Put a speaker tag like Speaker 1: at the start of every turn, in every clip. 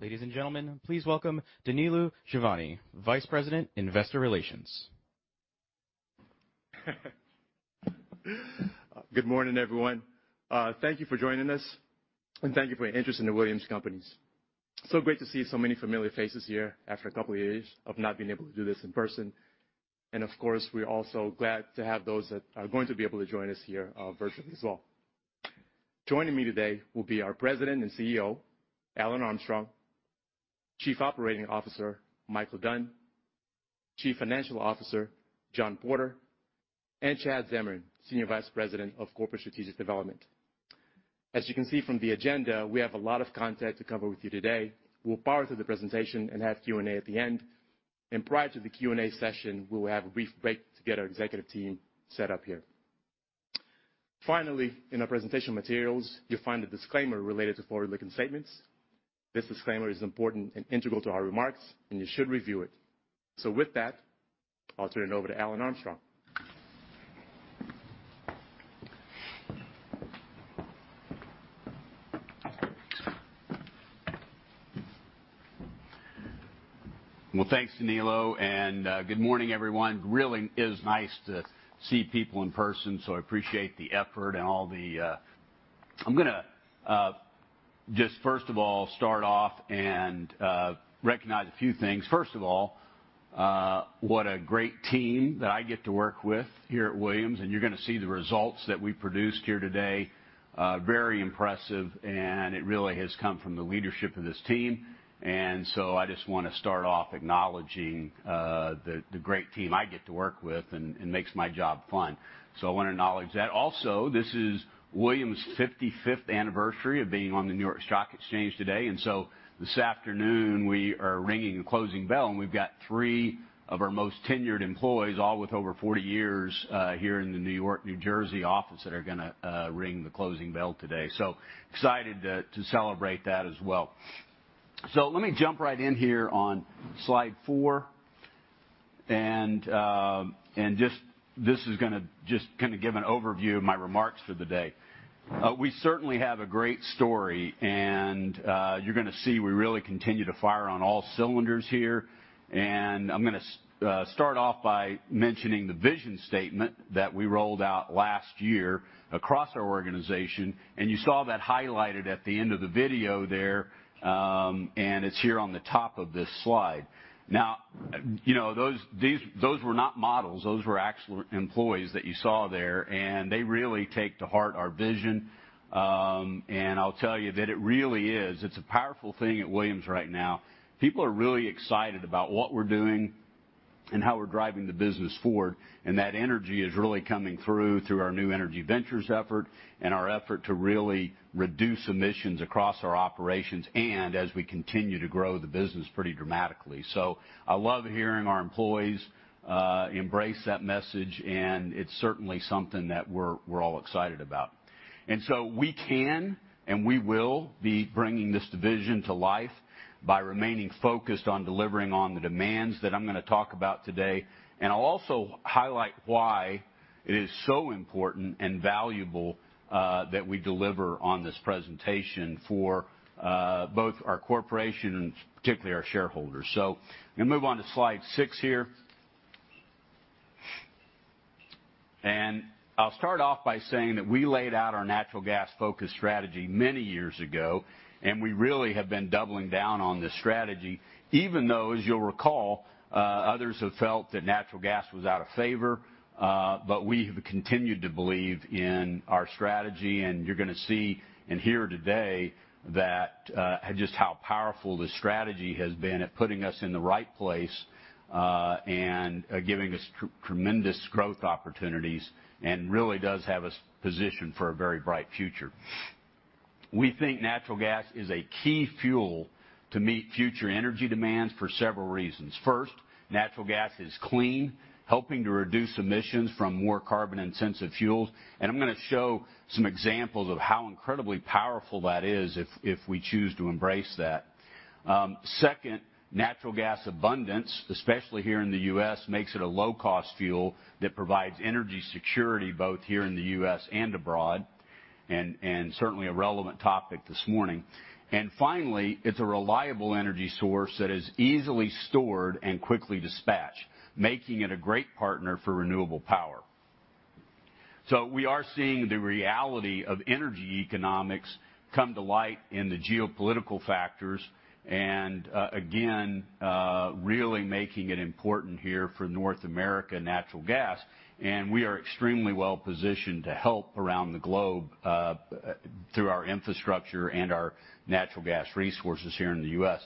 Speaker 1: Ladies and gentlemen, please welcome Danilo Giovanni, Vice President, Investor Relations.
Speaker 2: Good morning, everyone. Thank you for joining us, and thank you for your interest in The Williams Companies. Great to see so many familiar faces here after a couple years of not being able to do this in person. Of course, we're also glad to have those that are going to be able to join us here, virtually as well. Joining me today will be our President and CEO, Alan Armstrong, Chief Operating Officer, Michael Dunn, Chief Financial Officer, John Porter, and Chad Zamarin, Senior Vice President of Corporate Strategic Development. As you can see from the agenda, we have a lot of content to cover with you today. We'll power through the presentation and have Q&A at the end. Prior to the Q&A session, we will have a brief break to get our executive team set up here. Finally, in our presentation materials, you'll find a disclaimer related to forward-looking statements. This disclaimer is important and integral to our remarks, and you should review it. With that, I'll turn it over to Alan Armstrong.
Speaker 3: Well, thanks, Danilo, and good morning, everyone. Really is nice to see people in person, so I appreciate the effort and all the. I'm gonna just first of all start off and recognize a few things. First of all, what a great team that I get to work with here at Williams, and you're gonna see the results that we produced here today, very impressive, and it really has come from the leadership of this team. I just wanna start off acknowledging the great team I get to work with and makes my job fun. I wanna acknowledge that. Also, this is Williams' 55th anniversary of being on the New York Stock Exchange today, and this afternoon we are ringing the closing bell, and we've got three of our most tenured employees, all with over 40 years here in the New York-New Jersey office that are gonna ring the closing bell today. Excited to celebrate that as well. Let me jump right in here on slide four. This is gonna just kinda give an overview of my remarks for the day. We certainly have a great story, and you're gonna see we really continue to fire on all cylinders here. I'm gonna start off by mentioning the vision statement that we rolled out last year across our organization, and you saw that highlighted at the end of the video there, and it's here on the top of this slide. Now, you know, those were not models, those were actual employees that you saw there, and they really take to heart our vision. I'll tell you that it really is. It's a powerful thing at Williams right now. People are really excited about what we're doing and how we're driving the business forward, and that energy is really coming through our new energy ventures effort and our effort to really reduce emissions across our operations and as we continue to grow the business pretty dramatically. I love hearing our employees embrace that message, and it's certainly something that we're all excited about. We can and we will be bringing this vision to life by remaining focused on delivering on the demands that I'm gonna talk about today. I'll also highlight why it is so important and valuable that we deliver on this presentation for both our corporation and particularly our shareholders. Gonna move on to slide six here. I'll start off by saying that we laid out our natural gas-focused strategy many years ago, and we really have been doubling down on this strategy, even though, as you'll recall, others have felt that natural gas was out of favor, but we have continued to believe in our strategy. You're gonna see and hear today that just how powerful this strategy has been at putting us in the right place and giving us tremendous growth opportunities, and really does have us positioned for a very bright future. We think natural gas is a key fuel to meet future energy demands for several reasons. First, natural gas is clean, helping to reduce emissions from more carbon-intensive fuels. I'm gonna show some examples of how incredibly powerful that is if we choose to embrace that. Second, natural gas abundance, especially here in the U.S., makes it a low-cost fuel that provides energy security both here in the U.S. and abroad, and certainly a relevant topic this morning. Finally, it's a reliable energy source that is easily stored and quickly dispatched, making it a great partner for renewable power. We are seeing the reality of energy economics come to light in the geopolitical factors and, again, really making it important here for North American natural gas. We are extremely well-positioned to help around the globe, through our infrastructure and our natural gas resources here in the U.S.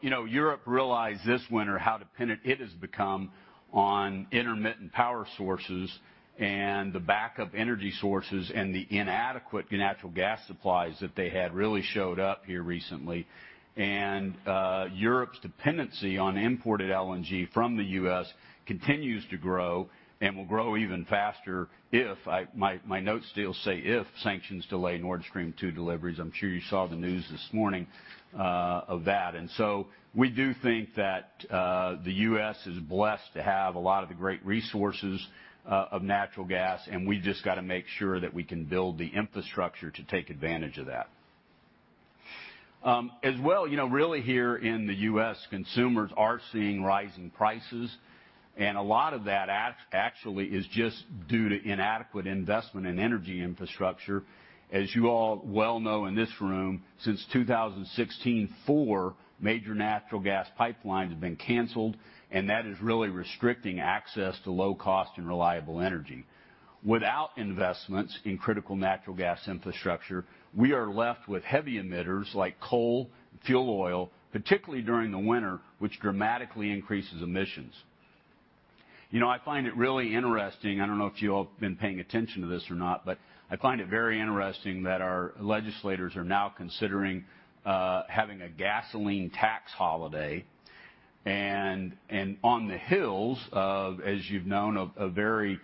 Speaker 3: You know, Europe realized this winter how dependent it has become on intermittent power sources and the backup energy sources, and the inadequate natural gas supplies that they had really showed up here recently. Europe's dependency on imported LNG from the U.S. continues to grow and will grow even faster if my notes still say if sanctions delay Nord Stream 2 deliveries. I'm sure you saw the news this morning of that. We do think that, the U.S. is blessed to have a lot of the great resources, of natural gas, and we've just got to make sure that we can build the infrastructure to take advantage of that. As well, you know, really here in the U.S., consumers are seeing rising prices, and a lot of that actually is just due to inadequate investment in energy infrastructure. As you all well know in this room, since 2016, four major natural gas pipelines have been canceled, and that is really restricting access to low-cost and reliable energy. Without investments in critical natural gas infrastructure, we are left with heavy emitters like coal, fuel oil, particularly during the winter, which dramatically increases emissions. You know, I find it really interesting. I don't know if you all have been paying attention to this or not, but I find it very interesting that our legislators are now considering having a gasoline tax holiday on the heels of, as you've known, a very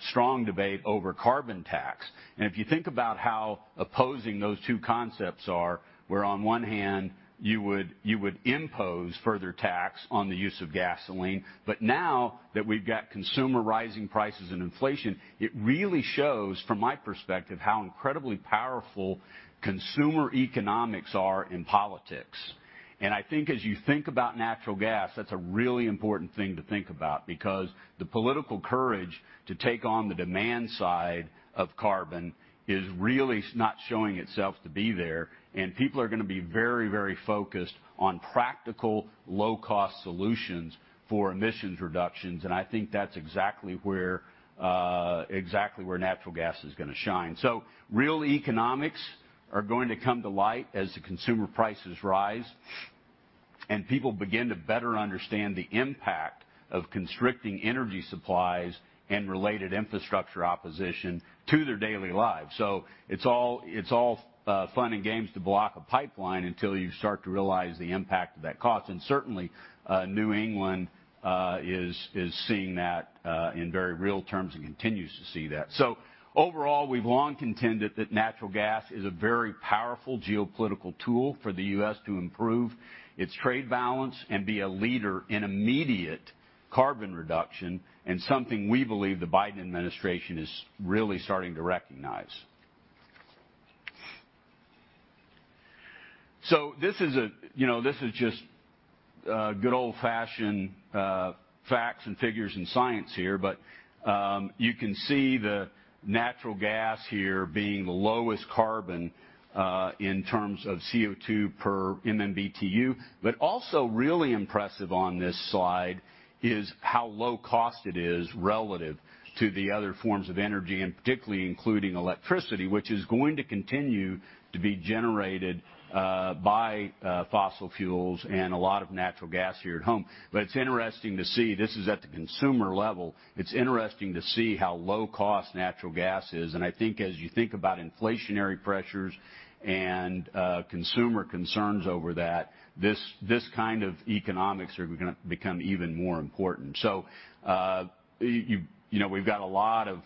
Speaker 3: strong debate over carbon tax, if you think about how opposing those two concepts are, where on one hand you would impose further tax on the use of gasoline, now that we've got consumer rising prices and inflation, it really shows from my perspective how incredibly powerful consumer economics are in politics. I think as you think about natural gas, that's a really important thing to think about because the political courage to take on the demand side of carbon is really not showing itself to be there. People are gonna be very, very focused on practical, low-cost solutions for emissions reductions. I think that's exactly where natural gas is gonna shine. Real economics are going to come to light as the consumer prices rise, and people begin to better understand the impact of constricting energy supplies and related infrastructure opposition to their daily lives. It's all fun and games to block a pipeline until you start to realize the impact of that cost. Certainly, New England is seeing that in very real terms and continues to see that. Overall, we've long contended that natural gas is a very powerful geopolitical tool for the U.S. to improve its trade balance and be a leader in immediate carbon reduction, and something we believe the Biden administration is really starting to recognize. This is, you know, just good old-fashioned facts and figures and science here, but you can see the natural gas here being the lowest carbon in terms of CO2 per MMBtu. But also really impressive on this slide is how low cost it is relative to the other forms of energy, and particularly including electricity, which is going to continue to be generated by fossil fuels and a lot of natural gas here at home. But it's interesting to see, this is at the consumer level, it's interesting to see how low cost natural gas is. I think as you think about inflationary pressures and consumer concerns over that, this kind of economics are gonna become even more important. You know, we've got a lot of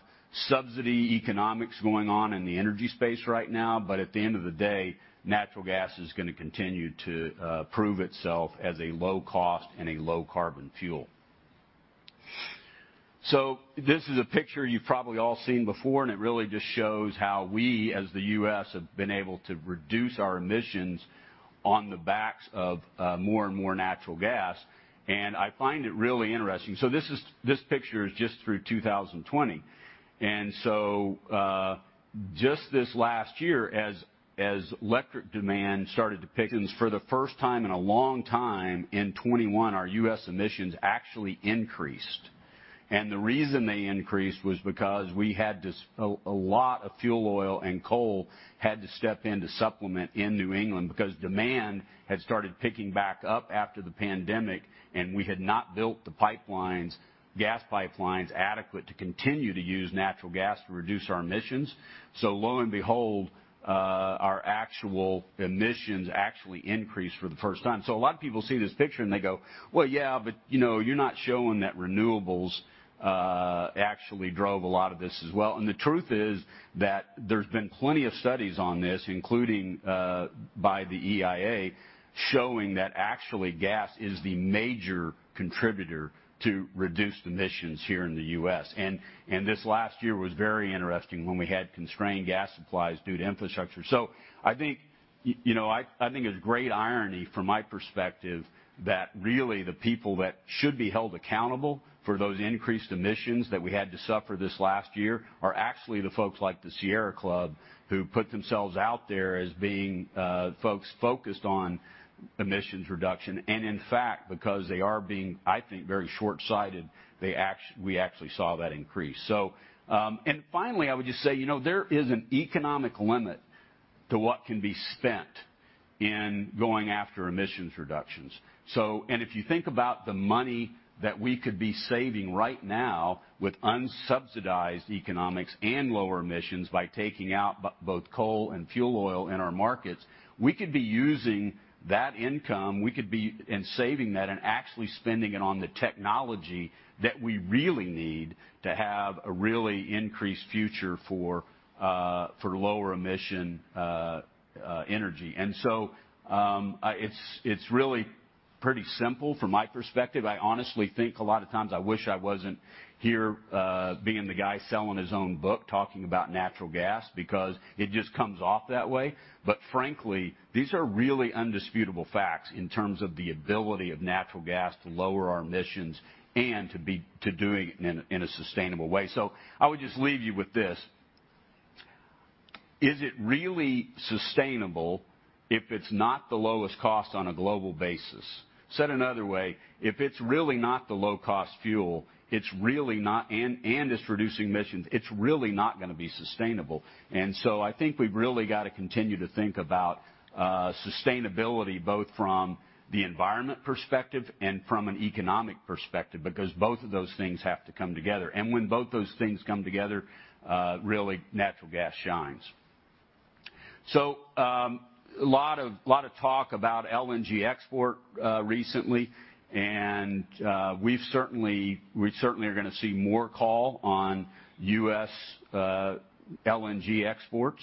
Speaker 3: subsidy economics going on in the energy space right now, but at the end of the day, natural gas is gonna continue to prove itself as a low cost and a low carbon fuel. This is a picture you've probably all seen before, and it really just shows how we, as the U.S., have been able to reduce our emissions on the backs of more and more natural gas. I find it really interesting. This picture is just through 2020. Just this last year as electric demand started to pick up, and for the first time in a long time in 2021, our U.S. emissions actually increased. The reason they increased was because we had a lot of fuel oil and coal had to step in to supplement in New England because demand had started picking back up after the pandemic, and we had not built the pipelines, gas pipelines adequate to continue to use natural gas to reduce our emissions. Lo and behold, our actual emissions actually increased for the first time. A lot of people see this picture, and they go, "Well, yeah, but you know, you're not showing that renewables actually drove a lot of this as well." The truth is that there's been plenty of studies on this, including by the EIA, showing that actually gas is the major contributor to reduced emissions here in the U.S. This last year was very interesting when we had constrained gas supplies due to infrastructure. I think, you know, I think it's great irony from my perspective that really the people that should be held accountable for those increased emissions that we had to suffer this last year are actually the folks like the Sierra Club, who put themselves out there as being folks focused on emissions reduction. In fact, because they are being, I think, very shortsighted, we actually saw that increase. Finally, I would just say, you know, there is an economic limit to what can be spent in going after emissions reductions. If you think about the money that we could be saving right now with unsubsidized economics and lower emissions by taking out both coal and fuel oil in our markets, we could be using that income, saving that and actually spending it on the technology that we really need to have a really increased future for lower emission energy. It's really pretty simple from my perspective. I honestly think a lot of times I wish I wasn't here being the guy selling his own book talking about natural gas because it just comes off that way. Frankly, these are really undisputable facts in terms of the ability of natural gas to lower our emissions and doing it in a sustainable way. I would just leave you with this. Is it really sustainable if it's not the lowest cost on a global basis? Said another way, if it's really not the low-cost fuel and it's reducing emissions, it's really not gonna be sustainable. I think we've really got to continue to think about sustainability both from the environment perspective and from an economic perspective, because both of those things have to come together. When both those things come together, really, natural gas shines. A lot of talk about LNG export recently, and we certainly are gonna see more call on U.S. LNG exports.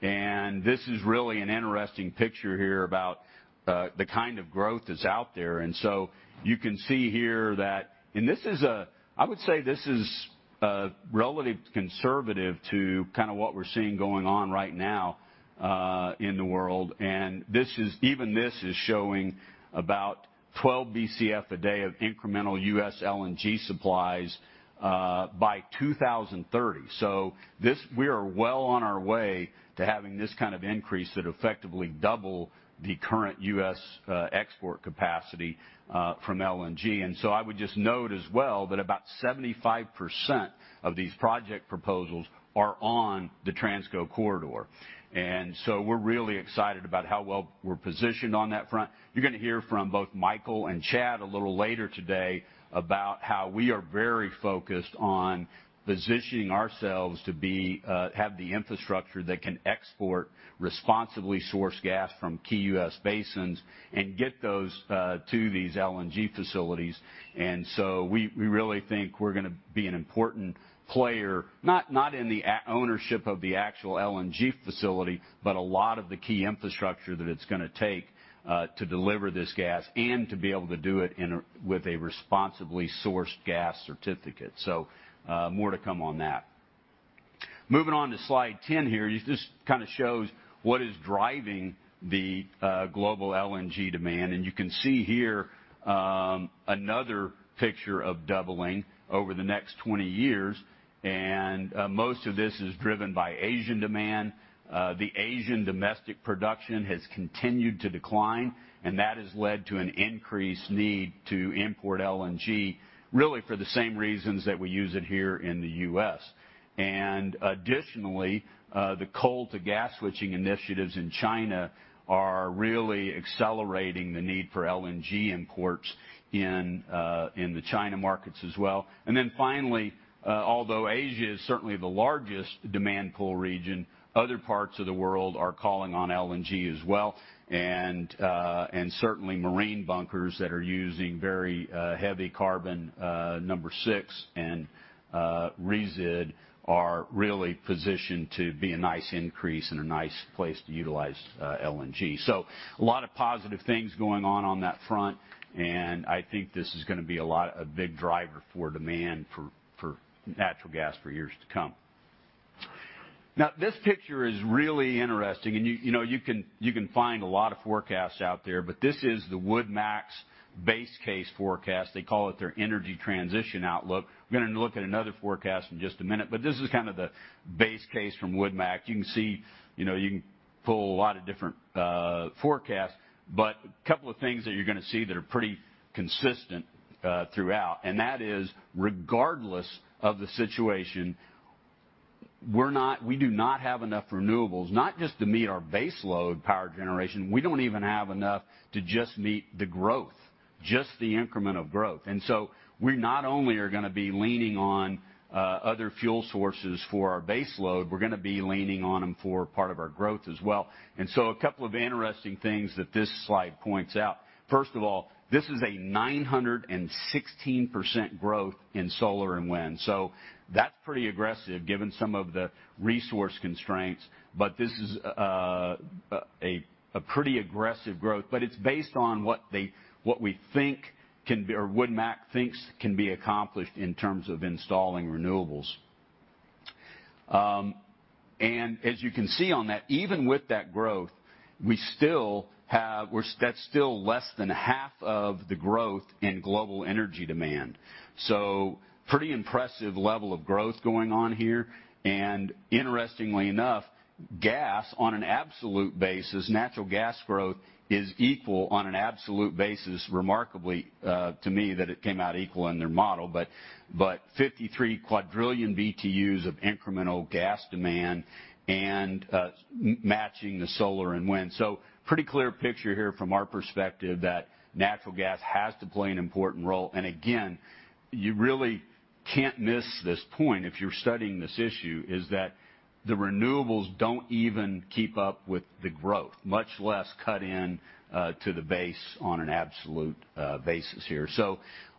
Speaker 3: This is really an interesting picture here about the kind of growth that's out there. You can see here that I would say this is relative conservative to kind of what we're seeing going on right now in the world. This is showing about 12 BCF a day of incremental U.S. LNG supplies by 2030. We are well on our way to having this kind of increase that effectively double the current U.S. export capacity from LNG. I would just note as well that about 75% of these project proposals are on the Transco corridor. We're really excited about how well we're positioned on that front. You're gonna hear from both Michael and Chad a little later today about how we are very focused on positioning ourselves to have the infrastructure that can export responsibly sourced gas from key U.S. basins and get those to these LNG facilities. We really think we're gonna be an important player, not in the ownership of the actual LNG facility, but a lot of the key infrastructure that it's gonna take to deliver this gas and to be able to do it with a responsibly sourced gas certificate. More to come on that. Moving on to slide 10 here, this just kinda shows what is driving the global LNG demand. You can see here another picture of doubling over the next 20 years. Most of this is driven by Asian demand. The Asian domestic production has continued to decline, and that has led to an increased need to import LNG, really for the same reasons that we use it here in the U.S. Additionally, the coal-to-gas switching initiatives in China are really accelerating the need for LNG imports in the China markets as well. Finally, although Asia is certainly the largest coal demand region, other parts of the world are calling on LNG as well, and certainly marine bunkers that are using very heavy carbon number six and resid are really positioned to be a nice increase and a nice place to utilize LNG. A lot of positive things going on that front, and I think this is gonna be a big driver for demand for natural gas for years to come. Now, this picture is really interesting, and you know, you can find a lot of forecasts out there, but this is the WoodMac's base case forecast. They call it their energy transition outlook. We're gonna look at another forecast in just a minute, but this is kind of the base case from WoodMac. You can see, you know, you can pull a lot of different forecasts, but a couple of things that you're gonna see that are pretty consistent throughout, and that is regardless of the situation, we do not have enough renewables, not just to meet our base load power generation, we don't even have enough to just meet the growth, just the increment of growth. We not only are gonna be leaning on other fuel sources for our base load, we're gonna be leaning on them for part of our growth as well. A couple of interesting things that this slide points out. First of all, this is a 916% growth in solar and wind. That's pretty aggressive given some of the resource constraints. This is a pretty aggressive growth, but it's based on what we think can be or WoodMac thinks can be accomplished in terms of installing renewables. As you can see on that, even with that growth, that's still less than half of the growth in global energy demand. Pretty impressive level of growth going on here. Interestingly enough, gas on an absolute basis, natural gas growth is equal on an absolute basis, remarkably, to me, that it came out equal in their model. 53 quadrillion BTUs of incremental gas demand and matching the solar and wind. Pretty clear picture here from our perspective that natural gas has to play an important role. Again, you really can't miss this point if you're studying this issue, is that the renewables don't even keep up with the growth, much less cut in to the base on an absolute basis here.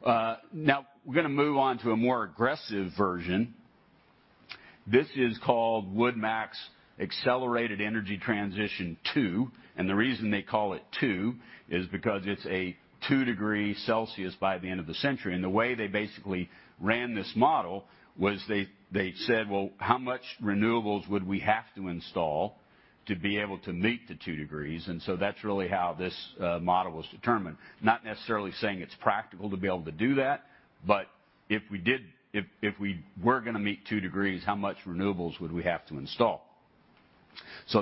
Speaker 3: Now we're gonna move on to a more aggressive version. This is called WoodMac's Accelerated Energy Transition two, and the reason they call it two is because it's a two-degree Celsius by the end of the century. The way they basically ran this model was they said, "Well, how much renewables would we have to install to be able to meet the two degrees?" That's really how this model was determined. Not necessarily saying it's practical to be able to do that, but if we were gonna meet two degrees, how much renewables would we have to install?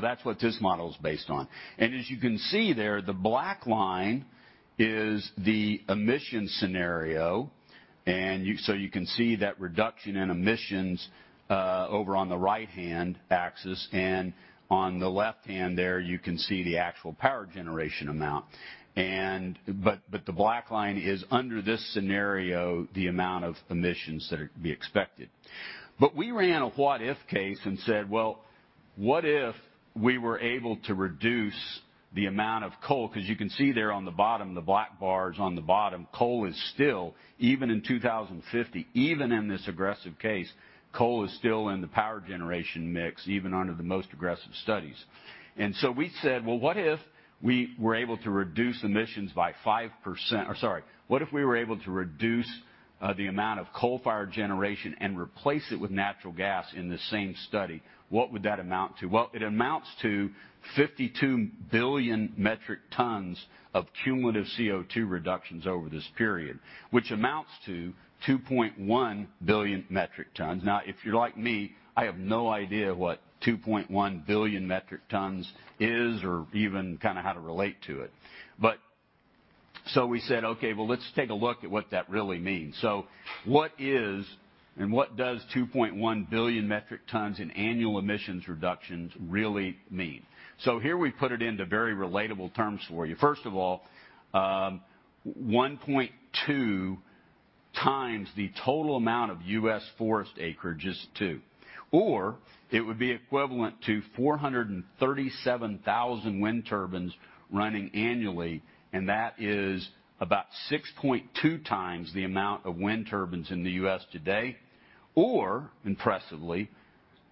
Speaker 3: That's what this model is based on. As you can see there, the black line is the emissions scenario, and so you can see that reduction in emissions over on the right-hand axis, and on the left-hand there you can see the actual power generation amount. The black line is, under this scenario, the amount of emissions that are to be expected. We ran a what-if case and said, "Well, what if we were able to reduce the amount of coal?" 'Cause you can see there on the bottom, the black bars on the bottom, coal is still, even in 2050, even in this aggressive case, coal is still in the power generation mix, even under the most aggressive studies. We said, "Well, what if we were able to reduce emissions by 5%?" Or sorry, "What if we were able to reduce the amount of coal-fired generation and replace it with natural gas in the same study, what would that amount to?" Well, it amounts to 52 billion metric tons of cumulative CO2 reductions over this period, which amounts to 2.1 billion metric tons. Now, if you're like me, I have no idea what 2.1 billion metric tons is or even kind of how to relate to it. So we said, "Okay, well, let's take a look at what that really means." What is and what does 2.1 billion metric tons in annual emissions reductions really mean? Here we put it into very relatable terms for you. First of all, 1.2X the total amount of U.S. forest acreage. Or it would be equivalent to 437,000 wind turbines running annually, and that is about 6.2X the amount of wind turbines in the U.S. today. Or, impressively,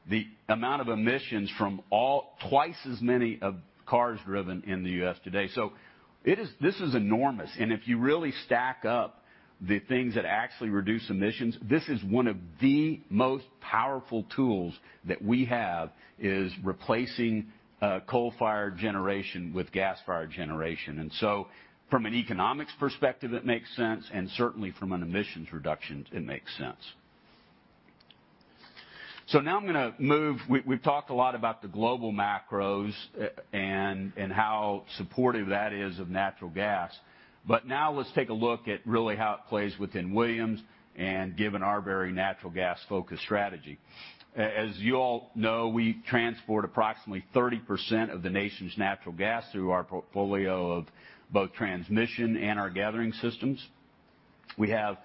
Speaker 3: the amount of emissions from twice as many cars driven in the U.S. today. This is enormous. If you really stack up the things that actually reduce emissions, this is one of the most powerful tools that we have is replacing coal-fired generation with gas-fired generation. From an economics perspective, it makes sense, and certainly from an emissions reduction it makes sense. Now I'm gonna move. We've talked a lot about the global macros and how supportive that is of natural gas. Now let's take a look at really how it plays within Williams and given our very natural gas-focused strategy. As you all know, we transport approximately 30% of the nation's natural gas through our portfolio of both transmission and our gathering systems. We have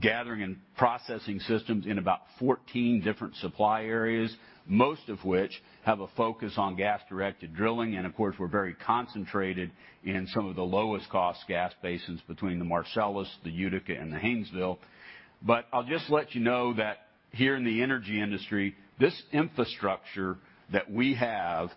Speaker 3: gathering and processing systems in about 14 different supply areas, most of which have a focus on gas-directed drilling, and of course we're very concentrated in some of the lowest cost gas basins between the Marcellus, the Utica, and the Haynesville. I'll just let you know that here in the energy industry, this infrastructure that we have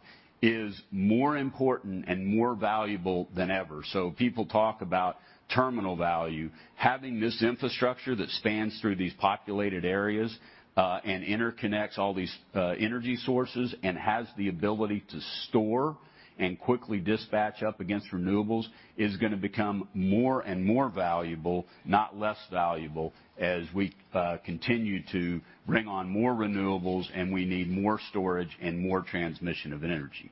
Speaker 3: is more important and more valuable than ever. People talk about terminal value. Having this infrastructure that spans through these populated areas, and interconnects all these, energy sources and has the ability to store and quickly dispatch up against renewables is gonna become more and more valuable, not less valuable, as we, continue to bring on more renewables and we need more storage and more transmission of energy.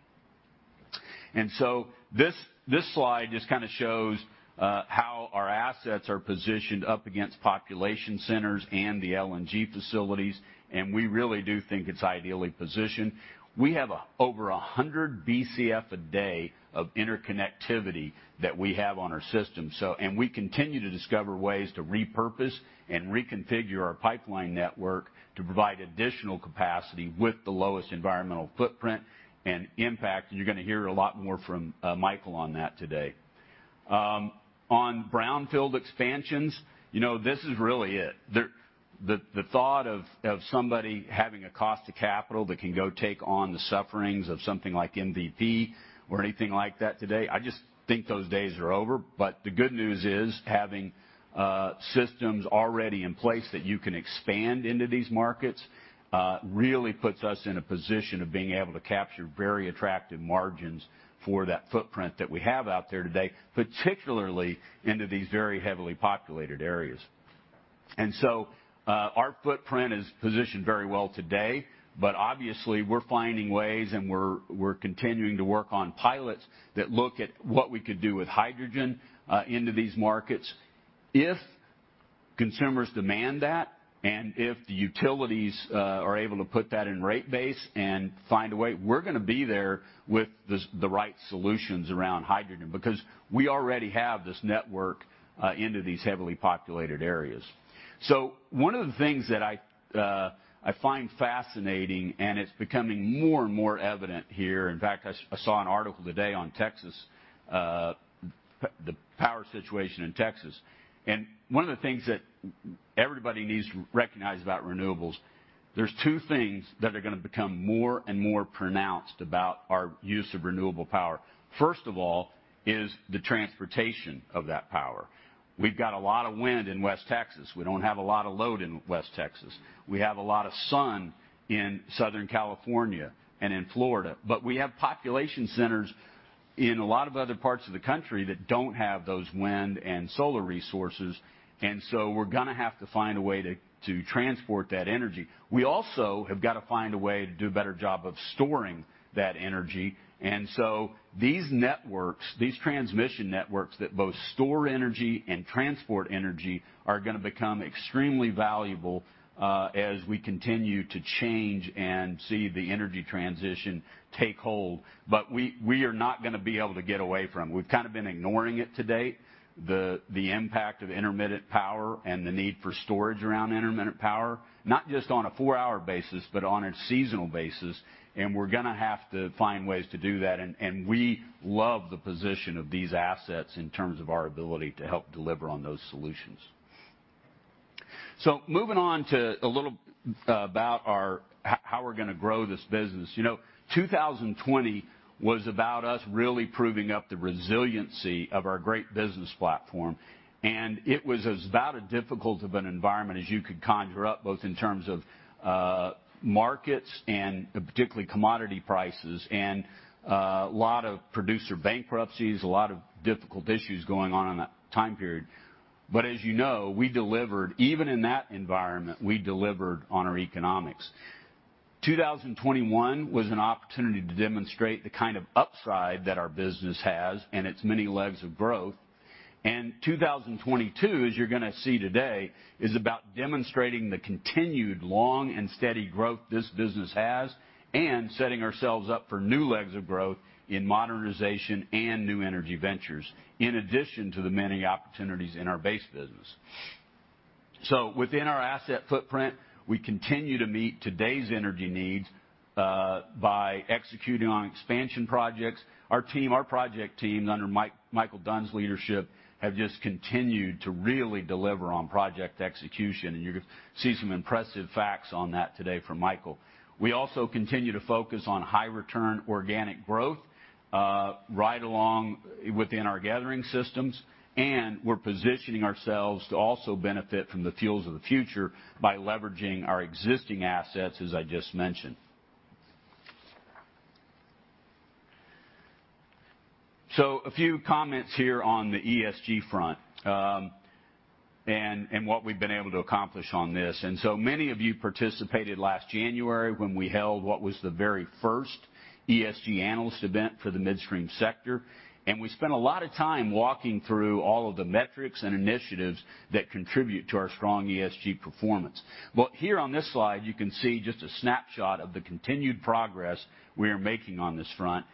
Speaker 3: This slide just kind of shows how our assets are positioned up against population centers and the LNG facilities, and we really do think it's ideally positioned. We have over 100 BCF a day of interconnectivity that we have on our system. We continue to discover ways to repurpose and reconfigure our pipeline network to provide additional capacity with the lowest environmental footprint and impact. You're gonna hear a lot more from Michael on that today. On brownfield expansions, you know, this is really it. The thought of somebody having a cost to capital that can go take on the sufferings of something like MVP or anything like that today, I just think those days are over. The good news is having systems already in place that you can expand into these markets really puts us in a position of being able to capture very attractive margins for that footprint that we have out there today, particularly into these very heavily populated areas. Our footprint is positioned very well today, but obviously we're finding ways and we're continuing to work on pilots that look at what we could do with hydrogen into these markets. If consumers demand that, and if the utilities are able to put that in rate base and find a way, we're gonna be there with the right solutions around hydrogen because we already have this network into these heavily populated areas. One of the things that I find fascinating, and it's becoming more and more evident here, in fact, I saw an article today on Texas, the power situation in Texas. One of the things that everybody needs to recognize about renewables, there's two things that are gonna become more and more pronounced about our use of renewable power. First of all is the transportation of that power. We've got a lot of wind in West Texas. We don't have a lot of load in West Texas. We have a lot of sun in Southern California and in Florida, but we have population centers in a lot of other parts of the country that don't have those wind and solar resources. We're gonna have to find a way to transport that energy. We also have got to find a way to do a better job of storing that energy. These networks, these transmission networks that both store energy and transport energy are gonna become extremely valuable as we continue to change and see the energy transition take hold. We've kind of been ignoring it to date, the impact of intermittent power and the need for storage around intermittent power, not just on a four-hour basis, but on a seasonal basis. We're gonna have to find ways to do that. We love the position of these assets in terms of our ability to help deliver on those solutions. Moving on to a little about how we're gonna grow this business. You know, 2020 was about us really proving up the resiliency of our great business platform, and it was as about a difficult of an environment as you could conjure up, both in terms of markets and particularly commodity prices and a lot of producer bankruptcies, a lot of difficult issues going on in that time period. But as you know, we delivered. Even in that environment, we delivered on our economics. 2021 was an opportunity to demonstrate the kind of upside that our business has and its many legs of growth. 2022, as you're gonna see today, is about demonstrating the continued long and steady growth this business has and setting ourselves up for new legs of growth in modernization and new energy ventures, in addition to the many opportunities in our base business. Within our asset footprint, we continue to meet today's energy needs by executing on expansion projects. Our team, our project teams under Michael Dunn's leadership have just continued to really deliver on project execution, and you're gonna see some impressive facts on that today from Michael. We also continue to focus on high-return organic growth right along within our gathering systems, and we're positioning ourselves to also benefit from the fuels of the future by leveraging our existing assets, as I just mentioned. A few comments here on the ESG front, and what we've been able to accomplish on this. Many of you participated last January when we held what was the very first ESG analyst event for the midstream sector, and we spent a lot of time walking through all of the metrics and initiatives that contribute to our strong ESG performance. Here on this slide, you can see just a snapshot of the continued progress we are making on this front,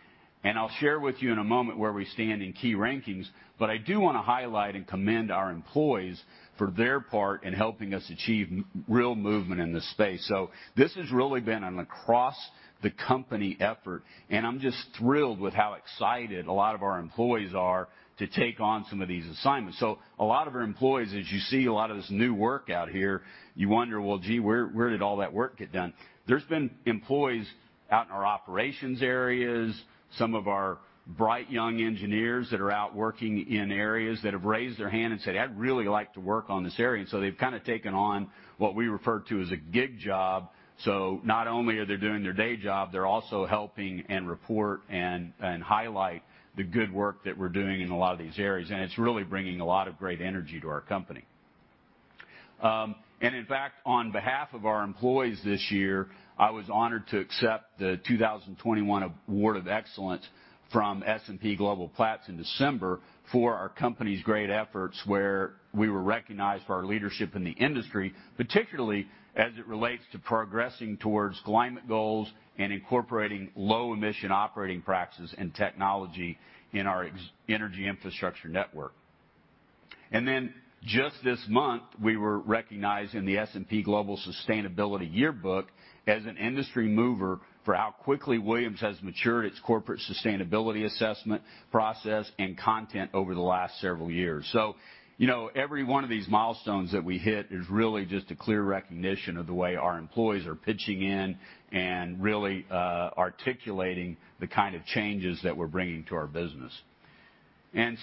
Speaker 3: and I'll share with you in a moment where we stand in key rankings. I do wanna highlight and commend our employees for their part in helping us achieve real movement in this space. This has really been an across-the-company effort, and I'm just thrilled with how excited a lot of our employees are to take on some of these assignments. A lot of our employees, as you see a lot of this new work out here, you wonder, "Well, gee, where did all that work get done?" There's been employees out in our operations areas, some of our bright young engineers that are out working in areas, that have raised their hand and said, "I'd really like to work on this area." They've kind of taken on what we refer to as a gig job. Not only are they doing their day job, they're also helping, reporting, and highlighting the good work that we're doing in a lot of these areas, and it's really bringing a lot of great energy to our company. In fact, on behalf of our employees this year, I was honored to accept the 2021 Award of Excellence from S&P Global Platts in December for our company's great efforts, where we were recognized for our leadership in the industry, particularly as it relates to progressing towards climate goals and incorporating low-emission operating practices and technology in our energy infrastructure network. Then just this month, we were recognized in the S&P Global Sustainability Yearbook as an industry mover for how quickly Williams has matured its corporate sustainability assessment process and content over the last several years. You know, every one of these milestones that we hit is really just a clear recognition of the way our employees are pitching in and really articulating the kind of changes that we're bringing to our business.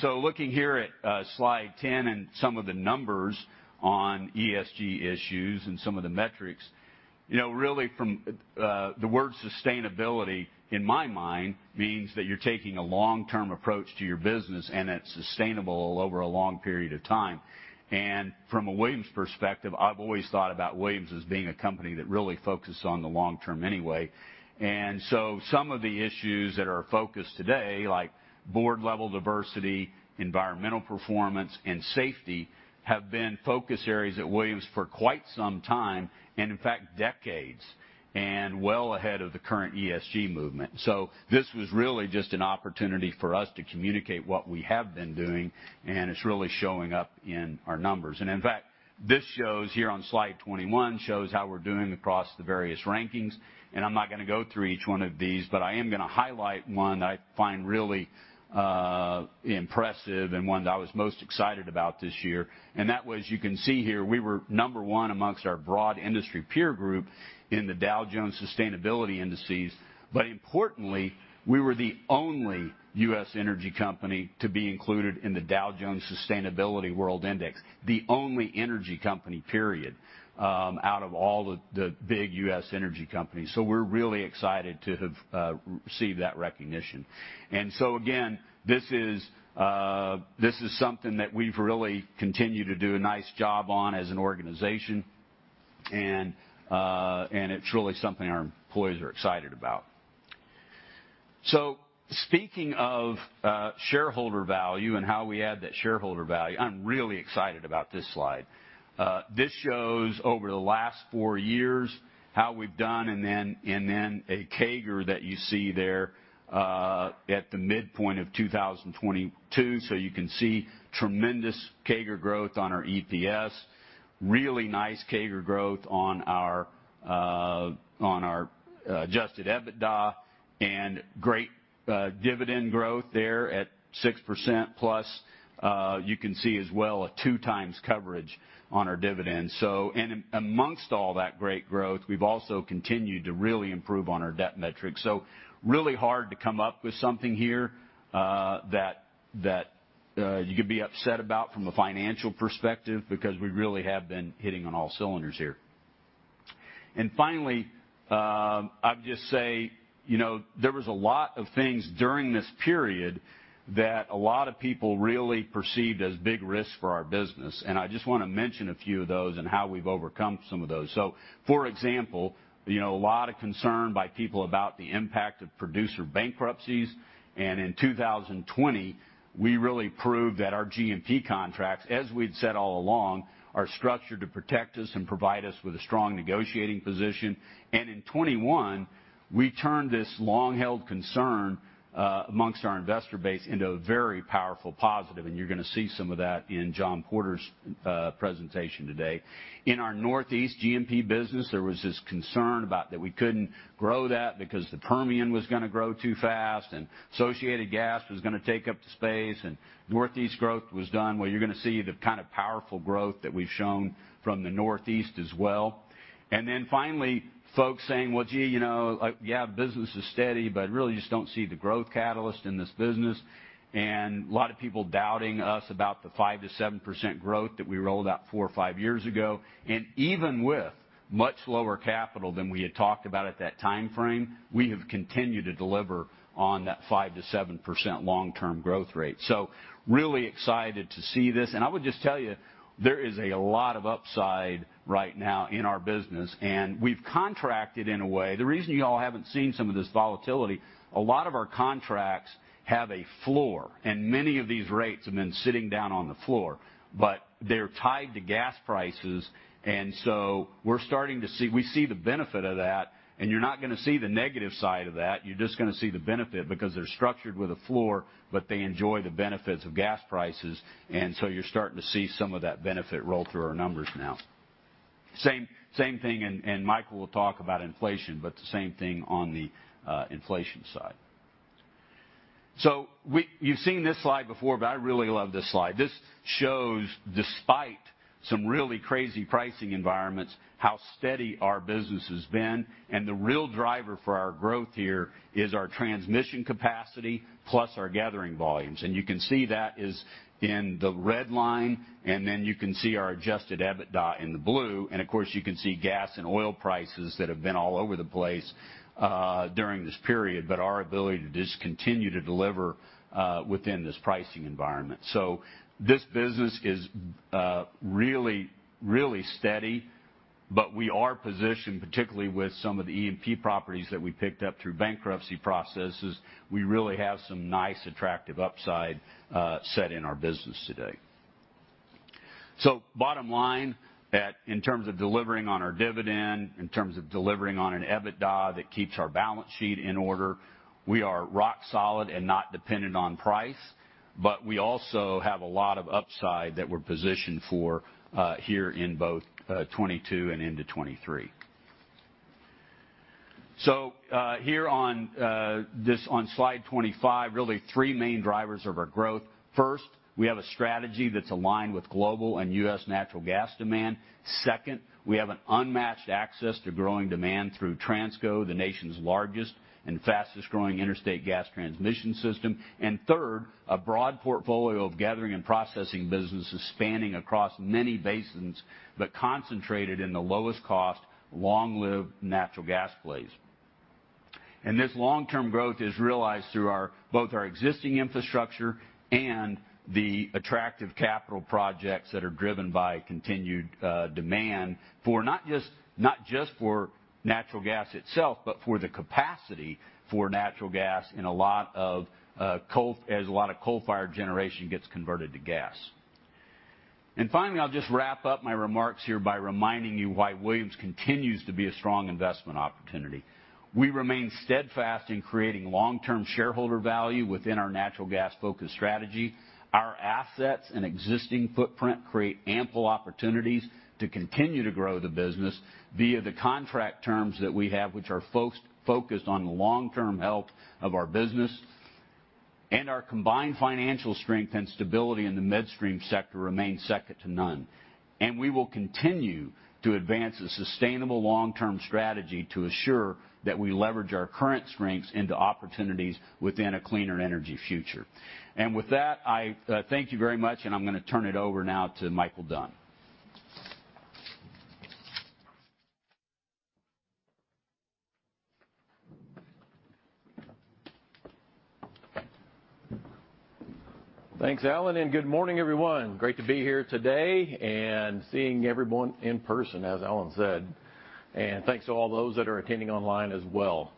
Speaker 3: Looking here at slide 10 and some of the numbers on ESG issues and some of the metrics, you know, really from the word sustainability in my mind means that you're taking a long-term approach to your business, and it's sustainable over a long period of time. From a Williams perspective, I've always thought about Williams as being a company that really focuses on the long term anyway. Some of the issues that are focused today, like board-level diversity, environmental performance, and safety, have been focus areas at Williams for quite some time, and in fact, decades, and well ahead of the current ESG movement. This was really just an opportunity for us to communicate what we have been doing, and it's really showing up in our numbers. In fact, this shows here on slide 21, shows how we're doing across the various rankings. I'm not gonna go through each one of these, but I am gonna highlight one that I find really impressive and one that I was most excited about this year. That was, you can see here, we were number 1 amongst our broad industry peer group in the Dow Jones Sustainability Indices. Importantly, we were the only U.S. energy company to be included in the Dow Jones Sustainability World Index, the only energy company, period, out of all the big U.S. energy companies. We're really excited to have received that recognition. Again, this is something that we've really continued to do a nice job on as an organization, and it's really something our employees are excited about. Speaking of shareholder value and how we add that shareholder value, I'm really excited about this slide. This shows over the last four years how we've done, and then a CAGR that you see there at the midpoint of 2022. You can see tremendous CAGR growth on our EPS. Really nice CAGR growth on our adjusted EBITDA, and great dividend growth there at 6%+. You can see as well a 2x coverage on our dividends. Amongst all that great growth, we've also continued to really improve on our debt metrics. Really hard to come up with something here, that you could be upset about from a financial perspective because we really have been firing on all cylinders here. Finally, I'll just say, you know, there was a lot of things during this period that a lot of people really perceived as big risks for our business. I just wanna mention a few of those and how we've overcome some of those. For example, you know, a lot of concern by people about the impact of producer bankruptcies. In 2020, we really proved that our G&P contracts, as we'd said all along, are structured to protect us and provide us with a strong negotiating position. In 2021, we turned this long-held concern amongst our investor base into a very powerful positive, and you're gonna see some of that in John Porter's presentation today. In our Northeast G&P business, there was this concern about that we couldn't grow that because the Permian was gonna grow too fast and associated gas was gonna take up the space and Northeast growth was done. Well, you're gonna see the kind of powerful growth that we've shown from the Northeast as well. Then finally, folks saying, "Well, gee, you know, yeah, business is steady, but really just don't see the growth catalyst in this business." A lot of people doubting us about the 5%-7% growth that we rolled out 4 or 5 years ago. Even with much lower capital than we had talked about at that timeframe, we have continued to deliver on that 5%-7% long-term growth rate. Really excited to see this. I would just tell you, there is a lot of upside right now in our business, and we've contracted in a way. The reason y'all haven't seen some of this volatility, a lot of our contracts have a floor, and many of these rates have been sitting down on the floor, but they're tied to gas prices. We see the benefit of that, and you're not gonna see the negative side of that. You're just gonna see the benefit because they're structured with a floor, but they enjoy the benefits of gas prices. You're starting to see some of that benefit roll through our numbers now. Same thing, and Michael will talk about inflation, but the same thing on the inflation side. You've seen this slide before, but I really love this slide. This shows despite some really crazy pricing environments, how steady our business has been. The real driver for our growth here is our transmission capacity plus our gathering volumes. You can see that is in the red line, and then you can see our Adjusted EBITDA in the blue. Of course, you can see gas and oil prices that have been all over the place during this period, but our ability to just continue to deliver within this pricing environment. This business is really steady, but we are positioned, particularly with some of the E&P properties that we picked up through bankruptcy processes. We really have some nice, attractive upside set in our business today. Bottom line, that in terms of delivering on our dividend, in terms of delivering on an EBITDA that keeps our balance sheet in order, we are rock solid and not dependent on price, but we also have a lot of upside that we're positioned for here in both 2022 and into 2023. Here on slide 25, really three main drivers of our growth. First, we have a strategy that's aligned with global and U.S. natural gas demand. Second, we have an unmatched access to growing demand through Transco, the nation's largest and fastest growing interstate gas transmission system. Third, a broad portfolio of gathering and processing businesses spanning across many basins, but concentrated in the lowest cost, long-lived natural gas plays. This long-term growth is realized through both our existing infrastructure and the attractive capital projects that are driven by continued demand for not just for natural gas itself, but for the capacity for natural gas as a lot of coal-fired generation gets converted to gas. Finally, I'll just wrap up my remarks here by reminding you why Williams continues to be a strong investment opportunity. We remain steadfast in creating long-term shareholder value within our natural gas-focused strategy. Our assets and existing footprint create ample opportunities to continue to grow the business via the contract terms that we have, which are focused on the long-term health of our business. Our combined financial strength and stability in the midstream sector remains second to none. We will continue to advance a sustainable long-term strategy to assure that we leverage our current strengths into opportunities within a cleaner energy future. With that, I thank you very much, and I'm gonna turn it over now to Michael Dunn.
Speaker 4: Thanks, Alan, and good morning, everyone. Great to be here today and seeing everyone in person, as Alan said. Thanks to all those that are attending online as well.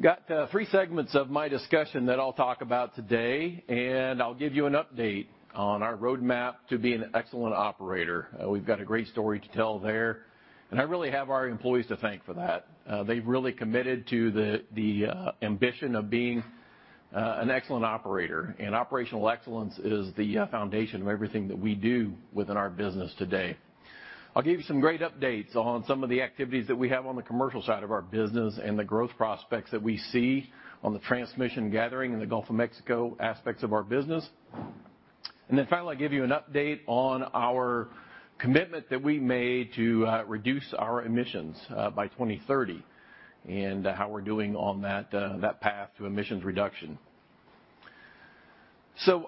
Speaker 4: Got three segments of my discussion that I'll talk about today, and I'll give you an update on our roadmap to be an excellent operator. We've got a great story to tell there, and I really have our employees to thank for that. They've really committed to the ambition of being an excellent operator. Operational excellence is the foundation of everything that we do within our business today. I'll give you some great updates on some of the activities that we have on the commercial side of our business and the growth prospects that we see on the transmission gathering in the Gulf of Mexico aspects of our business. Then finally, I'll give you an update on our commitment that we made to reduce our emissions by 2030, and how we're doing on that path to emissions reduction.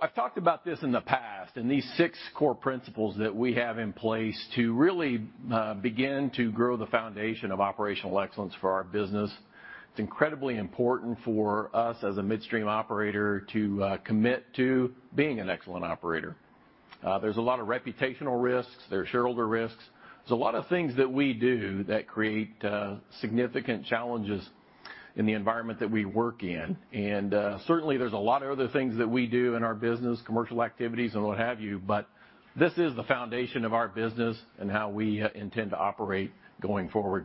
Speaker 4: I've talked about this in the past, and these six core principles that we have in place to really begin to grow the foundation of operational excellence for our business. It's incredibly important for us as a midstream operator to commit to being an excellent operator. There's a lot of reputational risks. There are shareholder risks. There's a lot of things that we do that create significant challenges in the environment that we work in. Certainly, there's a lot of other things that we do in our business, commercial activities and what have you, but this is the foundation of our business and how we intend to operate going forward.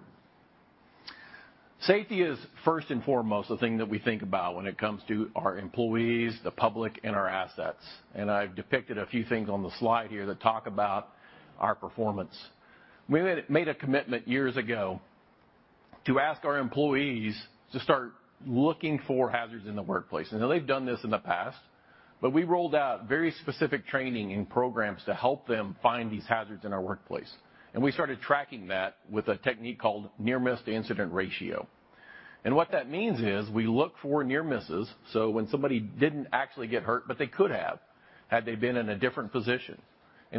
Speaker 4: Safety is first and foremost the thing that we think about when it comes to our employees, the public, and our assets. I've depicted a few things on the slide here that talk about our performance. We made a commitment years ago to ask our employees to start looking for hazards in the workplace. I know they've done this in the past, but we rolled out very specific training and programs to help them find these hazards in our workplace. We started tracking that with a technique called near-miss to incident ratio. What that means is we look for near misses, so when somebody didn't actually get hurt, but they could have, had they been in a different position.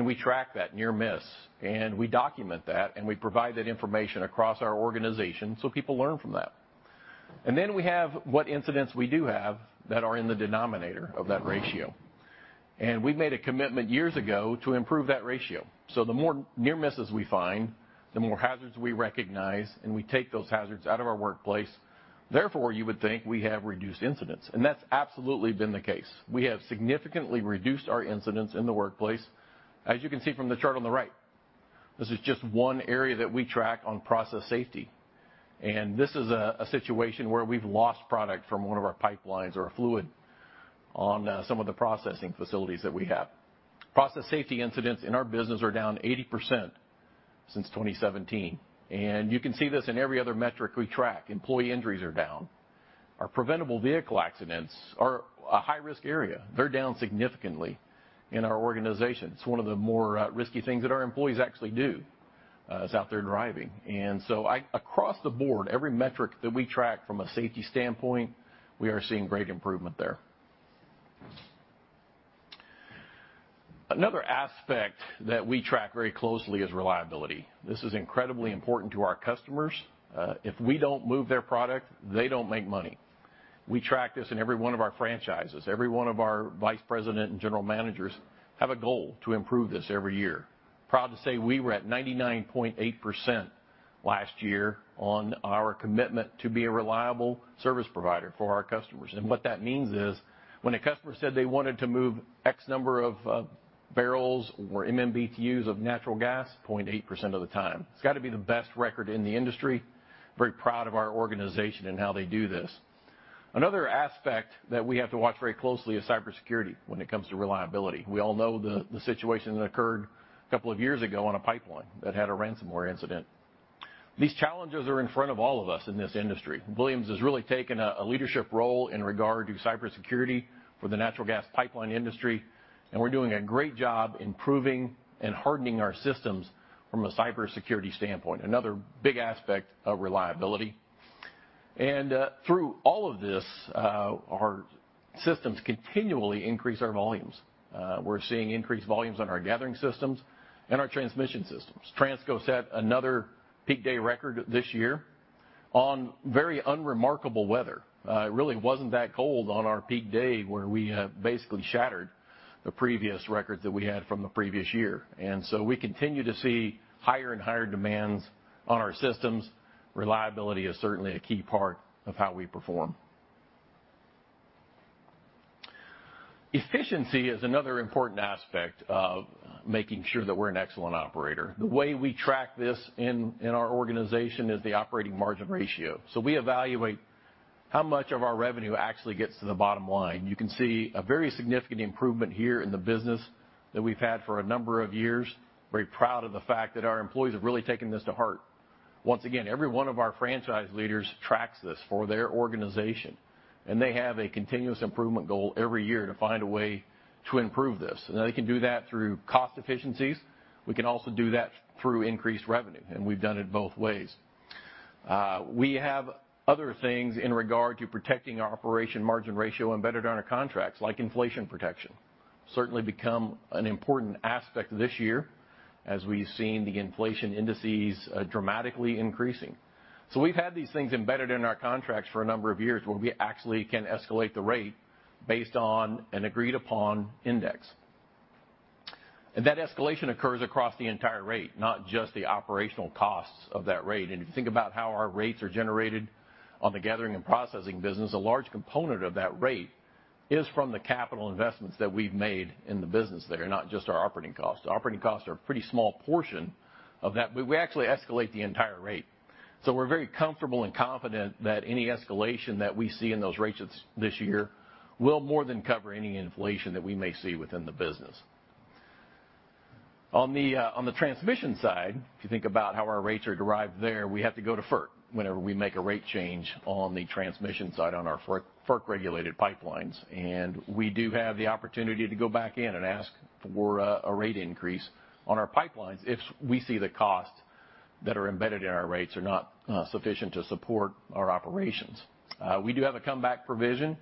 Speaker 4: We track that near miss, and we document that, and we provide that information across our organization, so people learn from that. Then we have what incidents we do have that are in the denominator of that ratio. We made a commitment years ago to improve that ratio. The more near misses we find, the more hazards we recognize, and we take those hazards out of our workplace. Therefore, you would think we have reduced incidents, and that's absolutely been the case. We have significantly reduced our incidents in the workplace. As you can see from the chart on the right, this is just one area that we track on process safety. This is a situation where we've lost product from one of our pipelines or a fluid on some of the processing facilities that we have. Process safety incidents in our business are down 80% since 2017, and you can see this in every other metric we track. Employee injuries are down. Our preventable vehicle accidents are a high-risk area. They're down significantly in our organization. It's one of the more risky things that our employees actually do is out there driving. Across the board, every metric that we track from a safety standpoint, we are seeing great improvement there. Another aspect that we track very closely is reliability. This is incredibly important to our customers. If we don't move their product, they don't make money. We track this in every one of our franchises. Every one of our vice president and general managers have a goal to improve this every year. Proud to say we were at 99.8% last year on our commitment to be a reliable service provider for our customers. What that means is when a customer said they wanted to move X number of barrels or MMBtus of natural gas 0.8% of the time. It's got to be the best record in the industry. Very proud of our organization and how they do this. Another aspect that we have to watch very closely is cybersecurity when it comes to reliability. We all know the situation that occurred a couple of years ago on a pipeline that had a ransomware incident. These challenges are in front of all of us in this industry. Williams has really taken a leadership role in regard to cybersecurity for the natural gas pipeline industry, and we're doing a great job improving and hardening our systems from a cybersecurity standpoint, another big aspect of reliability. Through all of this, our systems continually increase our volumes. We're seeing increased volumes on our gathering systems and our transmission systems. Transco set another peak day record this year on very unremarkable weather. It really wasn't that cold on our peak day where we basically shattered the previous records that we had from the previous year. We continue to see higher and higher demands on our systems. Reliability is certainly a key part of how we perform. Efficiency is another important aspect of making sure that we're an excellent operator. The way we track this in our organization is the operating margin ratio. We evaluate how much of our revenue actually gets to the bottom line. You can see a very significant improvement here in the business that we've had for a number of years. Very proud of the fact that our employees have really taken this to heart. Once again, every one of our franchise leaders tracks this for their organization, and they have a continuous improvement goal every year to find a way to improve this. Now they can do that through cost efficiencies. We can also do that through increased revenue, and we've done it both ways. We have other things in regard to protecting our operating margin ratio embedded on our contracts, like inflation protection. Certainly become an important aspect this year as we've seen the inflation indices dramatically increasing. We've had these things embedded in our contracts for a number of years where we actually can escalate the rate based on an agreed upon index. That escalation occurs across the entire rate, not just the operational costs of that rate. If you think about how our rates are generated on the gathering and processing business, a large component of that rate is from the capital investments that we've made in the business there, not just our operating costs. The operating costs are a pretty small portion of that, but we actually escalate the entire rate. We're very comfortable and confident that any escalation that we see in those rates this year will more than cover any inflation that we may see within the business. On the transmission side, if you think about how our rates are derived there, we have to go to FERC whenever we make a rate change on the transmission side on our FERC-regulated pipelines. We do have the opportunity to go back in and ask for a rate increase on our pipelines if we see the costs that are embedded in our rates are not sufficient to support our operations. We do have a comeback provision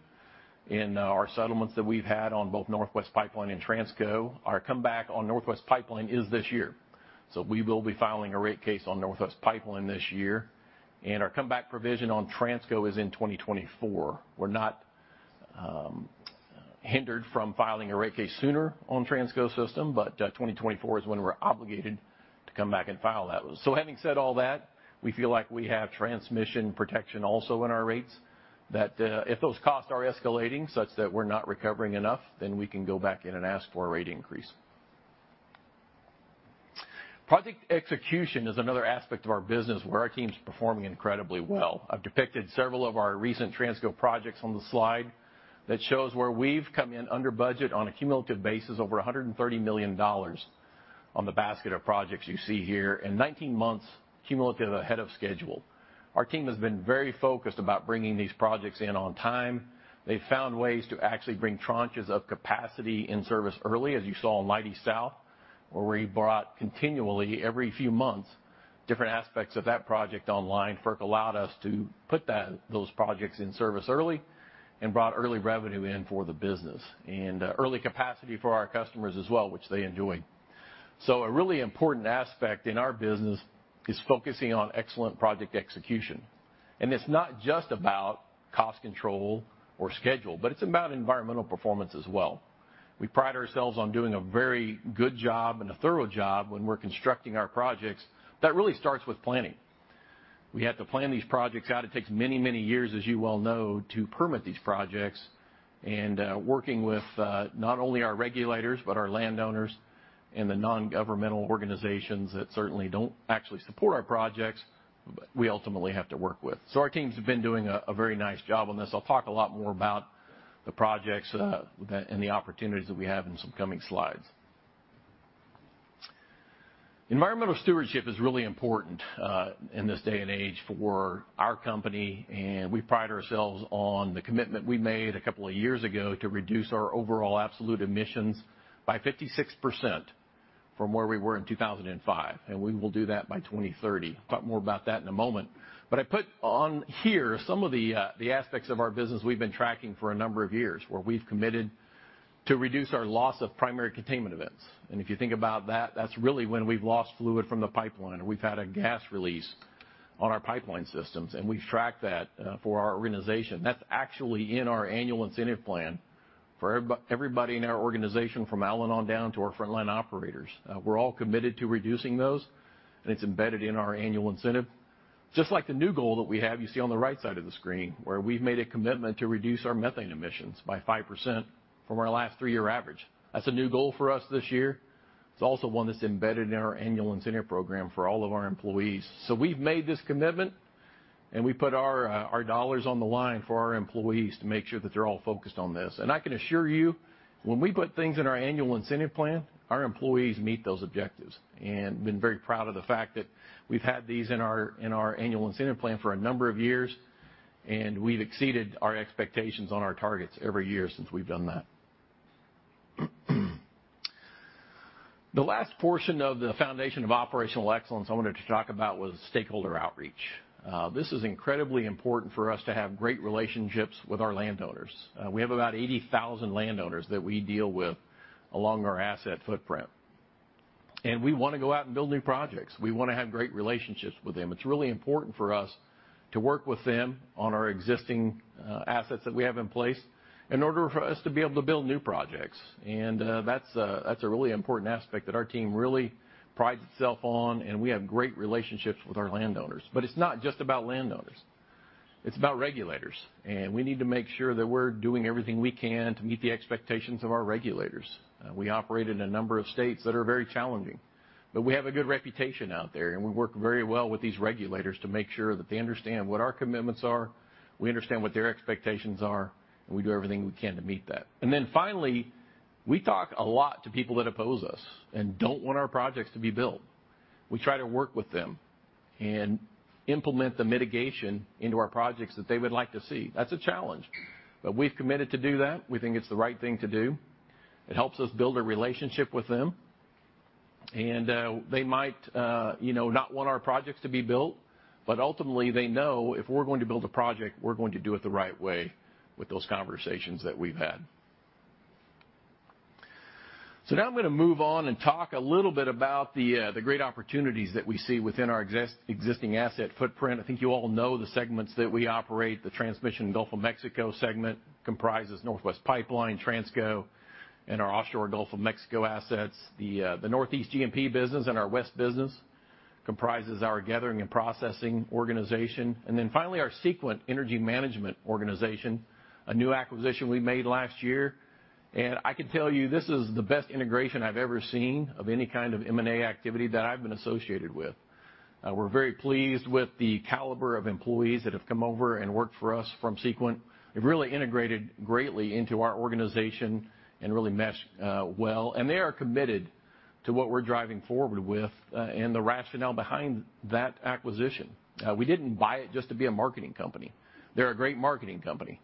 Speaker 4: in our settlements that we've had on both Northwest Pipeline and Transco. Our comeback on Northwest Pipeline is this year, so we will be filing a rate case on Northwest Pipeline this year. Our comeback provision on Transco is in 2024. We're not hindered from filing a rate case sooner on Transco system, but 2024 is when we're obligated to come back and file that one. Having said all that, we feel like we have transmission protection also in our rates that, if those costs are escalating such that we're not recovering enough, then we can go back in and ask for a rate increase. Project execution is another aspect of our business where our team's performing incredibly well. I've depicted several of our recent Transco projects on the slide that shows where we've come in under budget on a cumulative basis, over $130 million on the basket of projects you see here, and 19 months cumulative ahead of schedule. Our team has been very focused about bringing these projects in on time. They've found ways to actually bring tranches of capacity in service early, as you saw in Leidy South, where we brought continually every few months different aspects of that project online. FERC allowed us to put those projects in service early and brought early revenue in for the business and early capacity for our customers as well, which they enjoy. A really important aspect in our business is focusing on excellent project execution. It's not just about cost control or schedule, but it's about environmental performance as well. We pride ourselves on doing a very good job and a thorough job when we're constructing our projects. That really starts with planning. We have to plan these projects out. It takes many years, as you well know, to permit these projects and working with not only our regulators, but our landowners and the nongovernmental organizations that certainly don't actually support our projects, but we ultimately have to work with. Our teams have been doing a very nice job on this. I'll talk a lot more about the projects that and the opportunities that we have in some coming slides. Environmental stewardship is really important in this day and age for our company, and we pride ourselves on the commitment we made a couple of years ago to reduce our overall absolute emissions by 56% from where we were in 2005, and we will do that by 2030. Talk more about that in a moment. I put on here some of the aspects of our business we've been tracking for a number of years, where we've committed to reduce our loss of primary containment events. If you think about that's really when we've lost fluid from the pipeline, or we've had a gas release on our pipeline systems, and we've tracked that for our organization. That's actually in our annual incentive plan for everybody in our organization from Alan on down to our frontline operators. We're all committed to reducing those, and it's embedded in our annual incentive. Just like the new goal that we have, you see on the right side of the screen, where we've made a commitment to reduce our methane emissions by 5% from our last three-year average. That's a new goal for us this year. It's also one that's embedded in our annual incentive program for all of our employees. We've made this commitment, and we put our dollars on the line for our employees to make sure that they're all focused on this. I can assure you, when we put things in our annual incentive plan, our employees meet those objectives. We've been very proud of the fact that we've had these in our, in our annual incentive plan for a number of years, and we've exceeded our expectations on our targets every year since we've done that. The last portion of the foundation of operational excellence I wanted to talk about was stakeholder outreach. This is incredibly important for us to have great relationships with our landowners. We have about 80,000 landowners that we deal with along our asset footprint. We want to go out and build new projects. We want to have great relationships with them. It's really important for us to work with them on our existing, assets that we have in place in order for us to be able to build new projects. That's a really important aspect that our team really prides itself on, and we have great relationships with our landowners. It's not just about landowners, it's about regulators. We need to make sure that we're doing everything we can to meet the expectations of our regulators. We operate in a number of states that are very challenging, but we have a good reputation out there, and we work very well with these regulators to make sure that they understand what our commitments are, we understand what their expectations are, and we do everything we can to meet that. Finally, we talk a lot to people that oppose us and don't want our projects to be built. We try to work with them and implement the mitigation into our projects that they would like to see. That's a challenge, but we've committed to do that. We think it's the right thing to do. It helps us build a relationship with them. They might, you know, not want our projects to be built, but ultimately they know if we're going to build a project, we're going to do it the right way with those conversations that we've had. Now I'm gonna move on and talk a little bit about the great opportunities that we see within our existing asset footprint. I think you all know the segments that we operate, the Transmission & Gulf of Mexico segment comprises Northwest Pipeline, Transco, and our offshore Gulf of Mexico assets. The Northeast G&P business and our West business comprises our gathering and processing organization. Then finally, our Sequent Energy Management organization, a new acquisition we made last year. I can tell you, this is the best integration I've ever seen of any kind of M&A activity that I've been associated with. We're very pleased with the caliber of employees that have come over and worked for us from Sequent. They've really integrated greatly into our organization and really meshed well. They are committed to what we're driving forward with and the rationale behind that acquisition. We didn't buy it just to be a marketing company. They're a great marketing company,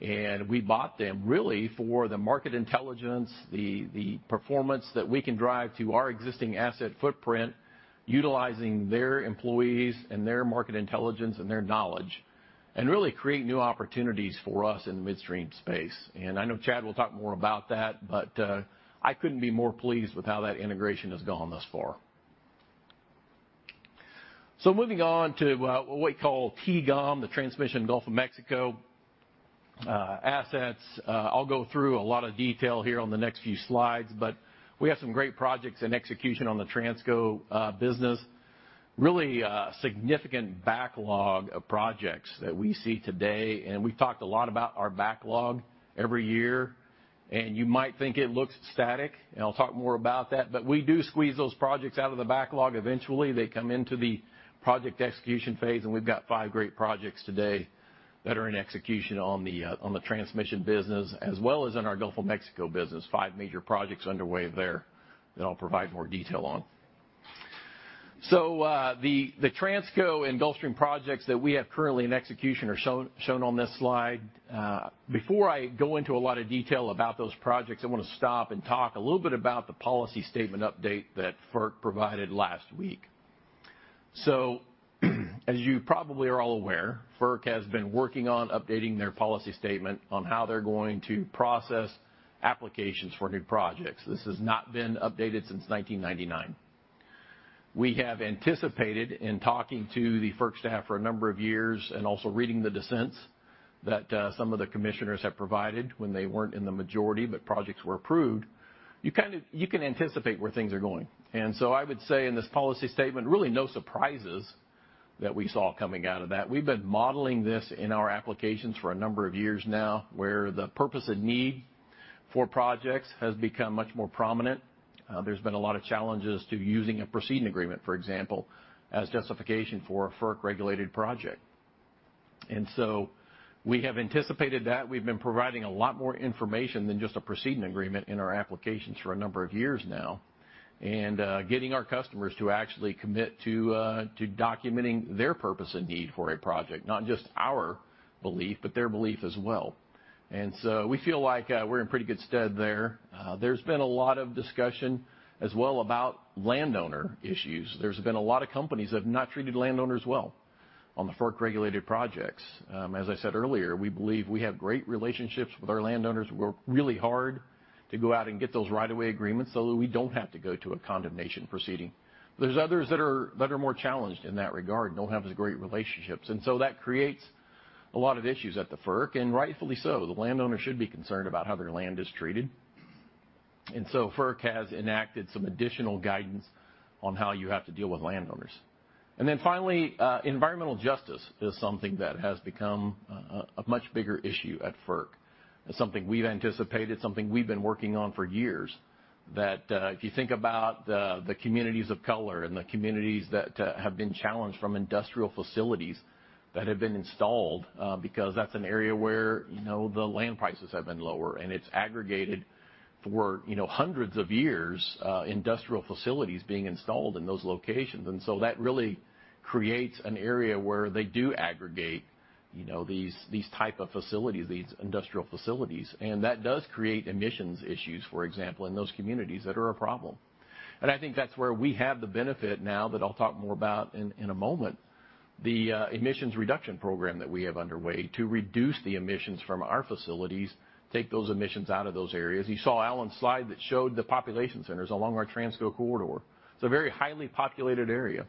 Speaker 4: and we bought them really for the market intelligence, the performance that we can drive to our existing asset footprint utilizing their employees and their market intelligence and their knowledge, and really create new opportunities for us in the midstream space. I know Chad will talk more about that, but I couldn't be more pleased with how that integration has gone thus far. Moving on to what we call T&GoM, the Transmission & Gulf of Mexico assets. I'll go through a lot of detail here on the next few slides, but we have some great projects in execution on the Transco business. Really significant backlog of projects that we see today, and we've talked a lot about our backlog every year. You might think it looks static, and I'll talk more about that. We do squeeze those projects out of the backlog eventually. They come into the project execution phase, and we've got five great projects today that are in execution on the transmission business, as well as in our Gulf of Mexico business. Five major projects underway there that I'll provide more detail on. The Transco and Gulfstream projects that we have currently in execution are shown on this slide. Before I go into a lot of detail about those projects, I want to stop and talk a little bit about the policy statement update that FERC provided last week. As you probably are all aware, FERC has been working on updating their policy statement on how they're going to process applications for new projects. This has not been updated since 1999. We have anticipated in talking to the FERC staff for a number of years, and also reading the dissents that some of the commissioners have provided when they weren't in the majority, but projects were approved. You can anticipate where things are going. I would say in this policy statement, really no surprises that we saw coming out of that. We've been modeling this in our applications for a number of years now, where the purpose and need for projects has become much more prominent. There's been a lot of challenges to using a precedent agreement, for example, as justification for a FERC-regulated project. We have anticipated that. We've been providing a lot more information than just a precedent agreement in our applications for a number of years now, getting our customers to actually commit to documenting their purpose and need for a project, not just our belief, but their belief as well. We feel like we're in pretty good stead there. There's been a lot of discussion as well about landowner issues. There's been a lot of companies that have not treated landowners well on the FERC-regulated projects. As I said earlier, we believe we have great relationships with our landowners. We work really hard to go out and get those right of way agreements so that we don't have to go to a condemnation proceeding. There's others that are more challenged in that regard, don't have as great relationships. That creates a lot of issues at the FERC, and rightfully so. The landowner should be concerned about how their land is treated. FERC has enacted some additional guidance on how you have to deal with landowners. Environmental justice is something that has become a much bigger issue at FERC. It's something we've anticipated, something we've been working on for years, that if you think about the communities of color and the communities that have been challenged from industrial facilities that have been installed, because that's an area where, you know, the land prices have been lower and it's aggregated for, you know, hundreds of years, industrial facilities being installed in those locations. That really creates an area where they do aggregate. You know, these type of facilities, these industrial facilities, and that does create emissions issues, for example, in those communities that are a problem. I think that's where we have the benefit now that I'll talk more about in a moment, the emissions reduction program that we have underway to reduce the emissions from our facilities, take those emissions out of those areas. You saw Alan's slide that showed the population centers along our Transco corridor. It's a very highly populated area,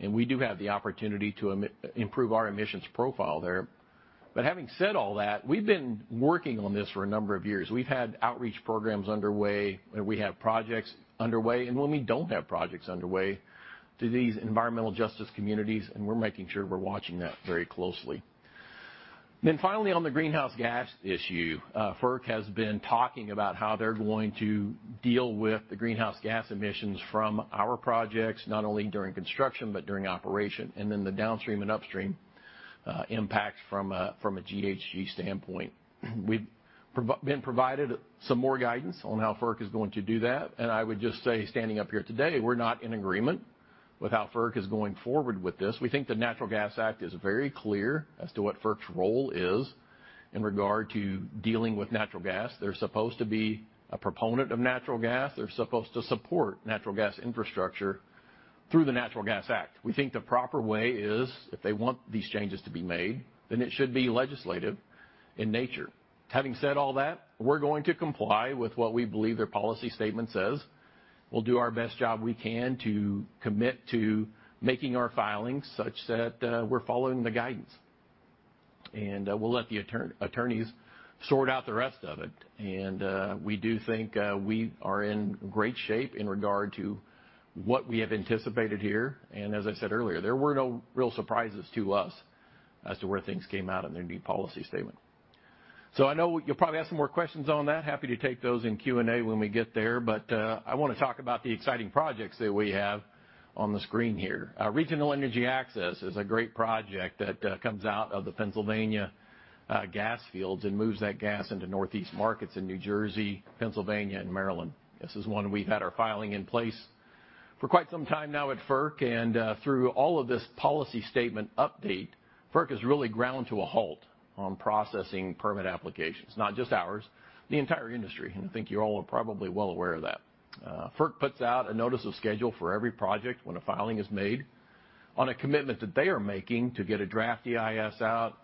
Speaker 4: and we do have the opportunity to improve our emissions profile there. Having said all that, we've been working on this for a number of years. We've had outreach programs underway, and we have projects underway, and when we don't have projects underway to these environmental justice communities, and we're making sure we're watching that very closely. Finally, on the greenhouse gas issue, FERC has been talking about how they're going to deal with the greenhouse gas emissions from our projects, not only during construction, but during operation, and then the downstream and upstream impacts from a GHG standpoint. We've been provided some more guidance on how FERC is going to do that. I would just say, standing up here today, we're not in agreement with how FERC is going forward with this. We think the Natural Gas Act is very clear as to what FERC's role is in regard to dealing with natural gas. They're supposed to be a proponent of natural gas. They're supposed to support natural gas infrastructure through the Natural Gas Act. We think the proper way is if they want these changes to be made, then it should be legislative in nature. Having said all that, we're going to comply with what we believe their policy statement says. We'll do our best job we can to commit to making our filings such that we're following the guidance. We'll let the attorneys sort out the rest of it. We do think we are in great shape in regard to what we have anticipated here. As I said earlier, there were no real surprises to us as to where things came out in their new policy statement. I know you'll probably have some more questions on that. Happy to take those in Q&A when we get there. I want to talk about the exciting projects that we have on the screen here. Our Regional Energy Access is a great project that comes out of the Pennsylvania gas fields and moves that gas into Northeast markets in New Jersey, Pennsylvania, and Maryland. This is one we've had our filing in place for quite some time now at FERC, and through all of this policy statement update, FERC has really ground to a halt on processing permit applications, not just ours, the entire industry. I think you all are probably well aware of that. FERC puts out a notice of schedule for every project when a filing is made on a commitment that they are making to get a draft EIS out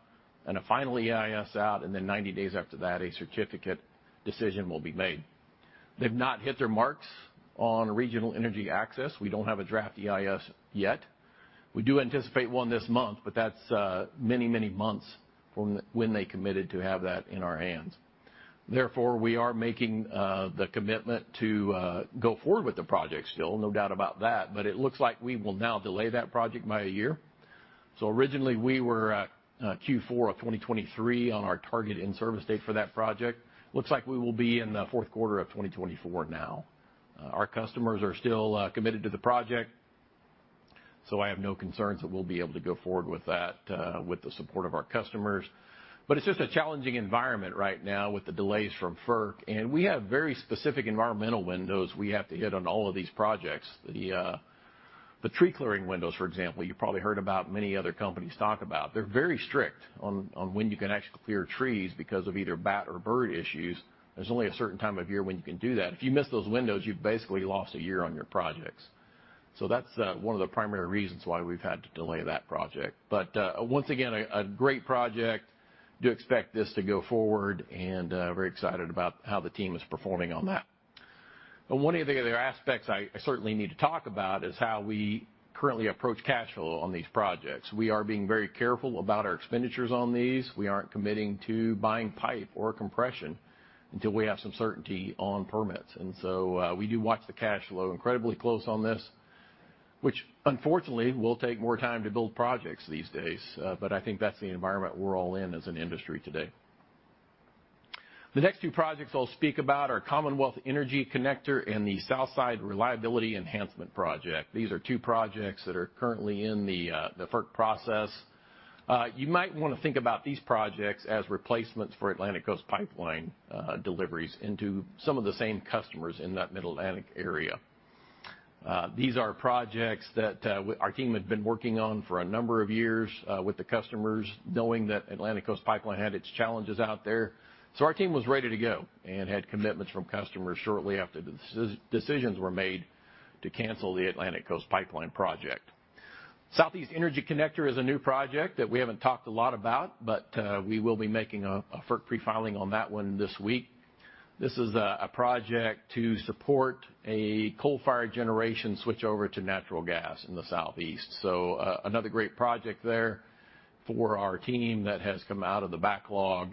Speaker 4: and a final EIS out, and then 90 days after that, a certificate decision will be made. They've not hit their marks on Regional Energy Access. We don't have a draft EIS yet. We do anticipate one this month, but that's many, many months from when they committed to have that in our hands. Therefore, we are making the commitment to go forward with the project still, no doubt about that. It looks like we will now delay that project by a year. Originally, we were at Q4 of 2023 on our target in-service date for that project. Looks like we will be in the Q4 of 2024 now. Our customers are still committed to the project, so I have no concerns that we'll be able to go forward with that with the support of our customers. It's just a challenging environment right now with the delays from FERC, and we have very specific environmental windows we have to hit on all of these projects. The tree clearing windows, for example, you probably heard about many other companies talk about. They're very strict on when you can actually clear trees because of either bat or bird issues. There's only a certain time of year when you can do that. If you miss those windows, you've basically lost a year on your projects. That's one of the primary reasons why we've had to delay that project. Once again, a great project. Do expect this to go forward and very excited about how the team is performing on that. One of the other aspects I certainly need to talk about is how we currently approach cash flow on these projects. We are being very careful about our expenditures on these. We aren't committing to buying pipe or compression until we have some certainty on permits. We do watch the cash flow incredibly close on this, which unfortunately will take more time to build projects these days. But I think that's the environment we're all in as an industry today. The next two projects I'll speak about are Commonwealth Energy Connector and the Southside Reliability Enhancement Project. These are two projects that are currently in the FERC process. You might want to think about these projects as replacements for Atlantic Coast Pipeline deliveries into some of the same customers in that Mid-Atlantic area. These are projects that our team had been working on for a number of years with the customers, knowing that Atlantic Coast Pipeline had its challenges out there. Our team was ready to go and had commitments from customers shortly after decisions were made to cancel the Atlantic Coast Pipeline project. Southeast Energy Connector is a new project that we haven't talked a lot about, but we will be making a FERC pre-filing on that one this week. This is a project to support a coal-fired generation switchover to natural gas in the Southeast. Another great project there for our team that has come out of the backlog.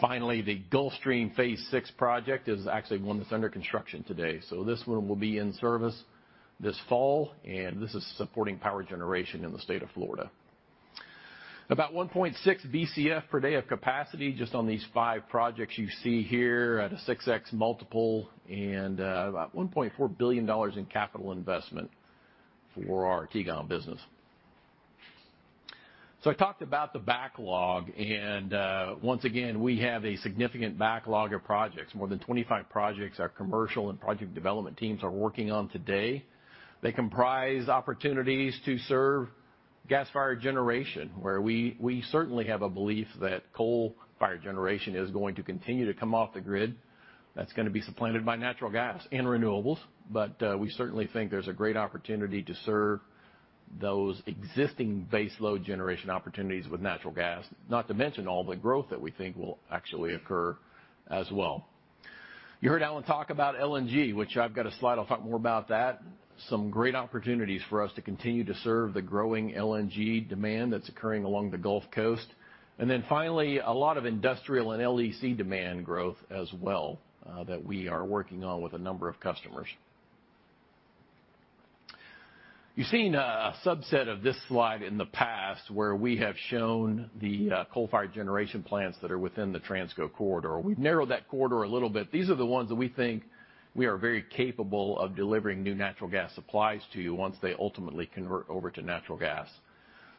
Speaker 4: Finally, the Gulfstream phase six project is actually one that's under construction today. This one will be in service this fall, and this is supporting power generation in the state of Florida. About 1.6 Bcf per day of capacity just on these five projects you see here at a 6x multiple and about $1.4 billion in capital investment for our T&GoM business. I talked about the backlog, and once again, we have a significant backlog of projects. More than 25 projects our commercial and project development teams are working on today. They comprise opportunities to serve gas-fired generation, where we certainly have a belief that coal-fired generation is going to continue to come off the grid. That's gonna be supplanted by natural gas and renewables, but we certainly think there's a great opportunity to serve those existing base load generation opportunities with natural gas, not to mention all the growth that we think will actually occur as well. You heard Alan talk about LNG, which I've got a slide, I'll talk more about that. Some great opportunities for us to continue to serve the growing LNG demand that's occurring along the Gulf Coast. Finally, a lot of industrial and LDC demand growth as well, that we are working on with a number of customers. You've seen a subset of this slide in the past where we have shown the coal-fired generation plants that are within the Transco corridor. We've narrowed that corridor a little bit. These are the ones that we think we are very capable of delivering new natural gas supplies to once they ultimately convert over to natural gas.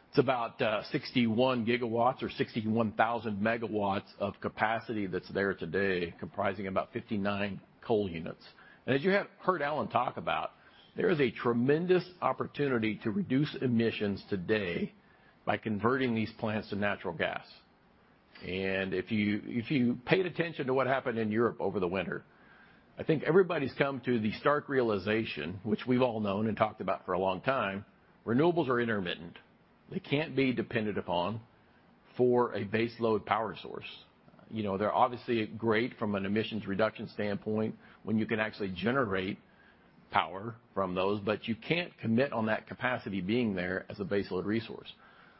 Speaker 4: It's about 61 GW or 61,000 MW of capacity that's there today, comprising about 59 coal units. As you have heard Alan talk about, there is a tremendous opportunity to reduce emissions today by converting these plants to natural gas. If you paid attention to what happened in Europe over the winter, I think everybody's come to the stark realization, which we've all known and talked about for a long time, renewables are intermittent. They can't be depended upon for a base load power source. You know, they're obviously great from an emissions reduction standpoint when you can actually generate power from those, but you can't commit on that capacity being there as a base load resource.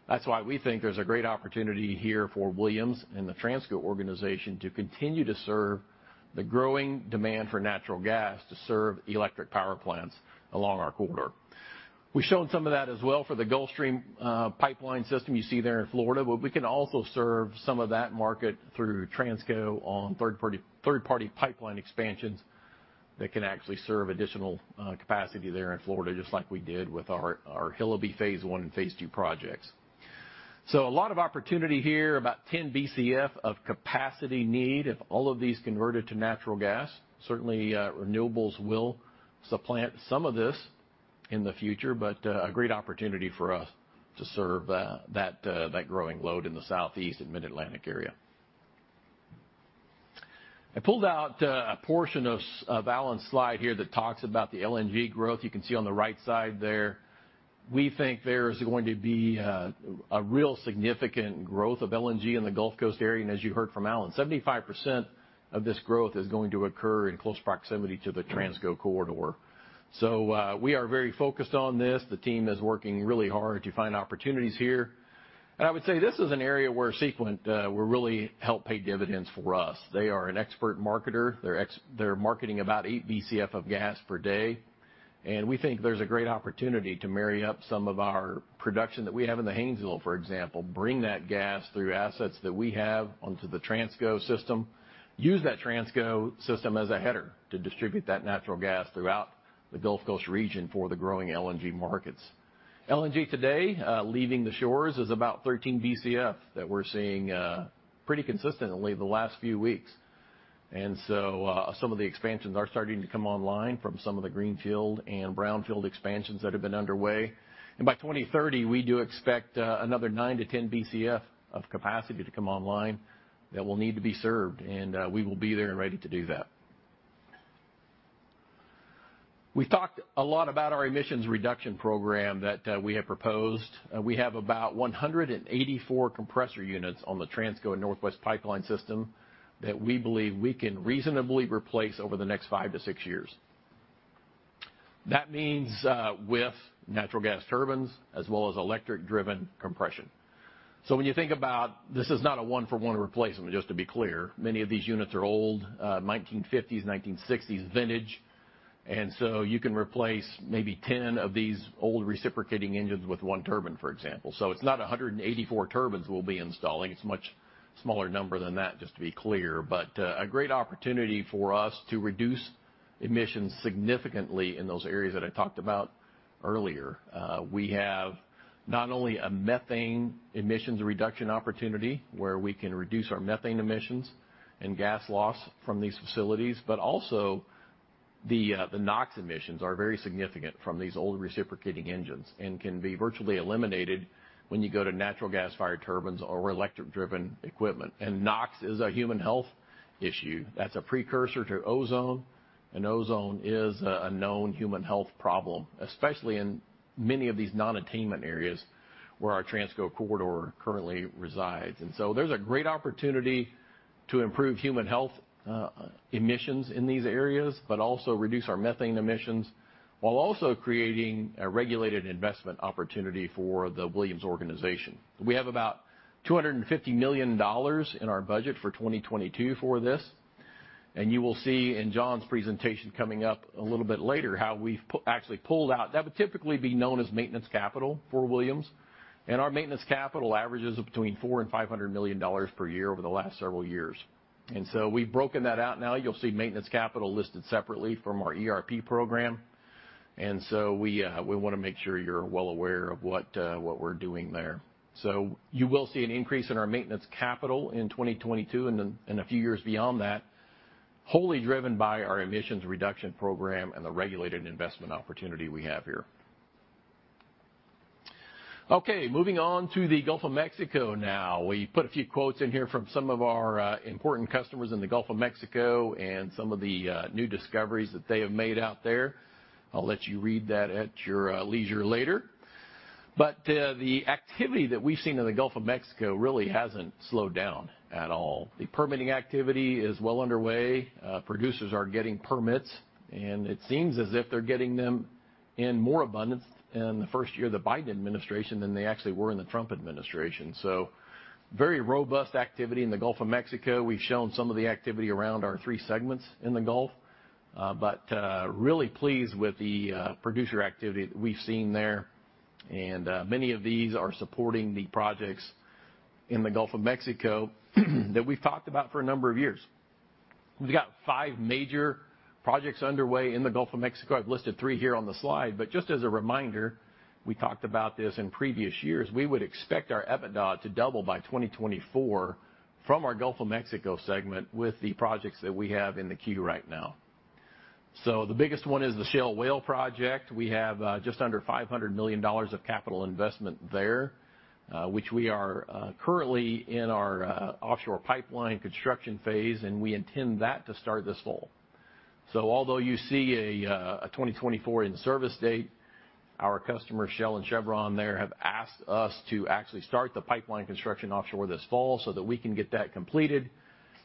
Speaker 4: That's why we think there's a great opportunity here for Williams and the Transco organization to continue to serve the growing demand for natural gas to serve electric power plants along our corridor. We've shown some of that as well for the Gulfstream pipeline system you see there in Florida, but we can also serve some of that market through Transco on third-party pipeline expansions that can actually serve additional capacity there in Florida just like we did with our Hillabee phase one and phase two projects. A lot of opportunity here. About 10 BCF of capacity need if all of these converted to natural gas. Certainly, renewables will supplant some of this in the future, but a great opportunity for us to serve that growing load in the Southeast and Mid-Atlantic area. I pulled out a portion of Alan's slide here that talks about the LNG growth. You can see on the right side there. We think there's going to be a real significant growth of LNG in the Gulf Coast area. As you heard from Alan, 75% of this growth is going to occur in close proximity to the Transco corridor. We are very focused on this. The team is working really hard to find opportunities here. I would say this is an area where Sequent will really help pay dividends for us. They are an expert marketer. They're marketing about 8 BCF of gas per day, and we think there's a great opportunity to marry up some of our production that we have in the Haynesville, for example, bring that gas through assets that we have onto the Transco system, use that Transco system as a header to distribute that natural gas throughout the Gulf Coast region for the growing LNG markets. LNG today leaving the shores is about 13 BCF that we're seeing pretty consistently the last few weeks. Some of the expansions are starting to come online from some of the greenfield and brownfield expansions that have been underway. By 2030, we do expect another 9-10 BCF of capacity to come online that will need to be served, and we will be there and ready to do that. We've talked a lot about our emissions reduction program that we have proposed. We have about 184 compressor units on the Transco and Northwest Pipeline system that we believe we can reasonably replace over the next 5-6 years. That means with natural gas turbines as well as electric-driven compression. When you think about... This is not a one-for-one replacement, just to be clear. Many of these units are old, 1950s, 1960s vintage, and so you can replace maybe 10 of these old reciprocating engines with one turbine, for example. It's not 184 turbines we'll be installing. It's a much smaller number than that, just to be clear. A great opportunity for us to reduce emissions significantly in those areas that I talked about earlier. We have not only a methane emissions reduction opportunity, where we can reduce our methane emissions and gas loss from these facilities, but also the NOx emissions are very significant from these old reciprocating engines and can be virtually eliminated when you go to natural gas-fired turbines or electric-driven equipment. NOx is a human health issue. That's a precursor to ozone, and ozone is a known human health problem, especially in many of these non-attainment areas where our Transco corridor currently resides. There's a great opportunity to improve human health, emissions in these areas, but also reduce our methane emissions while also creating a regulated investment opportunity for the Williams organization. We have about $250 million in our budget for 2022 for this. You will see in John's presentation coming up a little bit later how we've actually pulled out. That would typically be known as maintenance capital for Williams, and our maintenance capital averages between $400 million and $500 million per year over the last several years. We've broken that out now. You'll see maintenance capital listed separately from our ERP program. We wanna make sure you're well aware of what we're doing there. You will see an increase in our maintenance capital in 2022 and then in a few years beyond that. Wholly driven by our emissions reduction program and the regulated investment opportunity we have here. Okay, moving on to the Gulf of Mexico now. We put a few quotes in here from some of our important customers in the Gulf of Mexico and some of the new discoveries that they have made out there. I'll let you read that at your leisure later. The activity that we've seen in the Gulf of Mexico really hasn't slowed down at all. The permitting activity is well underway. Producers are getting permits, and it seems as if they're getting them in more abundance in the first year of the Biden administration than they actually were in the Trump administration. Very robust activity in the Gulf of Mexico. We've shown some of the activity around our three segments in the Gulf. Really pleased with the producer activity that we've seen there. Many of these are supporting the projects in the Gulf of Mexico that we've talked about for a number of years. We've got five major projects underway in the Gulf of Mexico. I've listed three here on the slide, but just as a reminder, we talked about this in previous years, we would expect our EBITDA to double by 2024 from our Gulf of Mexico segment with the projects that we have in the queue right now. The biggest one is the Shell Whale project. We have just under $500 million of capital investment there, which we are currently in our offshore pipeline construction phase, and we intend that to start this fall. Although you see a 2024 in service date, our customers, Shell and Chevron there, have asked us to actually start the pipeline construction offshore this fall so that we can get that completed,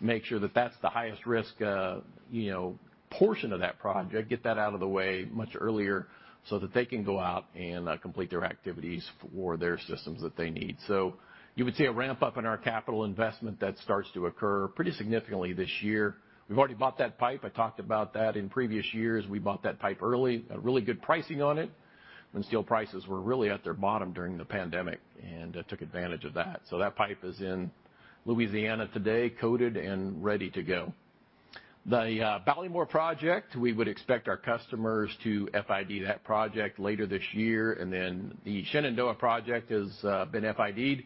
Speaker 4: make sure that that's the highest risk, you know, portion of that project, get that out of the way much earlier so that they can go out and complete their activities for their systems that they need. You would see a ramp-up in our capital investment that starts to occur pretty significantly this year. We've already bought that pipe. I talked about that in previous years. We bought that pipe early. Got really good pricing on it when steel prices were really at their bottom during the pandemic and took advantage of that. That pipe is in Louisiana today, coated and ready to go. The Ballymore project, we would expect our customers to FID that project later this year. Then the Shenandoah project has been FID'd.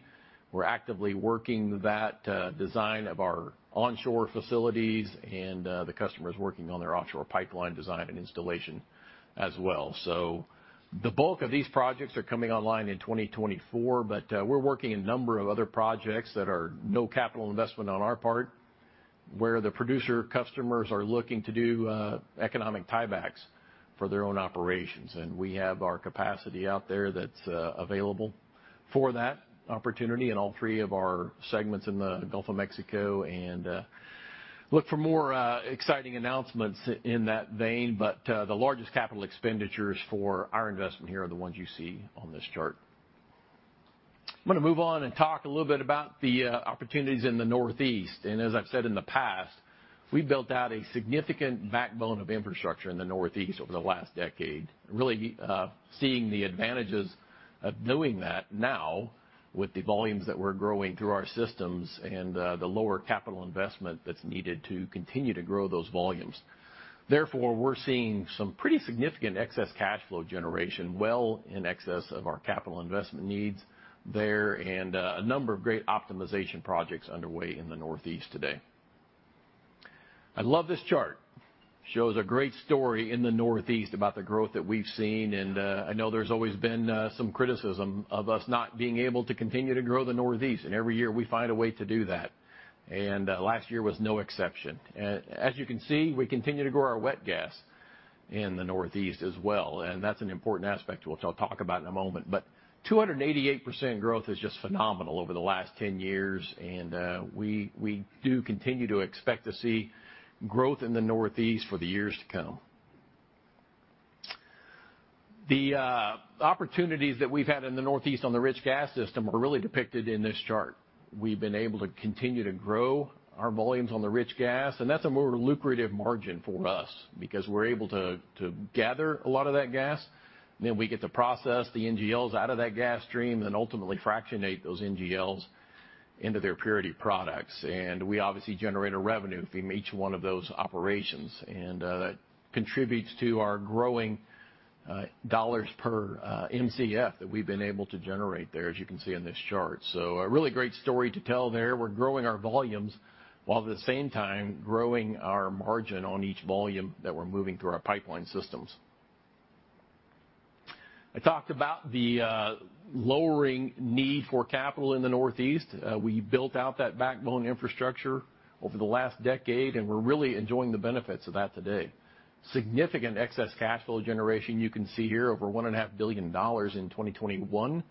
Speaker 4: We're actively working that design of our onshore facilities and the customers working on their offshore pipeline design and installation as well. The bulk of these projects are coming online in 2024, but we're working a number of other projects that are no capital investment on our part, where the producer customers are looking to do economic tiebacks for their own operations. We have our capacity out there that's available for that opportunity in all three of our segments in the Gulf of Mexico. Look for more exciting announcements in that vein. The largest capital expenditures for our investment here are the ones you see on this chart. I'm gonna move on and talk a little bit about the opportunities in the Northeast. As I've said in the past, we built out a significant backbone of infrastructure in the Northeast over the last decade, really seeing the advantages of doing that now with the volumes that we're growing through our systems and the lower capital investment that's needed to continue to grow those volumes. Therefore, we're seeing some pretty significant excess cash flow generation well in excess of our capital investment needs there and a number of great optimization projects underway in the Northeast today. I love this chart. It shows a great story in the Northeast about the growth that we've seen. I know there's always been some criticism of us not being able to continue to grow the Northeast, and every year, we find a way to do that. Last year was no exception. As you can see, we continue to grow our wet gas in the Northeast as well, and that's an important aspect, which I'll talk about in a moment. 288% growth is just phenomenal over the last 10 years, and we do continue to expect to see growth in the Northeast for the years to come. The opportunities that we've had in the Northeast on the rich gas system are really depicted in this chart. We've been able to continue to grow our volumes on the rich gas, and that's a more lucrative margin for us because we're able to gather a lot of that gas. Then we get to process the NGLs out of that gas stream, then ultimately fractionate those NGLs into their purity products. We obviously generate a revenue from each one of those operations. That contributes to our growing dollars per Mcf that we've been able to generate there, as you can see on this chart. A really great story to tell there. We're growing our volumes while at the same time growing our margin on each volume that we're moving through our pipeline systems. I talked about the lowering need for capital in the Northeast. We built out that backbone infrastructure over the last decade, and we're really enjoying the benefits of that today. Significant excess cash flow generation you can see here, over $1.5 billion in 2021.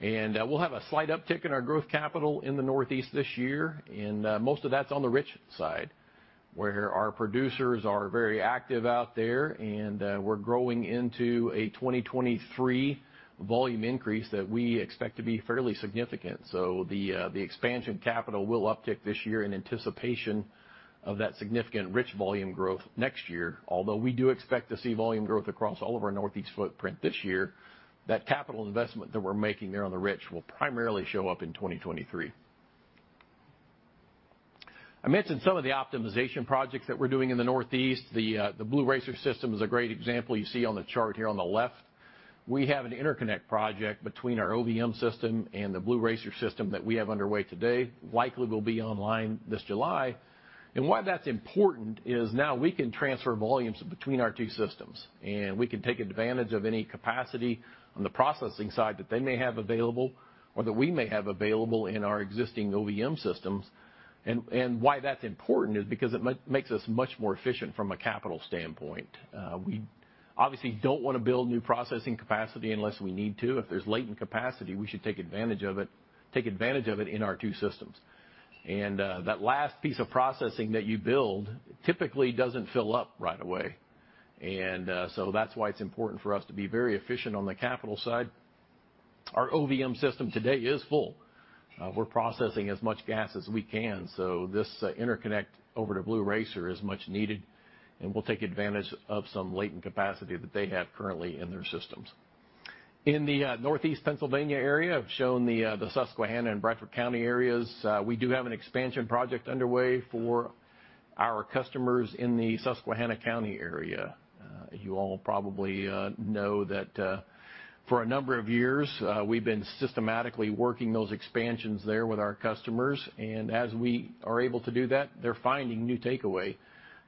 Speaker 4: We'll have a slight uptick in our growth capital in the Northeast this year, and most of that's on the rich side, where our producers are very active out there and we're growing into a 2023 volume increase that we expect to be fairly significant. The expansion capital will uptick this year in anticipation of that significant rich volume growth next year. Although we do expect to see volume growth across all of our Northeast footprint this year, that capital investment that we're making there on the rich will primarily show up in 2023. I mentioned some of the optimization projects that we're doing in the Northeast. The Blue Racer system is a great example you see on the chart here on the left. We have an interconnect project between our OVM system and the Blue Racer system that we have underway today, likely will be online this July. Why that's important is now we can transfer volumes between our two systems, and we can take advantage of any capacity on the processing side that they may have available or that we may have available in our existing OVM systems. Why that's important is because it makes us much more efficient from a capital standpoint. We obviously don't wanna build new processing capacity unless we need to. If there's latent capacity, we should take advantage of it in our two systems. That last piece of processing that you build typically doesn't fill up right away. So that's why it's important for us to be very efficient on the capital side. Our OVM system today is full. We're processing as much gas as we can, so this interconnect over to Blue Racer is much needed, and we'll take advantage of some latent capacity that they have currently in their systems. In the Northeast Pennsylvania area, I've shown the Susquehanna and Bradford County areas. We do have an expansion project underway for our customers in the Susquehanna County area. You all probably know that for a number of years we've been systematically working those expansions there with our customers, and as we are able to do that, they're finding new takeaway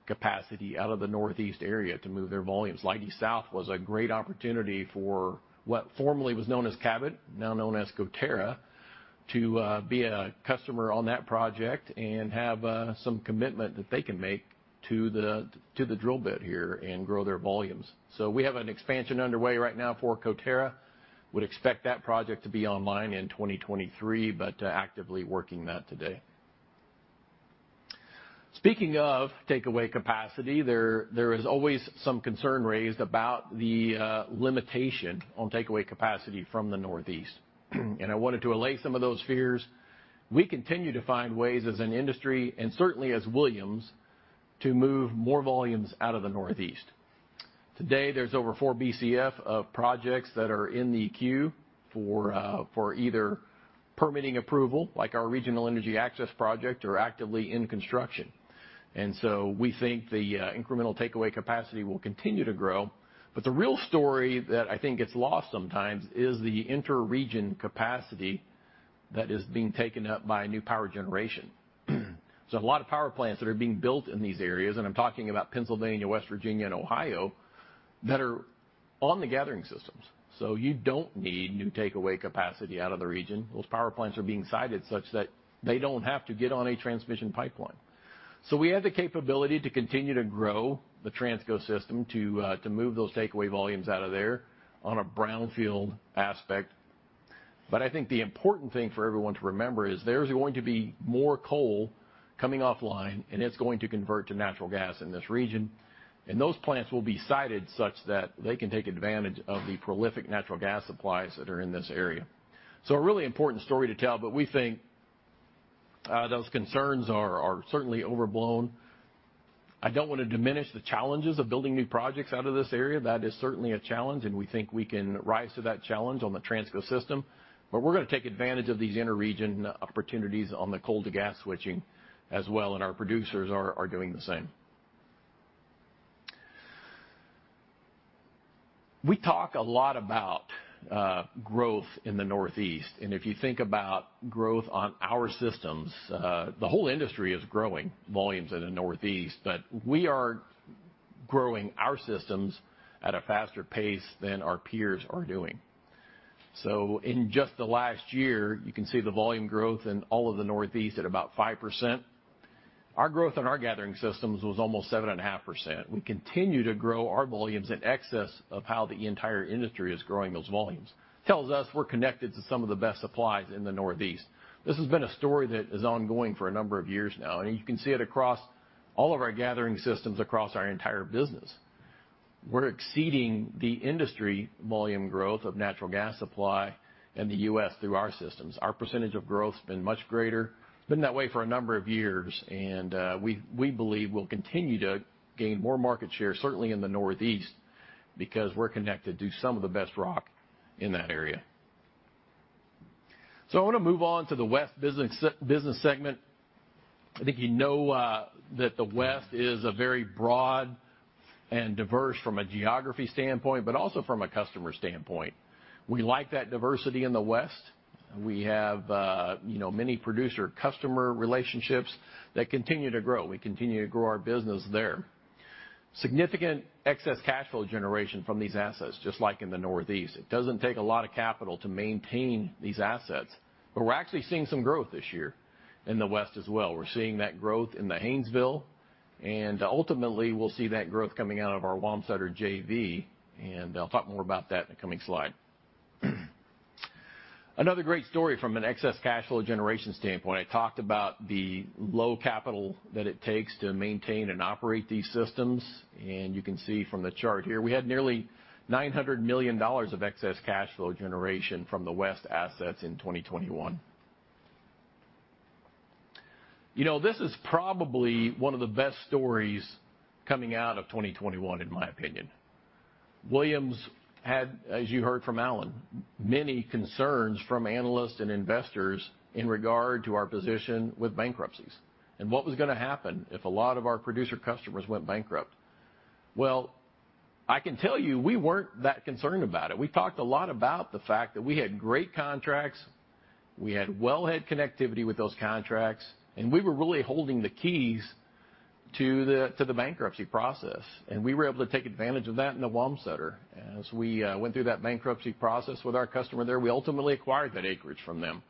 Speaker 4: capacity out of the Northeast area to move their volumes. Leidy South was a great opportunity for what formerly was known as Cabot, now known as Coterra, to be a customer on that project and have some commitment that they can make to the drill bit here and grow their volumes. We have an expansion underway right now for Coterra. We would expect that project to be online in 2023, but actively working that today. Speaking of takeaway capacity, there is always some concern raised about the limitation on takeaway capacity from the Northeast. I wanted to allay some of those fears. We continue to find ways as an industry and certainly as Williams to move more volumes out of the Northeast. Today, there's over 4 Bcf of projects that are in the queue for either permitting approval, like our Regional Energy Access project, or actively in construction. We think the incremental takeaway capacity will continue to grow. The real story that I think gets lost sometimes is the inter-region capacity that is being taken up by new power generation. A lot of power plants that are being built in these areas, and I'm talking about Pennsylvania, West Virginia, and Ohio, that are on the gathering systems. You don't need new takeaway capacity out of the region. Those power plants are being sited such that they don't have to get on a transmission pipeline. We have the capability to continue to grow the Transco system to move those takeaway volumes out of there on a brownfield aspect. I think the important thing for everyone to remember is there's going to be more coal coming offline, and it's going to convert to natural gas in this region, and those plants will be sited such that they can take advantage of the prolific natural gas supplies that are in this area. A really important story to tell, but we think those concerns are certainly overblown. I don't want to diminish the challenges of building new projects out of this area. That is certainly a challenge, and we think we can rise to that challenge on the Transco system. We're gonna take advantage of these inter-region opportunities on the coal to gas switching as well, and our producers are doing the same. We talk a lot about growth in the Northeast, and if you think about growth on our systems, the whole industry is growing volumes in the Northeast, but we are growing our systems at a faster pace than our peers are doing. In just the last year, you can see the volume growth in all of the Northeast at about 5%. Our growth in our gathering systems was almost 7.5%. We continue to grow our volumes in excess of how the entire industry is growing those volumes. Tells us we're connected to some of the best supplies in the Northeast. This has been a story that is ongoing for a number of years now, and you can see it across all of our gathering systems across our entire business. We're exceeding the industry volume growth of natural gas supply in the U.S. through our systems. Our percentage of growth's been much greater. It's been that way for a number of years, and we believe we'll continue to gain more market share, certainly in the Northeast, because we're connected to some of the best rock in that area. I wanna move on to the West business segment. I think you know that the West is a very broad and diverse from a geography standpoint, but also from a customer standpoint. We like that diversity in the West. We have, you know, many producer-customer relationships that continue to grow. We continue to grow our business there. Significant excess cash flow generation from these assets, just like in the Northeast. It doesn't take a lot of capital to maintain these assets, but we're actually seeing some growth this year in the West as well. We're seeing that growth in the Haynesville, and ultimately, we'll see that growth coming out of our Wamsutter JV, and I'll talk more about that in the coming slide. Another great story from an excess cash flow generation standpoint, I talked about the low capital that it takes to maintain and operate these systems. You can see from the chart here, we had nearly $900 million of excess cash flow generation from the West assets in 2021. You know, this is probably one of the best stories coming out of 2021, in my opinion. Williams had, as you heard from Alan, many concerns from analysts and investors in regard to our position with bankruptcies and what was gonna happen if a lot of our producer customers went bankrupt. Well, I can tell you, we weren't that concerned about it. We talked a lot about the fact that we had great contracts, we had well head connectivity with those contracts, and we were really holding the keys to the bankruptcy process. We were able to take advantage of that in the Wamsutter. As we went through that bankruptcy process with our customer there, we ultimately acquired that acreage from them.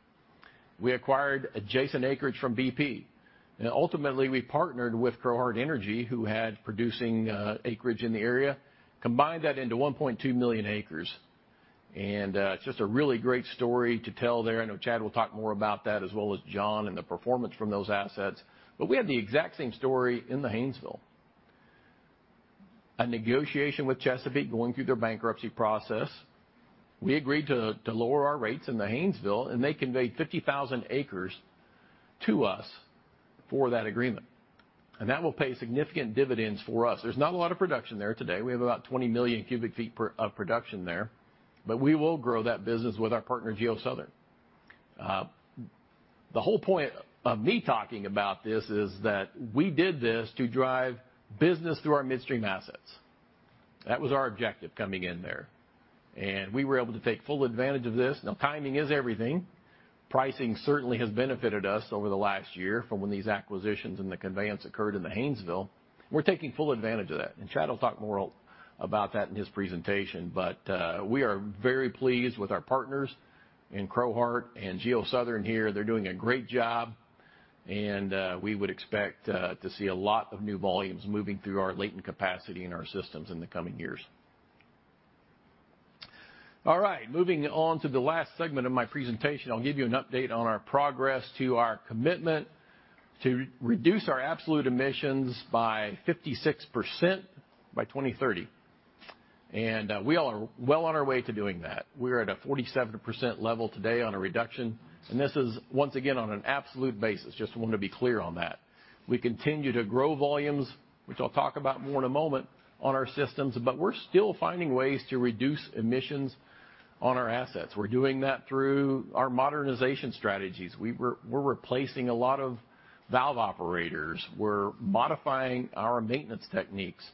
Speaker 4: We acquired adjacent acreage from BP. Ultimately, we partnered with CrowHeart Energy, who had producing acreage in the area, combined that into 1.2 million acres. It's just a really great story to tell there. I know Chad will talk more about that, as well as John and the performance from those assets. We had the exact same story in the Haynesville: a negotiation with Chesapeake going through their bankruptcy process. We agreed to lower our rates in the Haynesville, and they conveyed 50,000 acres to us for that agreement. That will pay significant dividends for us. There's not a lot of production there today. We have about 20 million cubic feet per day of production there, but we will grow that business with our partner, GeoSouthern. The whole point of me talking about this is that we did this to drive business through our midstream assets. That was our objective coming in there, and we were able to take full advantage of this. Now timing is everything. Pricing certainly has benefited us over the last year from when these acquisitions and the conveyance occurred in the Haynesville. We're taking full advantage of that, and Chad will talk more about that in his presentation. We are very pleased with our partners in Crowheart and GeoSouthern here. They're doing a great job, and we would expect to see a lot of new volumes moving through our latent capacity in our systems in the coming years. All right, moving on to the last segment of my presentation. I'll give you an update on our progress to our commitment to reduce our absolute emissions by 56% by 2030. We all are well on our way to doing that. We're at a 47% level today on a reduction, and this is once again on an absolute basis. Just want to be clear on that. We continue to grow volumes, which I'll talk about more in a moment, on our systems, but we're still finding ways to reduce emissions on our assets. We're doing that through our modernization strategies. We're replacing a lot of valve operators. We're modifying our maintenance techniques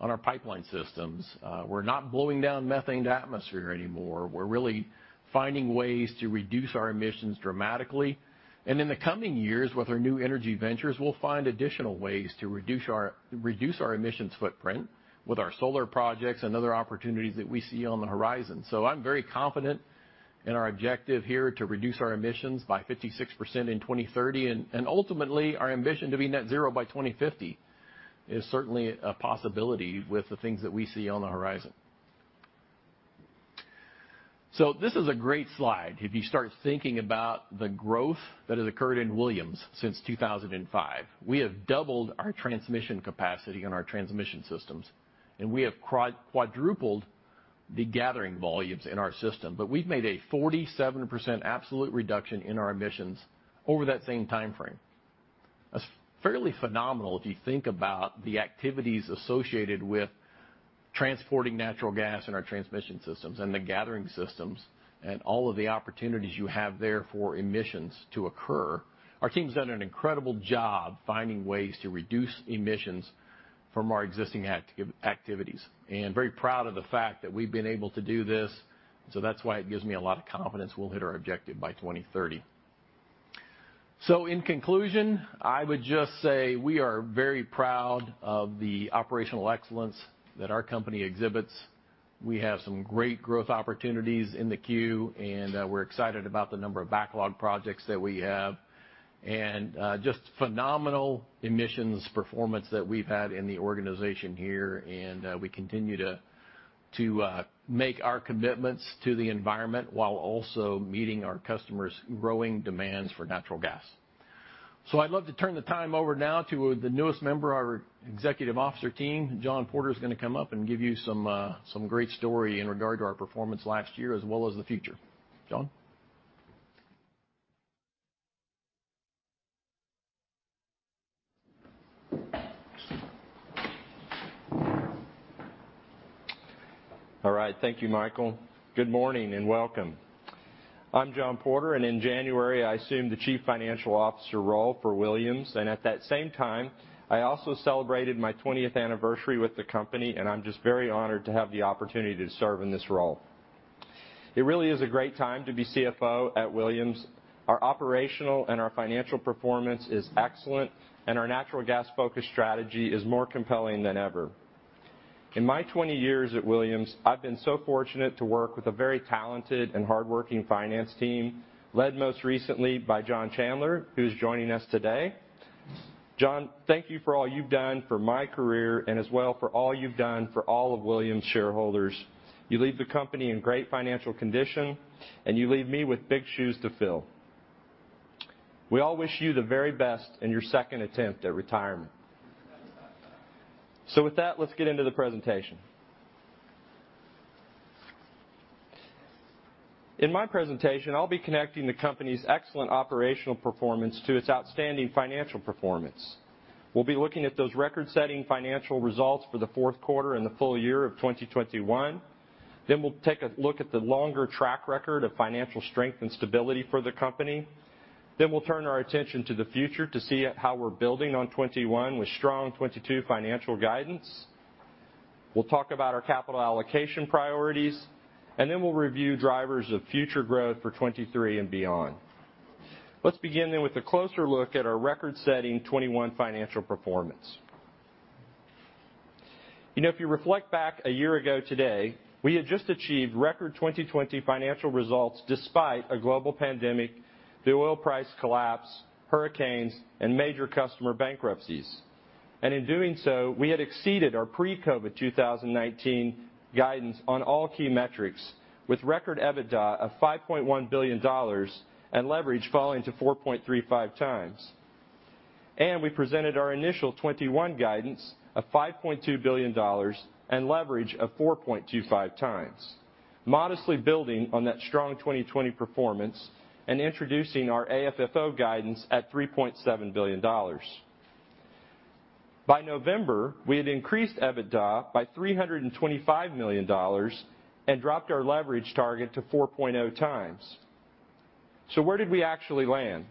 Speaker 4: on our pipeline systems. We're not blowing down methane to atmosphere anymore. We're really finding ways to reduce our emissions dramatically. In the coming years, with our new energy ventures, we'll find additional ways to reduce our emissions footprint with our solar projects and other opportunities that we see on the horizon. I'm very confident in our objective here to reduce our emissions by 56% in 2030 and ultimately our ambition to be net zero by 2050 is certainly a possibility with the things that we see on the horizon. This is a great slide. If you start thinking about the growth that has occurred in Williams since 2005. We have doubled our transmission capacity in our transmission systems, and we have quadrupled the gathering volumes in our system. We've made a 47% absolute reduction in our emissions over that same timeframe. That's fairly phenomenal if you think about the activities associated with transporting natural gas in our transmission systems and the gathering systems and all of the opportunities you have there for emissions to occur. Our team's done an incredible job finding ways to reduce emissions from our existing activities, and I'm very proud of the fact that we've been able to do this. That's why it gives me a lot of confidence we'll hit our objective by 2030. In conclusion, I would just say we are very proud of the operational excellence that our company exhibits. We have some great growth opportunities in the queue, and we're excited about the number of backlog projects that we have. Just phenomenal emissions performance that we've had in the organization here, and we continue to make our commitments to the environment while also meeting our customers' growing demands for natural gas. I'd love to turn the time over now to the newest member of our executive officer team. John Porter is gonna come up and give you some great story in regard to our performance last year as well as the future. John?
Speaker 5: All right. Thank you, Michael. Good morning, and welcome. I'm John Porter, and in January, I assumed the Chief Financial Officer role for Williams. At that same time, I also celebrated my 20th anniversary with the company, and I'm just very honored to have the opportunity to serve in this role. It really is a great time to be CFO at Williams. Our operational and our financial performance is excellent, and our natural gas-focused strategy is more compelling than ever. In my 20 years at Williams, I've been so fortunate to work with a very talented and hardworking finance team, led most recently by John Chandler, who's joining us today. John, thank you for all you've done for my career and as well for all you've done for all of Williams' shareholders. You leave the company in great financial condition, and you leave me with big shoes to fill. We all wish you the very best in your second attempt at retirement. With that, let's get into the presentation. In my presentation, I'll be connecting the company's excellent operational performance to its outstanding financial performance. We'll be looking at those record-setting financial results for the Q4 and the full year of 2021. We'll take a look at the longer track record of financial strength and stability for the company. We'll turn our attention to the future to see how we're building on 2021 with strong 2022 financial guidance. We'll talk about our capital allocation priorities, and then we'll review drivers of future growth for 2023 and beyond. Let's begin with a closer look at our record-setting 2021 financial performance. You know, if you reflect back a year ago today, we had just achieved record 2020 financial results despite a global pandemic, the oil price collapse, hurricanes, and major customer bankruptcies. In doing so, we had exceeded our pre-COVID 2019 guidance on all key metrics, with record EBITDA of $5.1 billion and leverage falling to 4.35x. We presented our initial 2021 guidance of $5.2 billion and leverage of 4.25x, modestly building on that strong 2020 performance and introducing our AFFO guidance at $3.7 billion. By November, we had increased EBITDA by $325 million and dropped our leverage target to 4.0x. Where did we actually land?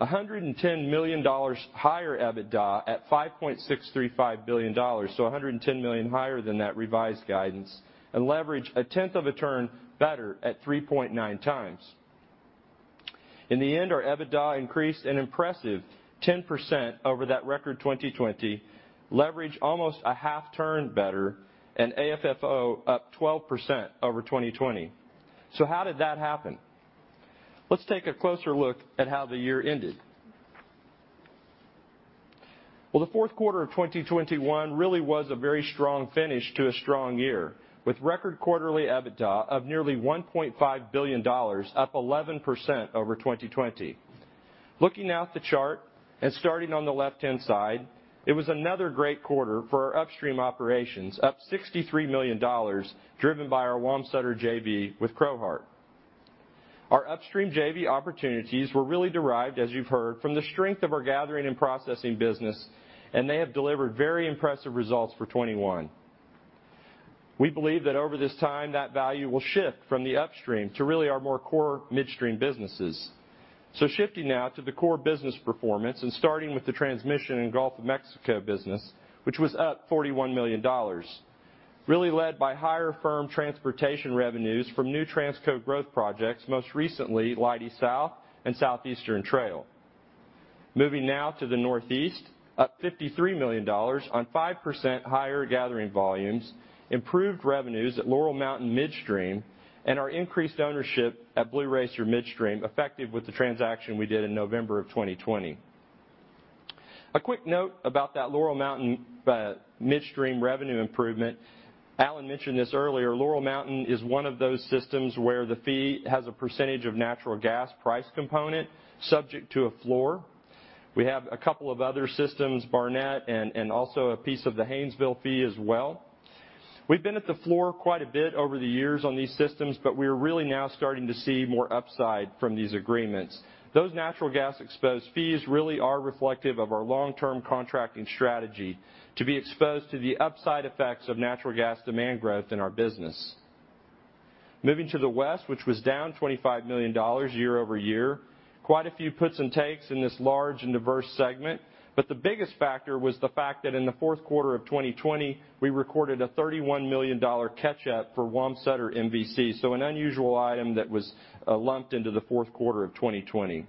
Speaker 5: $110 million higher EBITDA at $5.635 billion, so $110 million higher than that revised guidance, and leverage a tenth of a turn better at 3.9X. In the end, our EBITDA increased an impressive 10% over that record 2020, leverage almost a half turn better, and AFFO up 12% over 2020. How did that happen? Let's take a closer look at how the year ended. Well, the Q4 of 2021 really was a very strong finish to a strong year, with record quarterly EBITDA of nearly $1.5 billion, up 11% over 2020. Looking now at the chart and starting on the left-hand side, it was another great quarter for our upstream operations, up $63 million, driven by our Wamsutter JV with Crowheart. Our upstream JV opportunities were really derived, as you've heard, from the strength of our gathering and processing business, and they have delivered very impressive results for 2021. We believe that over this time, that value will shift from the upstream to really our more core midstream businesses. Shifting now to the core business performance and starting with the Transmission and Gulf of Mexico business, which was up $41 million, really led by higher firm transportation revenues from new Transco growth projects, most recently, Leidy South and Southeastern Trail. Moving now to the Northeast, up $53 million on 5% higher gathering volumes, improved revenues at Laurel Mountain Midstream, and our increased ownership at Blue Racer Midstream, effective with the transaction we did in November 2020. A quick note about that Laurel Mountain Midstream revenue improvement. Alan mentioned this earlier. Laurel Mountain is one of those systems where the fee has a percentage of natural gas price component subject to a floor. We have a couple of other systems, Barnett, and also a piece of the Haynesville fee as well. We've been at the floor quite a bit over the years on these systems, but we are really now starting to see more upside from these agreements. Those natural gas exposed fees really are reflective of our long-term contracting strategy to be exposed to the upside effects of natural gas demand growth in our business. Moving to the West, which was down $25 million year-over-year, quite a few puts and takes in this large and diverse segment. The biggest factor was the fact that in the Q4 of 2020, we recorded a $31 million catch up for Wamsutter MVC. An unusual item that was lumped into the Q4 of 2020.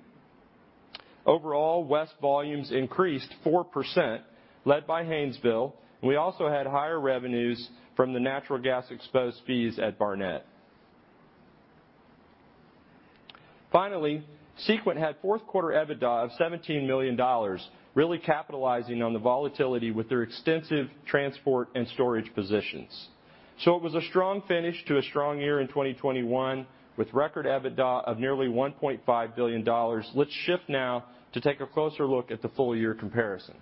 Speaker 5: Overall, West volumes increased 4%, led by Haynesville. We also had higher revenues from the natural gas exposed fees at Barnett. Finally, Sequent had Q4 EBITDA of $17 million, really capitalizing on the volatility with their extensive transport and storage positions. It was a strong finish to a strong year in 2021 with record EBITDA of nearly $1.5 billion. Let's shift now to take a closer look at the full year comparison.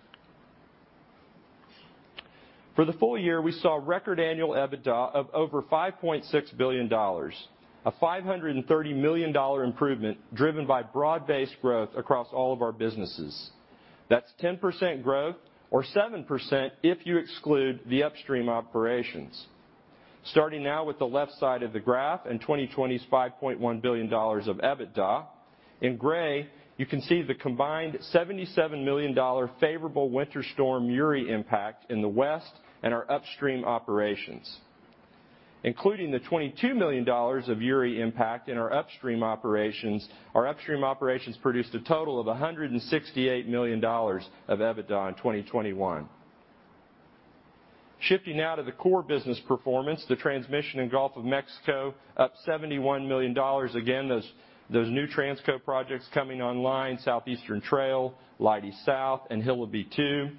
Speaker 5: For the full year, we saw record annual EBITDA of over $5.6 billion, a $530 million improvement driven by broad-based growth across all of our businesses. That's 10% growth or 7% if you exclude the upstream operations. Starting now with the left side of the graph and 2020's $5.1 billion of EBITDA. In gray, you can see the combined $77 million favorable Winter Storm Uri impact in the West and our upstream operations. Including the $22 million of Uri impact in our upstream operations, our upstream operations produced a total of $168 million of EBITDA in 2021. Shifting now to the core business performance, the Transmission & Gulf of Mexico, up $71 million. Again, those new Transco projects coming online, Southeastern Trail, Leidy South, and Hillabee phase two,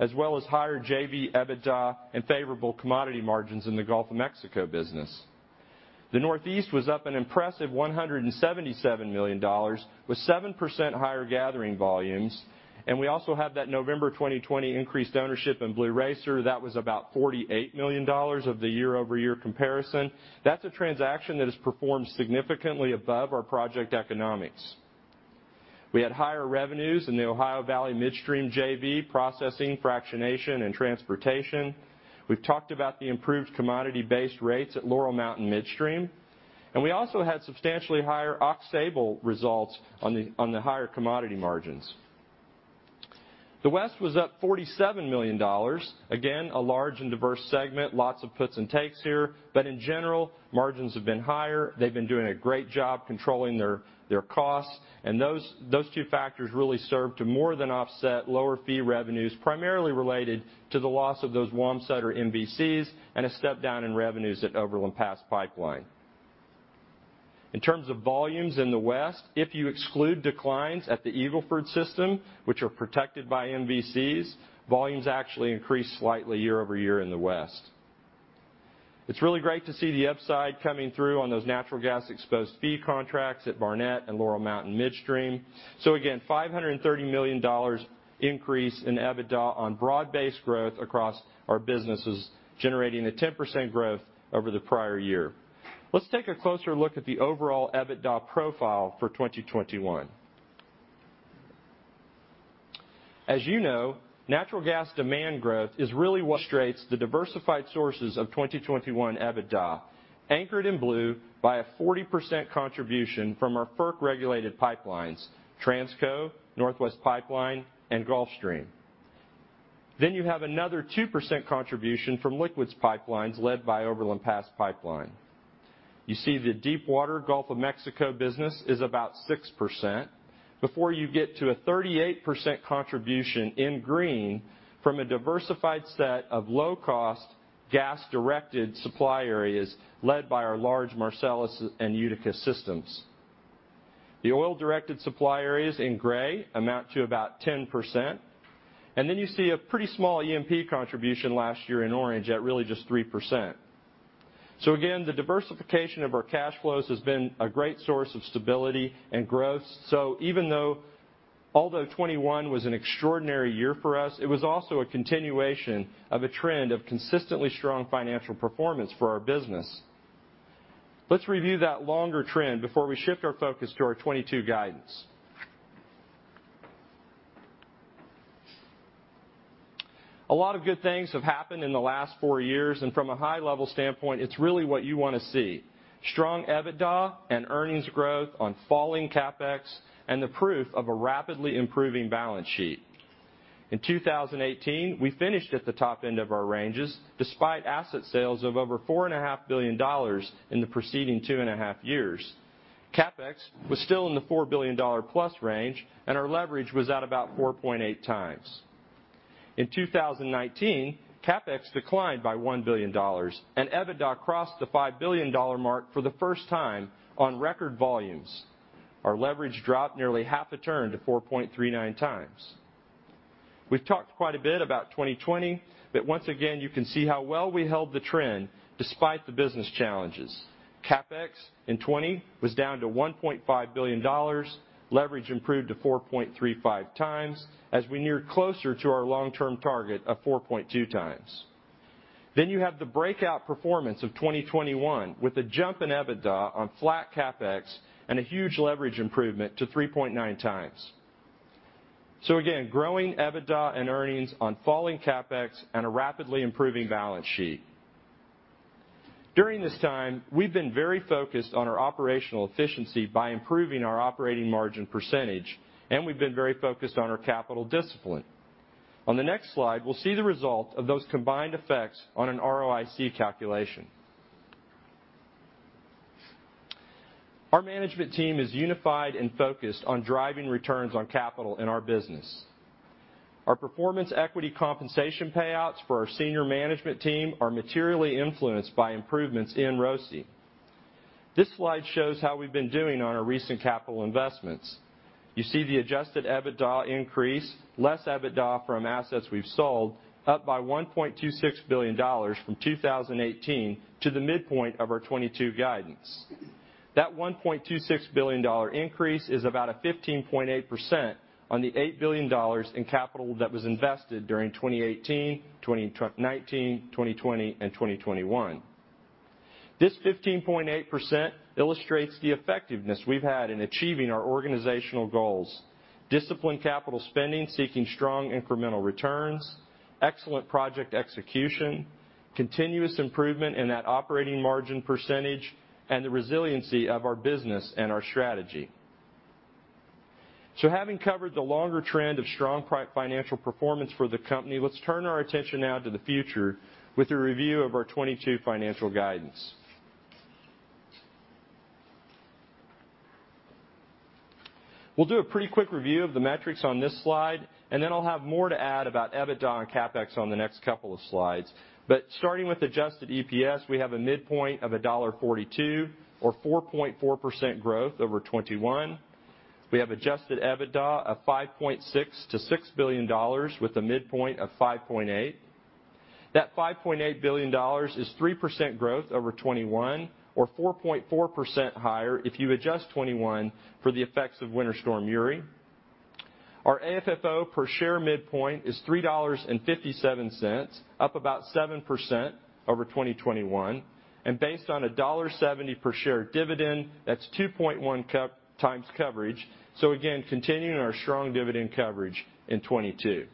Speaker 5: as well as higher JV EBITDA and favorable commodity margins in the Gulf of Mexico business. The Northeast was up an impressive $177 million with 7% higher gathering volumes. We also have that November 2020 increased ownership in Blue Racer. That was about $48 million of the year-over-year comparison. That's a transaction that has performed significantly above our project economics. We had higher revenues in the Ohio Valley Midstream JV processing fractionation and transportation. We've talked about the improved commodity-based rates at Laurel Mountain Midstream, and we also had substantially higher Oxbow results on the higher commodity margins. The West was up $47 million. Again, a large and diverse segment. Lots of puts and takes here, but in general, margins have been higher. They've been doing a great job controlling their costs, and those two factors really serve to more than offset lower fee revenues, primarily related to the loss of those Wamsutter MVCs and a step-down in revenues at Overland Pass Pipeline. In terms of volumes in the West, if you exclude declines at the Eagle Ford system, which are protected by MVCs, volumes actually increased slightly year over year in the West. It's really great to see the upside coming through on those natural gas-exposed fee contracts at Barnett and Laurel Mountain Midstream. Again, $530 million increase in EBITDA on broad-based growth across our businesses, generating a 10% growth over the prior year. Let's take a closer look at the overall EBITDA profile for 2021. As you know, natural gas demand growth is really what drives the diversified sources of 2021 EBITDA, anchored in blue by a 40% contribution from our FERC-regulated pipelines, Transco, Northwest Pipeline, and Gulfstream. Then you have another 2% contribution from liquids pipelines led by Overland Pass Pipeline. You see the deepwater Gulf of Mexico business is about 6% before you get to a 38% contribution in green from a diversified set of low-cost gas-directed supply areas led by our large Marcellus and Utica systems. The oil-directed supply areas in gray amount to about 10%, and then you see a pretty small E&P contribution last year in orange at really just 3%. The diversification of our cash flows has been a great source of stability and growth. Although 2021 was an extraordinary year for us, it was also a continuation of a trend of consistently strong financial performance for our business. Let's review that longer trend before we shift our focus to our 2022 guidance. A lot of good things have happened in the last four years, and from a high-level standpoint, it's really what you want to see. Strong EBITDA and earnings growth on falling CapEx and the proof of a rapidly improving balance sheet. In 2018, we finished at the top end of our ranges despite asset sales of over $4.5 billion in the preceding 2.5 years. CapEx was still in the $4 billion-plus range, and our leverage was at about 4.8X. In 2019, CapEx declined by $1 billion, and EBITDA crossed the $5 billion mark for the first time on record volumes. Our leverage dropped nearly half a turn to 4.39X. We've talked quite a bit about 2020, but once again, you can see how well we held the trend despite the business challenges. CapEx in 2020 was down to $1.5 billion. Leverage improved to 4.35x as we neared closer to our long-term target of 4.2x. You have the breakout performance of 2021 with a jump in EBITDA on flat CapEx and a huge leverage improvement to 3.9x. Again, growing EBITDA and earnings on falling CapEx and a rapidly improving balance sheet. During this time, we've been very focused on our operational efficiency by improving our operating margin percentage, and we've been very focused on our capital discipline. On the next slide, we'll see the result of those combined effects on an ROIC calculation. Our management team is unified and focused on driving returns on capital in our business. Our performance equity compensation payouts for our senior management team are materially influenced by improvements in ROIC. This slide shows how we've been doing on our recent capital investments. You see the adjusted EBITDA increase, less EBITDA from assets we've sold, up by $1.26 billion from 2018 to the midpoint of our 2022 guidance. That $1.26 billion increase is about a 15.8% on the $8 billion in capital that was invested during 2018, 2019, 2020, and 2021. This 15.8% illustrates the effectiveness we've had in achieving our organizational goals, disciplined capital spending, seeking strong incremental returns, excellent project execution, continuous improvement in that operating margin percentage, and the resiliency of our business and our strategy. Having covered the longer trend of strong financial performance for the company, let's turn our attention now to the future with a review of our 2022 financial guidance. We'll do a pretty quick review of the metrics on this slide, and then I'll have more to add about EBITDA and CapEx on the next couple of slides. Starting with adjusted EPS, we have a midpoint of $1.42 or 4.4% growth over 2021. We have adjusted EBITDA of $5.6 billion-$6 billion with a midpoint of $5.8 billion. That $5.8 billion is 3% growth over 2021 or 4.4% higher if you adjust 2021 for the effects of Winter Storm Uri. Our AFFO per share midpoint is $3.57, up about 7% over 2021. Based on a $1.70 per share dividend, that's 2.1X coverage. Again, continuing our strong dividend coverage in 2022.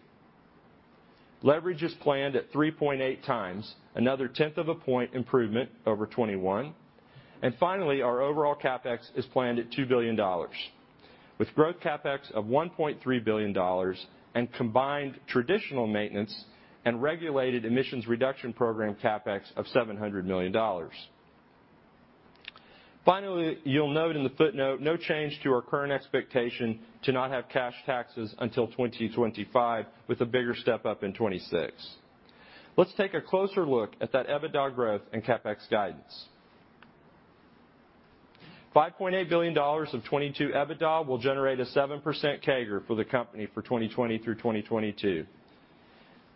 Speaker 5: Leverage is planned at 3.8X, another tenth of a point improvement over 2021. Finally, our overall CapEx is planned at $2 billion, with growth CapEx of $1.3 billion and combined traditional maintenance and regulated emissions reduction program CapEx of $700 million. Finally, you'll note in the footnote no change to our current expectation to not have cash taxes until 2025, with a bigger step-up in 2026. Let's take a closer look at that EBITDA growth and CapEx guidance. $5.8 billion of 2022 EBITDA will generate a 7% CAGR for the company for 2020 through 2022.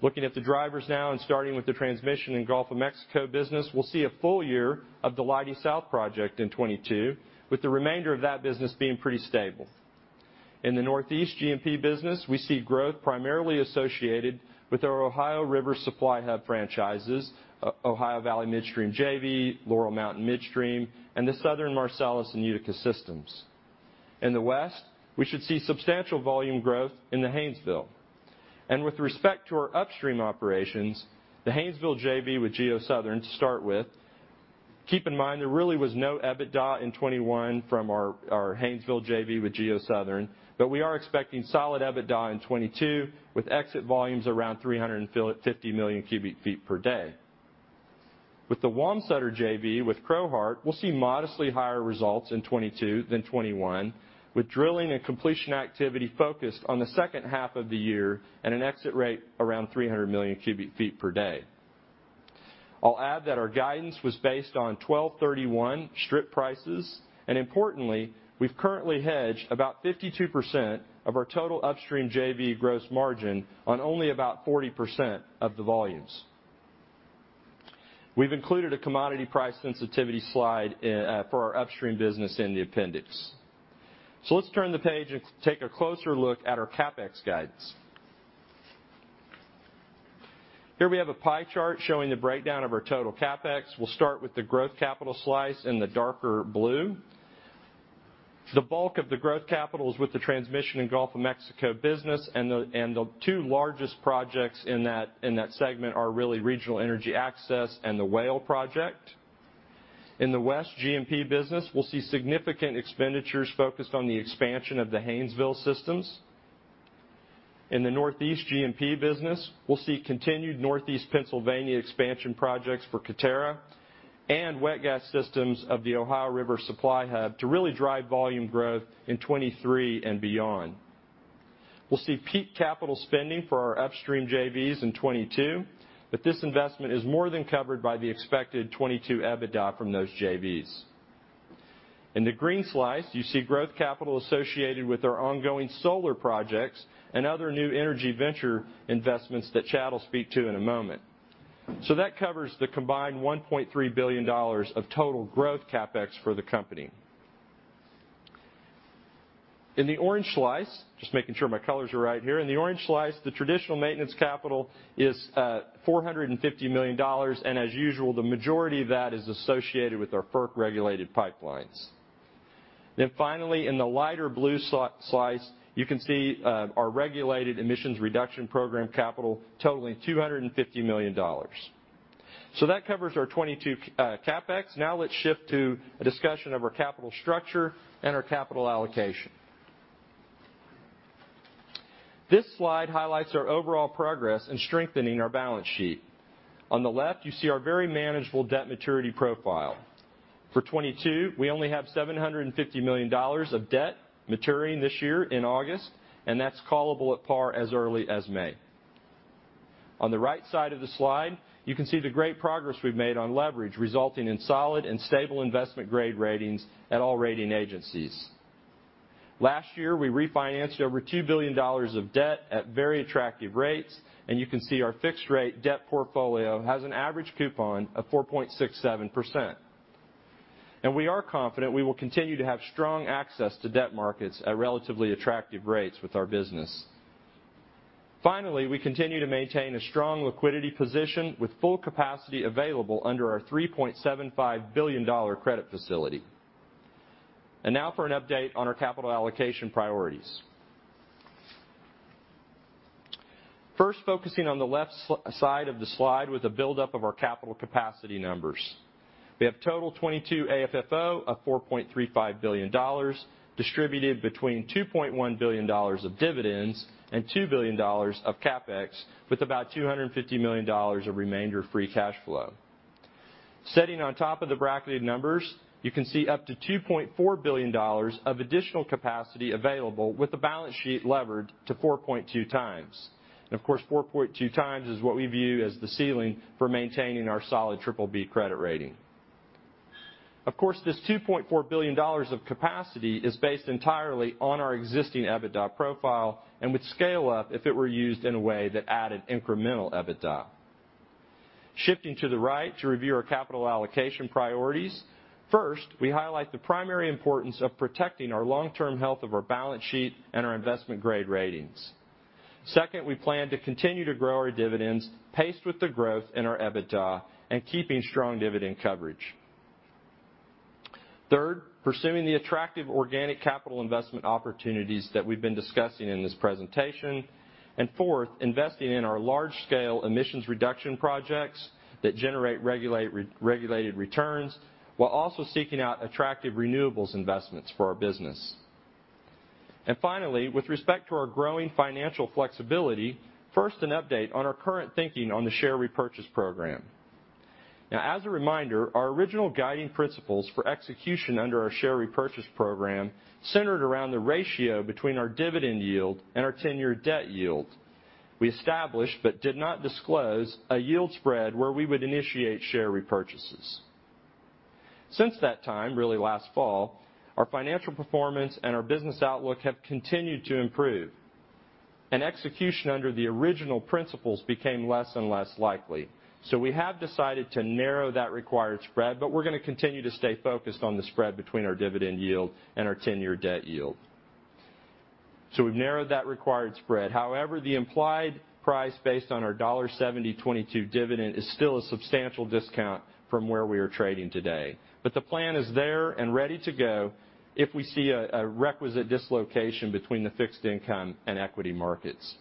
Speaker 5: Looking at the drivers now and starting with the Transmission & Gulf of Mexico business, we'll see a full year of the Leidy South project in 2022, with the remainder of that business being pretty stable. In the Northeast G&P business, we see growth primarily associated with our Ohio River Supply Hub franchises, Ohio Valley Midstream JV, Laurel Mountain Midstream, and the Southern Marcellus and Utica systems. In the West, we should see substantial volume growth in the Haynesville. With respect to our upstream operations, the Haynesville JV with GeoSouthern to start with. Keep in mind there really was no EBITDA in 2021 from our Haynesville JV with GeoSouthern, but we are expecting solid EBITDA in 2022, with exit volumes around 350 million cubic feet per day. With the Wamsutter JV with Crowheart, we'll see modestly higher results in 2022 than 2021, with drilling and completion activity focused on the second half of the year and an exit rate around 300 million cubic feet per day. I'll add that our guidance was based on 12/31 strip prices, and importantly, we've currently hedged about 52% of our total upstream JV gross margin on only about 40% of the volumes. We've included a commodity price sensitivity slide for our upstream business in the appendix. Let's turn the page and take a closer look at our CapEx guidance. Here we have a pie chart showing the breakdown of our total CapEx. We'll start with the growth capital slice in the darker blue. The bulk of the growth capital is with the Transmission and Gulf of Mexico business, and the two largest projects in that segment are really Regional Energy Access and the Whale project. In the West G&P business, we'll see significant expenditures focused on the expansion of the Haynesville systems. In the Northeast G&P business, we'll see continued Northeast Pennsylvania expansion projects for gathering and wet gas systems of the Ohio River Supply Hub to really drive volume growth in 2023 and beyond. We'll see peak capital spending for our upstream JVs in 2022, but this investment is more than covered by the expected 2022 EBITDA from those JVs. In the green slice, you see growth capital associated with our ongoing solar projects and other new energy venture investments that Chad will speak to in a moment. That covers the combined $1.3 billion of total growth CapEx for the company. In the orange slice, just making sure my colors are right here. In the orange slice, the traditional maintenance capital is $450 million, and as usual, the majority of that is associated with our FERC-regulated pipelines. Finally, in the lighter blue slice, you can see our regulated emissions reduction program capital totaling $250 million. That covers our 2022 CapEx. Now let's shift to a discussion of our capital structure and our capital allocation. This slide highlights our overall progress in strengthening our balance sheet. On the left, you see our very manageable debt maturity profile. For 2022, we only have $750 million of debt maturing this year in August, and that's callable at par as early as May. On the right side of the slide, you can see the great progress we've made on leverage, resulting in solid and stable investment-grade ratings at all rating agencies. Last year, we refinanced over $2 billion of debt at very attractive rates, and you can see our fixed rate debt portfolio has an average coupon of 4.67%. We are confident we will continue to have strong access to debt markets at relatively attractive rates with our business. Finally, we continue to maintain a strong liquidity position with full capacity available under our $3.75 billion credit facility. Now for an update on our capital allocation priorities. First, focusing on the left side of the slide with a buildup of our capital capacity numbers. We have total 2022 AFFO of $4.35 billion distributed between $2.1 billion of dividends and $2 billion of CapEx, with about $250 million of remainder free cash flow. Sitting on top of the bracketed numbers, you can see up to $2.4 billion of additional capacity available with the balance sheet levered to 4.2X. Of course, 4.2X is what we view as the ceiling for maintaining our solid BBB credit rating. Of course, this $2.4 billion of capacity is based entirely on our existing EBITDA profile and would scale up if it were used in a way that added incremental EBITDA. Shifting to the right to review our capital allocation priorities. First, we highlight the primary importance of protecting our long-term health of our balance sheet and our investment-grade ratings. Second, we plan to continue to grow our dividends, paced with the growth in our EBITDA and keeping strong dividend coverage. Third, pursuing the attractive organic capital investment opportunities that we've been discussing in this presentation. Fourth, investing in our large-scale emissions reduction projects that generate regulated returns while also seeking out attractive renewables investments for our business. Finally, with respect to our growing financial flexibility, first, an update on our current thinking on the share repurchase program. Now, as a reminder, our original guiding principles for execution under our share repurchase program centered around the ratio between our dividend yield and our 10-year debt yield. We established but did not disclose a yield spread where we would initiate share repurchases. Since that time, really last fall, our financial performance and our business outlook have continued to improve, and execution under the original principles became less and less likely. We have decided to narrow that required spread, but we're gonna continue to stay focused on the spread between our dividend yield and our 10-year debt yield. We've narrowed that required spread. However, the implied price based on our $1.72 dividend is still a substantial discount from where we are trading today. The plan is there and ready to go if we see a requisite dislocation between the fixed income and equity markets.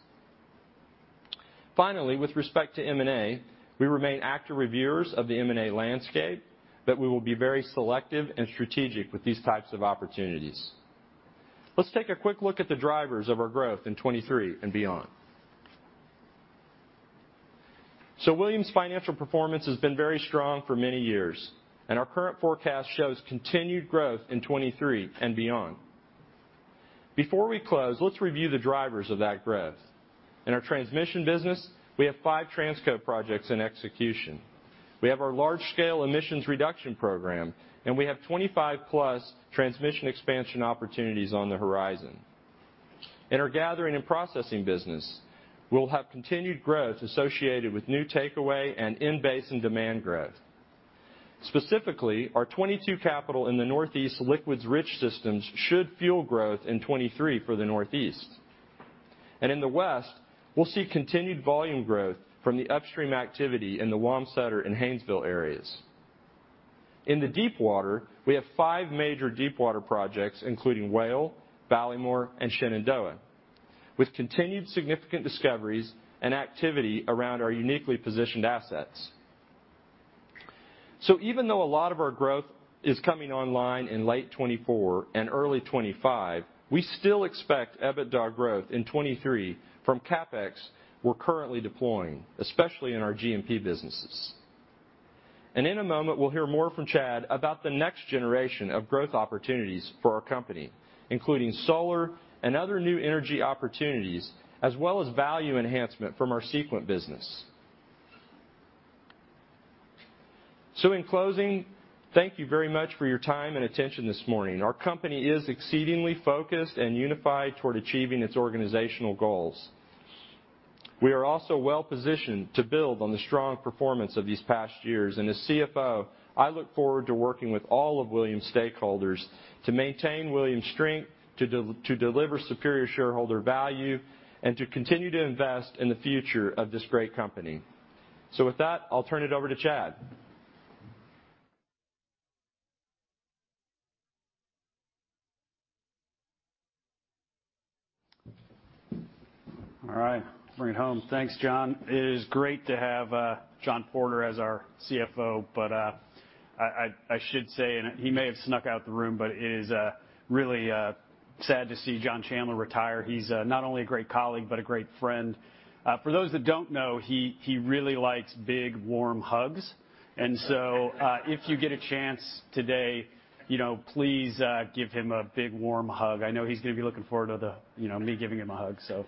Speaker 5: Finally, with respect to M&A, we remain active reviewers of the M&A landscape, but we will be very selective and strategic with these types of opportunities. Let's take a quick look at the drivers of our growth in 2023 and beyond. Williams' financial performance has been very strong for many years, and our current forecast shows continued growth in 2023 and beyond. Before we close, let's review the drivers of that growth. In our transmission business, we have five Transco projects in execution. We have our large-scale emissions reduction program, and we have 25+ transmission expansion opportunities on the horizon. In our gathering and processing business, we'll have continued growth associated with new takeaway and in-basin demand growth. Specifically, our 2022 capital in the Northeast liquids-rich systems should fuel growth in 2023 for the Northeast. In the West, we'll see continued volume growth from the upstream activity in the Wamsutter and Haynesville areas. In the Deepwater, we have five major Deepwater projects, including Whale, Ballymore, and Shenandoah, with continued significant discoveries and activity around our uniquely positioned assets. Even though a lot of our growth is coming online in late 2024 and early 2025, we still expect EBITDA growth in 2023 from CapEx we're currently deploying, especially in our G&P businesses. In a moment, we'll hear more from Chad about the next generation of growth opportunities for our company, including solar and other new energy opportunities, as well as value enhancement from our Sequent business. In closing, thank you very much for your time and attention this morning. Our company is exceedingly focused and unified toward achieving its organizational goals. We are also well-positioned to build on the strong performance of these past years. As CFO, I look forward to working with all of Williams' stakeholders to maintain Williams' strength, to deliver superior shareholder value, and to continue to invest in the future of this great company. With that, I'll turn it over to Chad.
Speaker 6: All right. Bring it home. Thanks, John. It is great to have John Porter as our CFO. But I should say, and he may have snuck out the room, but it is really sad to see John Chandler retire. He's not only a great colleague, but a great friend. For those that don't know, he really likes big, warm hugs. If you get a chance today, you know, please give him a big, warm hug. I know he's gonna be looking forward to the, you know, me giving him a hug, so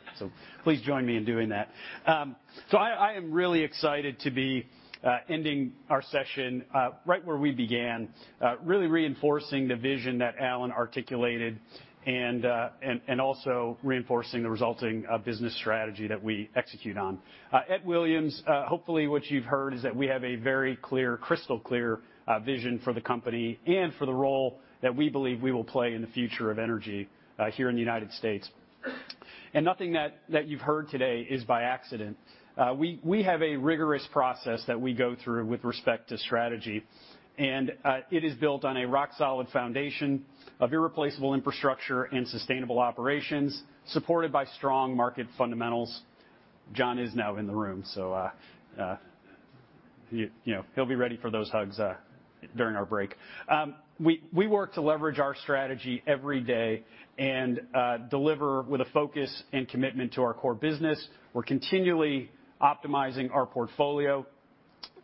Speaker 6: please join me in doing that. I am really excited to be ending our session right where we began, really reinforcing the vision that Alan articulated and also reinforcing the resulting business strategy that we execute on. At Williams, hopefully what you've heard is that we have a very clear, crystal clear vision for the company and for the role that we believe we will play in the future of energy here in the United States. Nothing that you've heard today is by accident. We have a rigorous process that we go through with respect to strategy, and it is built on a rock-solid foundation of irreplaceable infrastructure and sustainable operations, supported by strong market fundamentals. John is now in the room, so you know, he'll be ready for those hugs during our break. We work to leverage our strategy every day and deliver with a focus and commitment to our core business. We're continually optimizing our portfolio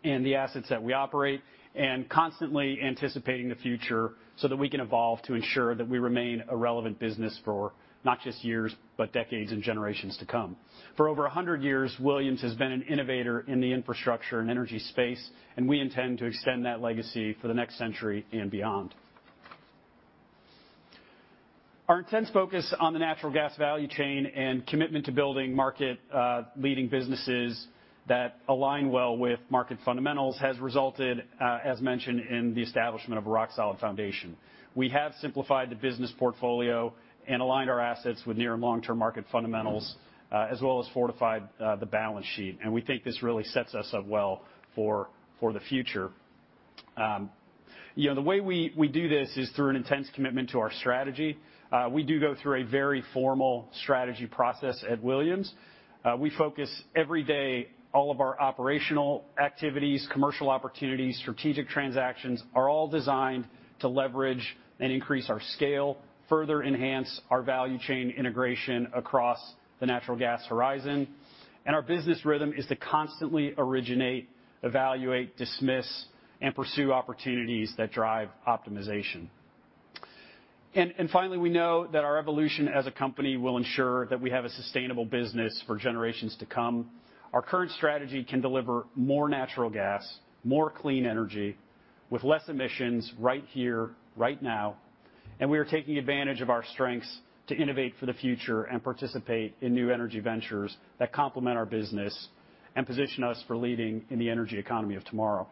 Speaker 6: and the assets that we operate and constantly anticipating the future so that we can evolve to ensure that we remain a relevant business for not just years, but decades and generations to come. For over a hundred years, Williams has been an innovator in the infrastructure and energy space, and we intend to extend that legacy for the next century and beyond. Our intense focus on the natural gas value chain and commitment to building market leading businesses that align well with market fundamentals has resulted, as mentioned, in the establishment of a rock-solid foundation. We have simplified the business portfolio and aligned our assets with near and long-term market fundamentals, as well as fortified the balance sheet. We think this really sets us up well for the future. You know, the way we do this is through an intense commitment to our strategy. We do go through a very formal strategy process at Williams. We focus every day all of our operational activities, commercial opportunities, strategic transactions are all designed to leverage and increase our scale, further enhance our value chain integration across the natural gas horizon. Our business rhythm is to constantly originate, evaluate, dismiss, and pursue opportunities that drive optimization. Finally, we know that our evolution as a company will ensure that we have a sustainable business for generations to come. Our current strategy can deliver more natural gas, more clean energy with less emissions right here, right now, and we are taking advantage of our strengths to innovate for the future and participate in new energy ventures that complement our business and position us for leading in the energy economy of tomorrow.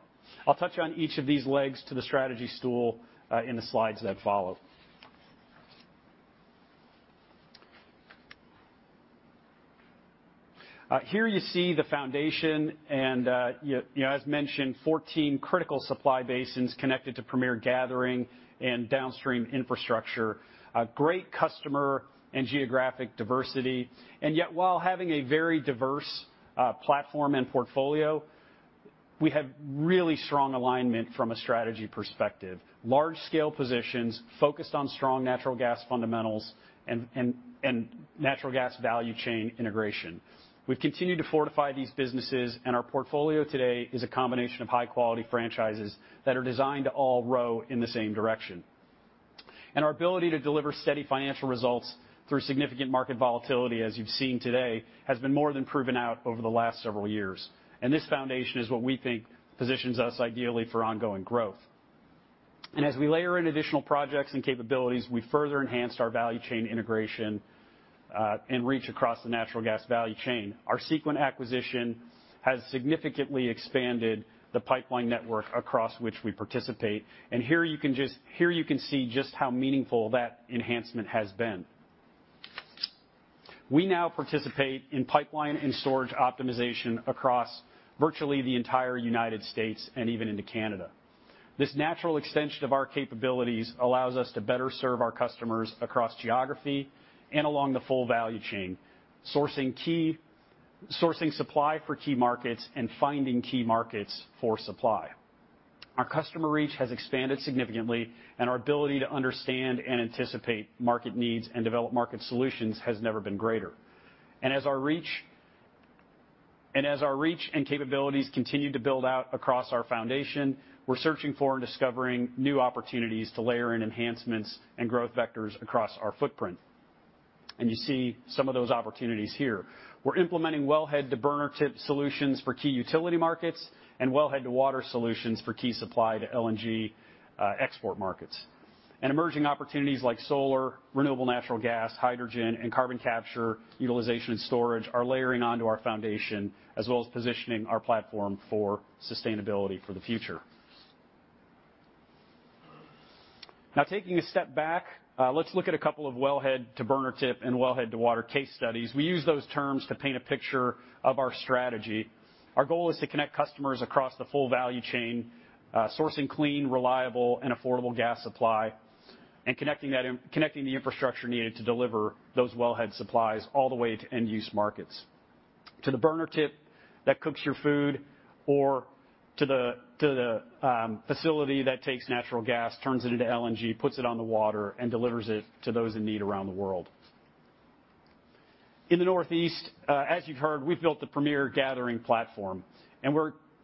Speaker 6: I'll touch on each of these legs to the strategy stool in the slides that follow. Here you see the foundation and, as mentioned, 14 critical supply basins connected to premier gathering and downstream infrastructure. A great customer and geographic diversity. Yet while having a very diverse platform and portfolio, we have really strong alignment from a strategy perspective. Large-scale positions focused on strong natural gas fundamentals and natural gas value chain integration. We've continued to fortify these businesses, and our portfolio today is a combination of high-quality franchises that are designed to all row in the same direction. Our ability to deliver steady financial results through significant market volatility, as you've seen today, has been more than proven out over the last several years. This foundation is what we think positions us ideally for ongoing growth. As we layer in additional projects and capabilities, we further enhanced our value chain integration, and reach across the natural gas value chain. Our Sequent acquisition has significantly expanded the pipeline network across which we participate. Here you can see just how meaningful that enhancement has been. We now participate in pipeline and storage optimization across virtually the entire United States and even into Canada. This natural extension of our capabilities allows us to better serve our customers across geography and along the full value chain, sourcing supply for key markets and finding key markets for supply. Our customer reach has expanded significantly, and our ability to understand and anticipate market needs and develop market solutions has never been greater. As our reach and capabilities continue to build out across our foundation, we're searching for and discovering new opportunities to layer in enhancements and growth vectors across our footprint. You see some of those opportunities here. We're implementing wellhead-to-burner-tip solutions for key utility markets and well-head-to-water solutions for key supply to LNG export markets. Emerging opportunities like solar, renewable natural gas, hydrogen, and carbon capture, utilization, and storage are layering onto our foundation as well as positioning our platform for sustainability for the future. Now, taking a step back, let's look at a couple of wellhead-to-burner-tip and wellhead-to-water case studies. We use those terms to paint a picture of our strategy. Our goal is to connect customers across the full value chain, sourcing clean, reliable, and affordable gas supply, and connecting the infrastructure needed to deliver those well head supplies all the way to end-use markets. To the burner tip that cooks your food, or to the facility that takes natural gas, turns it into LNG, puts it on the water, and delivers it to those in need around the world. In the Northeast, as you've heard, we've built the premier gathering platform, and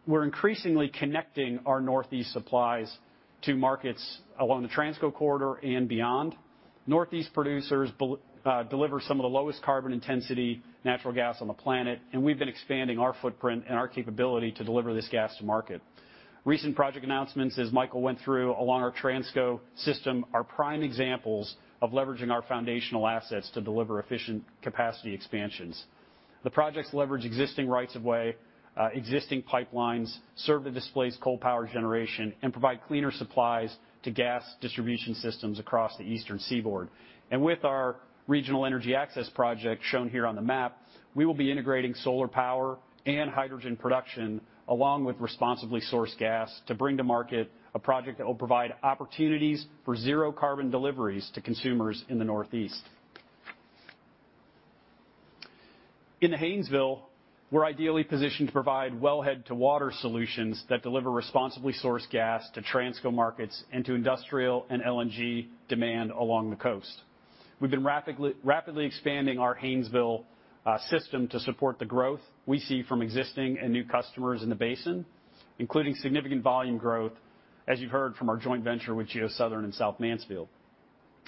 Speaker 6: we're increasingly connecting our Northeast supplies to markets along the Transco corridor and beyond. Northeast producers deliver some of the lowest carbon intensity natural gas on the planet, and we've been expanding our footprint and our capability to deliver this gas to market. Recent project announcements, as Michael went through, along our Transco system are prime examples of leveraging our foundational assets to deliver efficient capacity expansions. The projects leverage existing rights of way, existing pipelines, serve to displace coal power generation, and provide cleaner supplies to gas distribution systems across the eastern seaboard. With our Regional Energy Access project shown here on the map, we will be integrating solar power and hydrogen production along with responsibly sourced gas to bring to market a project that will provide opportunities for zero carbon deliveries to consumers in the Northeast. In the Haynesville, we're ideally positioned to provide well head to water solutions that deliver responsibly sourced gas to Transco markets and to industrial and LNG demand along the coast. We've been rapidly expanding our Haynesville system to support the growth we see from existing and new customers in the basin, including significant volume growth, as you've heard from our joint venture with GeoSouthern and South Mansfield.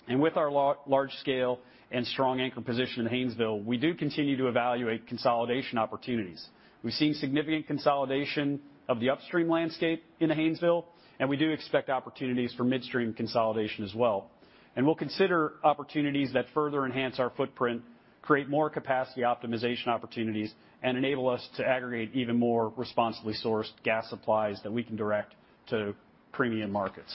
Speaker 6: With our large scale and strong anchor position in Haynesville, we do continue to evaluate consolidation opportunities. We've seen significant consolidation of the upstream landscape in the Haynesville, and we do expect opportunities for midstream consolidation as well. We'll consider opportunities that further enhance our footprint, create more capacity optimization opportunities, and enable us to aggregate even more responsibly sourced gas supplies that we can direct to premium markets.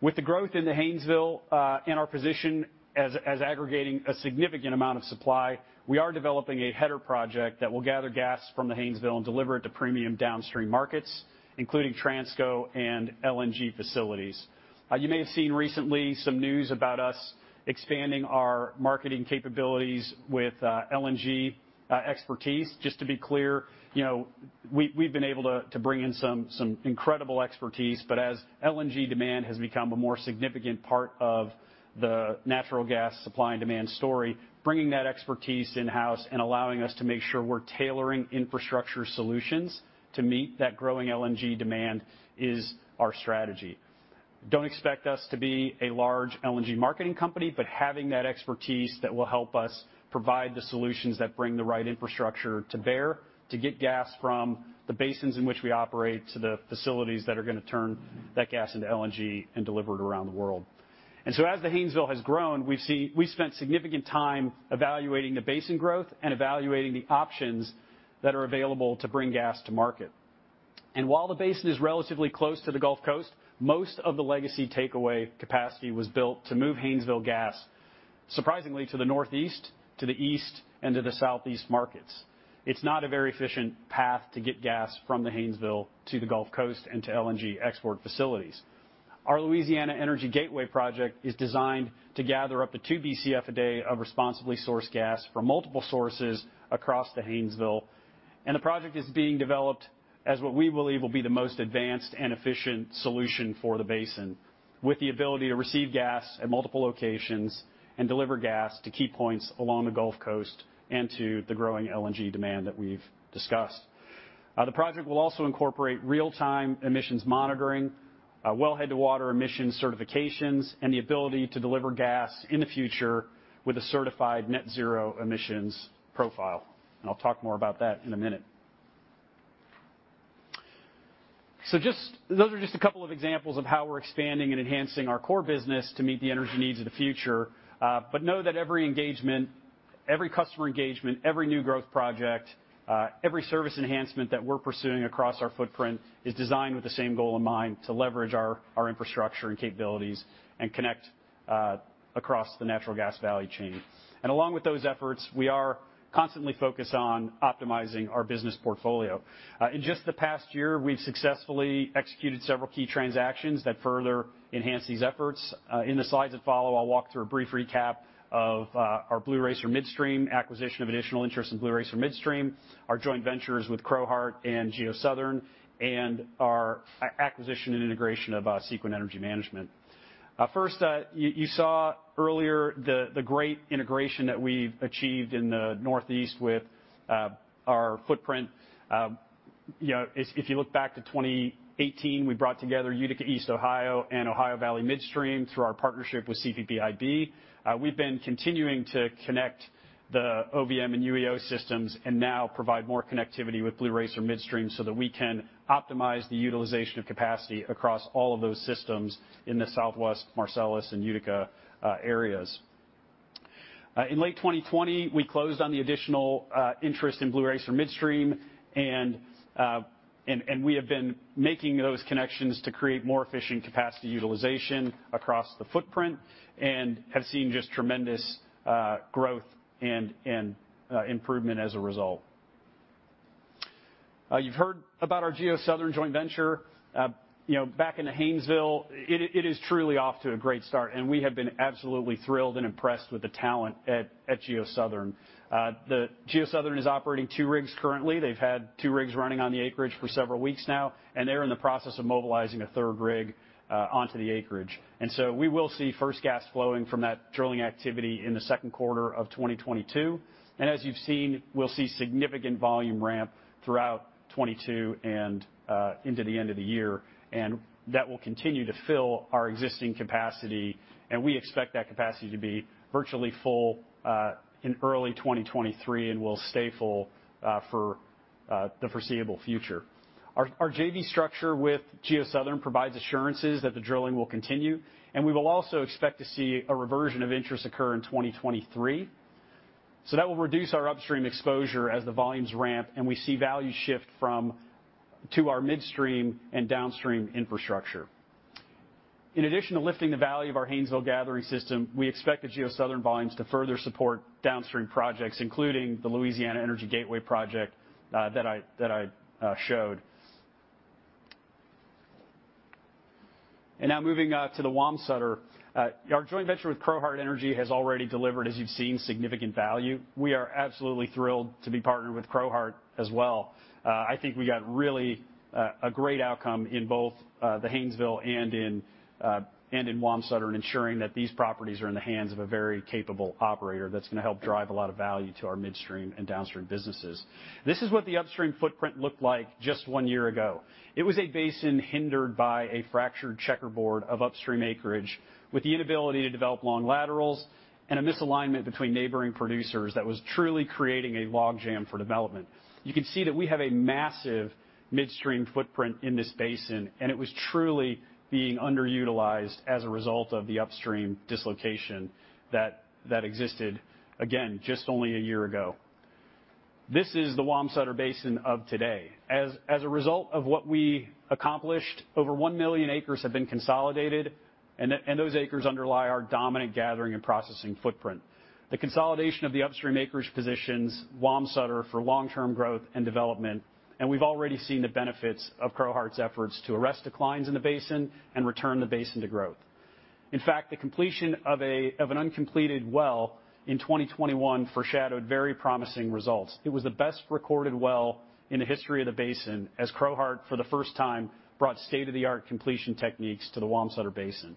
Speaker 6: With the growth in the Haynesville, and our position as aggregating a significant amount of supply, we are developing a header project that will gather gas from the Haynesville and deliver it to premium downstream markets, including Transco and LNG facilities. You may have seen recently some news about us expanding our marketing capabilities with LNG expertise. Just to be clear, you know, we've been able to bring in some incredible expertise, but as LNG demand has become a more significant part of the natural gas supply and demand story, bringing that expertise in-house and allowing us to make sure we're tailoring infrastructure solutions to meet that growing LNG demand is our strategy. Don't expect us to be a large LNG marketing company, but having that expertise that will help us provide the solutions that bring the right infrastructure to bear to get gas from the basins in which we operate to the facilities that are gonna turn that gas into LNG and deliver it around the world. As the Haynesville has grown, we've spent significant time evaluating the basin growth and evaluating the options that are available to bring gas to market. While the basin is relatively close to the Gulf Coast, most of the legacy takeaway capacity was built to move Haynesville gas, surprisingly, to the Northeast, to the East, and to the Southeast markets. It's not a very efficient path to get gas from the Haynesville to the Gulf Coast and to LNG export facilities. Our Louisiana Energy Gateway project is designed to gather up to 2 Bcf a day of responsibly sourced gas from multiple sources across the Haynesville, and the project is being developed as what we believe will be the most advanced and efficient solution for the basin, with the ability to receive gas at multiple locations and deliver gas to key points along the Gulf Coast and to the growing LNG demand that we've discussed. The project will also incorporate real-time emissions monitoring, well head-to-water emissions certifications, and the ability to deliver gas in the future with a certified net zero emissions profile. I'll talk more about that in a minute. Those are just a couple of examples of how we're expanding and enhancing our core business to meet the energy needs of the future. Know that every engagement, every customer engagement, every new growth project, every service enhancement that we're pursuing across our footprint is designed with the same goal in mind, to leverage our infrastructure and capabilities and connect across the natural gas value chain. Along with those efforts, we are constantly focused on optimizing our business portfolio. In just the past year, we've successfully executed several key transactions that further enhance these efforts. In the slides that follow, I'll walk through a brief recap of our Blue Racer Midstream acquisition of additional interests in Blue Racer Midstream, our joint ventures with Crowheart and GeoSouthern, and our acquisition and integration of Sequent Energy Management. First, you saw earlier the great integration that we've achieved in the Northeast with our footprint. You know, if you look back to 2018, we brought together Utica East Ohio and Ohio Valley Midstream through our partnership with CPPIB. We've been continuing to connect the OVM and UEO systems, and now provide more connectivity with Blue Racer Midstream so that we can optimize the utilization of capacity across all of those systems in the Southwest Marcellus and Utica areas. In late 2020, we closed on the additional interest in Blue Racer Midstream, and we have been making those connections to create more efficient capacity utilization across the footprint and have seen just tremendous growth and improvement as a result. You've heard about our GeoSouthern joint venture. You know, back in the Haynesville, it is truly off to a great start, and we have been absolutely thrilled and impressed with the talent at GeoSouthern. GeoSouthern is operating two rigs currently. They've had two rigs running on the acreage for several weeks now, and they're in the process of mobilizing a third rig onto the acreage. We will see first gas flowing from that drilling activity in the Q2 of 2022. As you've seen, we'll see significant volume ramp throughout 2022 and into the end of the year. That will continue to fill our existing capacity, and we expect that capacity to be virtually full in early 2023, and will stay full for the foreseeable future. Our JV structure with GeoSouthern provides assurances that the drilling will continue, and we will also expect to see a reversion of interest occur in 2023. That will reduce our upstream exposure as the volumes ramp and we see value shift from upstream to our midstream and downstream infrastructure. In addition to lifting the value of our Haynesville gathering system, we expect the GeoSouthern volumes to further support downstream projects, including the Louisiana Energy Gateway project that I showed. Now moving to the Wamsutter. Our joint venture with Crowheart Energy has already delivered, as you've seen, significant value. We are absolutely thrilled to be partnered with Crowheart as well. I think we got really a great outcome in both the Haynesville and in Wamsutter in ensuring that these properties are in the hands of a very capable operator that's gonna help drive a lot of value to our midstream and downstream businesses. This is what the upstream footprint looked like just one year ago. It was a basin hindered by a fractured checkerboard of upstream acreage with the inability to develop long laterals and a misalignment between neighboring producers that was truly creating a logjam for development. You can see that we have a massive midstream footprint in this basin, and it was truly being underutilized as a result of the upstream dislocation that existed, again, just only a year ago. This is the Wamsutter Basin of today. As a result of what we accomplished, over 1 million acres have been consolidated, and those acres underlie our dominant gathering and processing footprint. The consolidation of the upstream acreage positions Wamsutter for long-term growth and development, and we've already seen the benefits of Crowheart's efforts to arrest declines in the basin and return the basin to growth. In fact, the completion of an uncompleted well in 2021 foreshadowed very promising results. It was the best recorded well in the history of the basin as Crowheart, for the first time, brought state-of-the-art completion techniques to the Wamsutter Basin.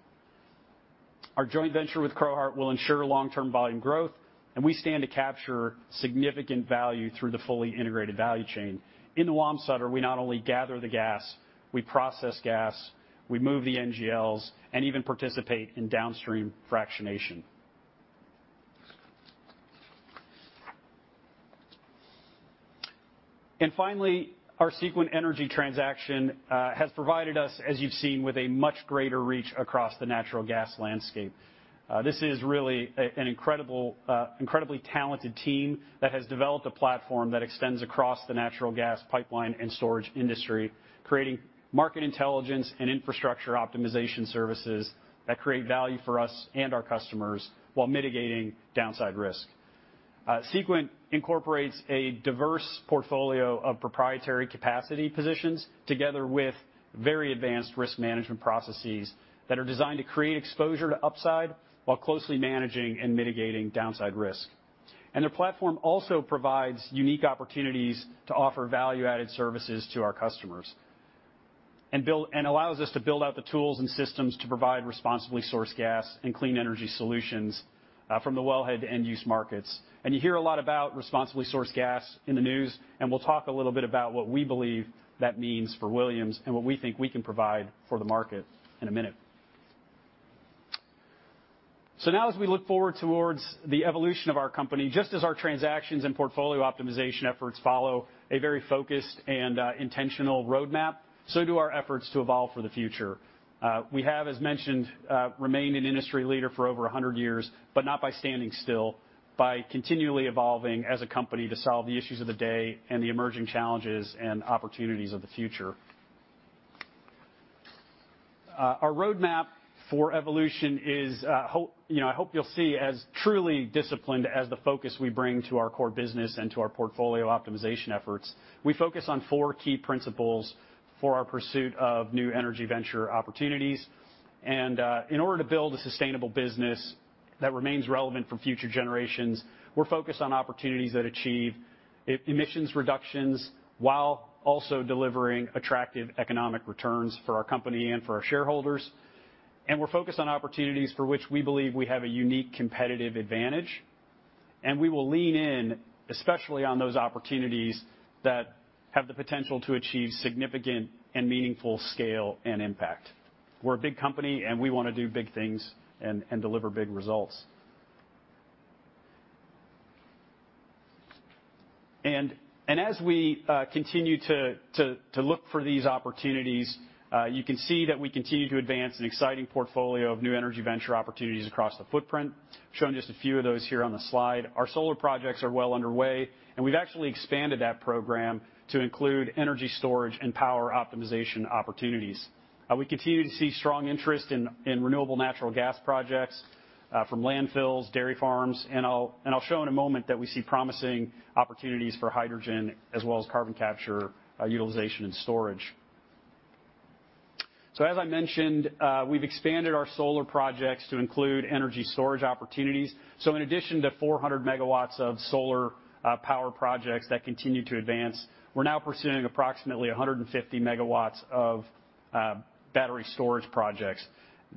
Speaker 6: Our joint venture with Crowheart will ensure long-term volume growth, and we stand to capture significant value through the fully integrated value chain. In the Wamsutter, we not only gather the gas, we process gas, we move the NGLs, and even participate in downstream fractionation. Finally, our Sequent Energy transaction has provided us, as you've seen, with a much greater reach across the natural gas landscape. This is really an incredible, incredibly talented team that has developed a platform that extends across the natural gas pipeline and storage industry, creating market intelligence and infrastructure optimization services that create value for us and our customers while mitigating downside risk. Sequent incorporates a diverse portfolio of proprietary capacity positions together with very advanced risk management processes that are designed to create exposure to upside while closely managing and mitigating downside risk. Their platform also provides unique opportunities to offer value-added services to our customers and allows us to build out the tools and systems to provide responsibly sourced gas and clean energy solutions, from the wellhead to end-use markets. You hear a lot about responsibly sourced gas in the news, and we'll talk a little bit about what we believe that means for Williams and what we think we can provide for the market in a minute. Now as we look forward towards the evolution of our company, just as our transactions and portfolio optimization efforts follow a very focused and, intentional roadmap, so do our efforts to evolve for the future. We have, as mentioned, remained an industry leader for over 100 years, but not by standing still, by continually evolving as a company to solve the issues of the day and the emerging challenges and opportunities of the future. Our roadmap for evolution is I hope you'll see as truly disciplined as the focus we bring to our core business and to our portfolio optimization efforts. We focus on 4 key principles for our pursuit of new energy venture opportunities. In order to build a sustainable business that remains relevant for future generations, we're focused on opportunities that achieve emissions reductions while also delivering attractive economic returns for our company and for our shareholders. We're focused on opportunities for which we believe we have a unique competitive advantage, and we will lean in, especially on those opportunities that have the potential to achieve significant and meaningful scale and impact. We're a big company, and we wanna do big things and deliver big results. As we continue to look for these opportunities, you can see that we continue to advance an exciting portfolio of new energy venture opportunities across the footprint. Showing just a few of those here on the slide. Our solar projects are well underway, and we've actually expanded that program to include energy storage and power optimization opportunities. We continue to see strong interest in renewable natural gas projects from landfills, dairy farms, and I'll show in a moment that we see promising opportunities for hydrogen as well as carbon capture, utilization and storage. As I mentioned, we've expanded our solar projects to include energy storage opportunities. In addition to 400 MW of solar power projects that continue to advance, we're now pursuing approximately 150 MW of battery storage projects.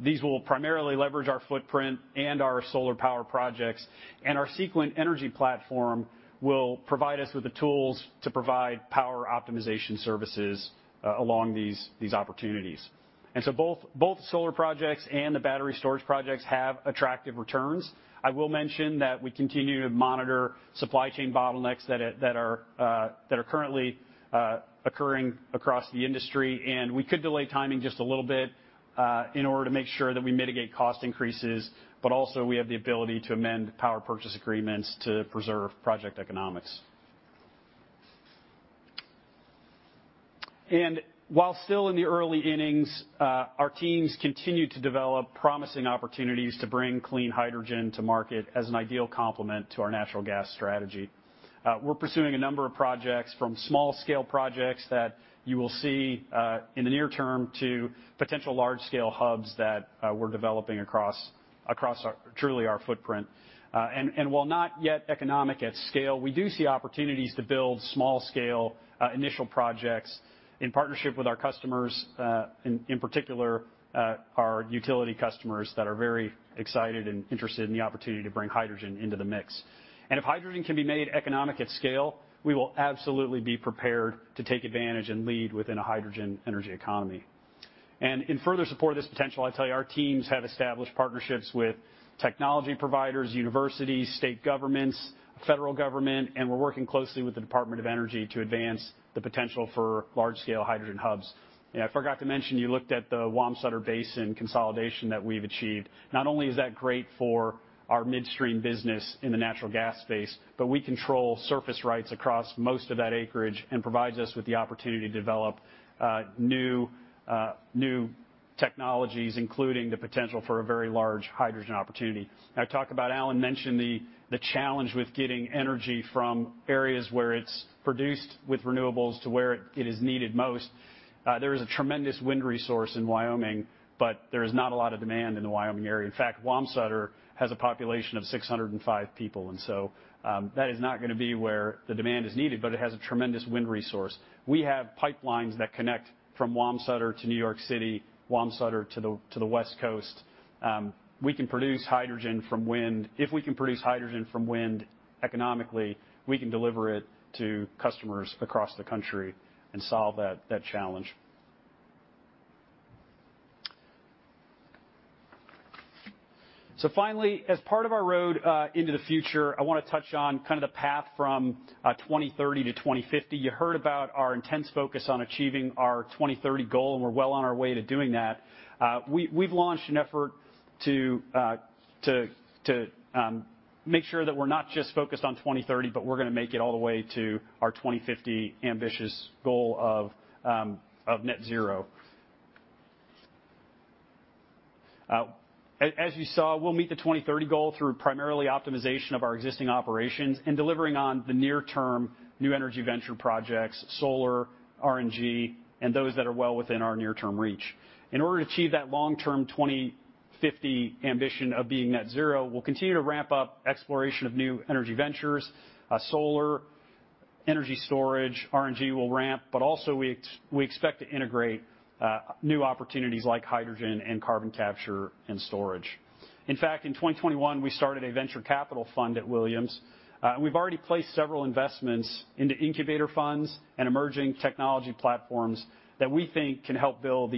Speaker 6: These will primarily leverage our footprint and our solar power projects, and our Sequent energy platform will provide us with the tools to provide power optimization services along these opportunities. Both solar projects and the battery storage projects have attractive returns. I will mention that we continue to monitor supply chain bottlenecks that are currently occurring across the industry, and we could delay timing just a little bit in order to make sure that we mitigate cost increases, but also we have the ability to amend power purchase agreements to preserve project economics. While still in the early innings, our teams continue to develop promising opportunities to bring clean hydrogen to market as an ideal complement to our natural gas strategy. We're pursuing a number of projects from small-scale projects that you will see in the near term to potential large-scale hubs that we're developing across our footprint. While not yet economic at scale, we do see opportunities to build small-scale initial projects in partnership with our customers, in particular, our utility customers that are very excited and interested in the opportunity to bring hydrogen into the mix. If hydrogen can be made economic at scale, we will absolutely be prepared to take advantage and lead within a hydrogen energy economy. In further support of this potential, I tell you, our teams have established partnerships with technology providers, universities, state governments, federal government, and we're working closely with the Department of Energy to advance the potential for large-scale hydrogen hubs. I forgot to mention, you looked at the Wamsutter Basin consolidation that we've achieved. Not only is that great for our midstream business in the natural gas space, but we control surface rights across most of that acreage, and provides us with the opportunity to develop new technologies, including the potential for a very large hydrogen opportunity. I've talked about, Alan mentioned the challenge with getting energy from areas where it's produced with renewables to where it is needed most. There is a tremendous wind resource in Wyoming, but there is not a lot of demand in the Wyoming area. In fact, Wamsutter has a population of 605 people, and so that is not gonna be where the demand is needed, but it has a tremendous wind resource. We have pipelines that connect from Wamsutter to New York City, Wamsutter to the West Coast. We can produce hydrogen from wind. If we can produce hydrogen from wind economically, we can deliver it to customers across the country and solve that challenge. Finally, as part of our road into the future, I wanna touch on kind of the path from 2030 to 2050. You heard about our intense focus on achieving our 2030 goal, and we're well on our way to doing that. We've launched an effort to make sure that we're not just focused on 2030, but we're gonna make it all the way to our 2050 ambitious goal of net zero. As you saw, we'll meet the 2030 goal through primarily optimization of our existing operations and delivering on the near-term new energy venture projects, solar, RNG, and those that are well within our near-term reach. In order to achieve that long-term 2050 ambition of being net zero, we'll continue to ramp up exploration of new energy ventures, solar, energy storage, RNG will ramp, but also we expect to integrate new opportunities like hydrogen and carbon capture and storage. In fact, in 2021, we started a venture capital fund at Williams, and we've already placed several investments into incubator funds and emerging technology platforms that we think can help build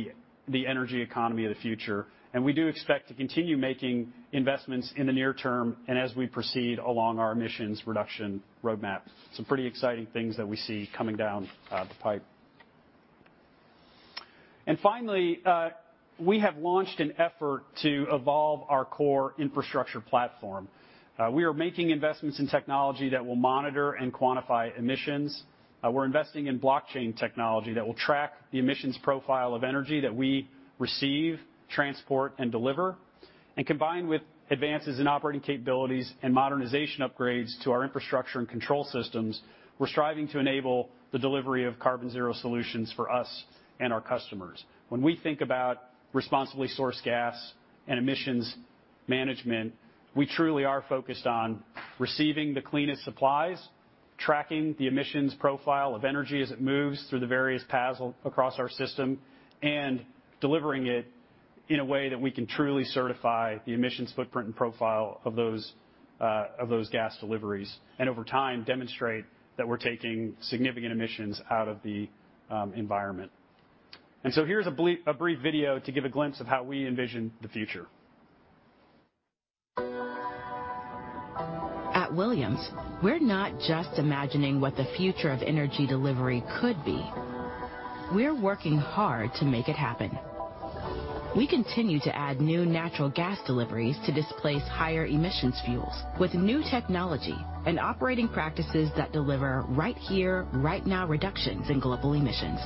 Speaker 6: the energy economy of the future. We do expect to continue making investments in the near term and as we proceed along our emissions reduction roadmap. Some pretty exciting things that we see coming down the pipe. Finally, we have launched an effort to evolve our core infrastructure platform. We are making investments in technology that will monitor and quantify emissions. We're investing in blockchain technology that will track the emissions profile of energy that we receive, transport, and deliver. Combined with advances in operating capabilities and modernization upgrades to our infrastructure and control systems, we're striving to enable the delivery of carbon zero solutions for us and our customers. When we think about responsibly sourced gas and emissions management, we truly are focused on receiving the cleanest supplies, tracking the emissions profile of energy as it moves through the various paths across our system, and delivering it in a way that we can truly certify the emissions footprint and profile of those gas deliveries, and over time, demonstrate that we're taking significant emissions out of the environment. Here's a brief video to give a glimpse of how we envision the future.
Speaker 7: At Williams, we're not just imagining what the future of energy delivery could be. We're working hard to make it happen. We continue to add new natural gas deliveries to displace higher emissions fuels with new technology and operating practices that deliver right here, right now reductions in global emissions.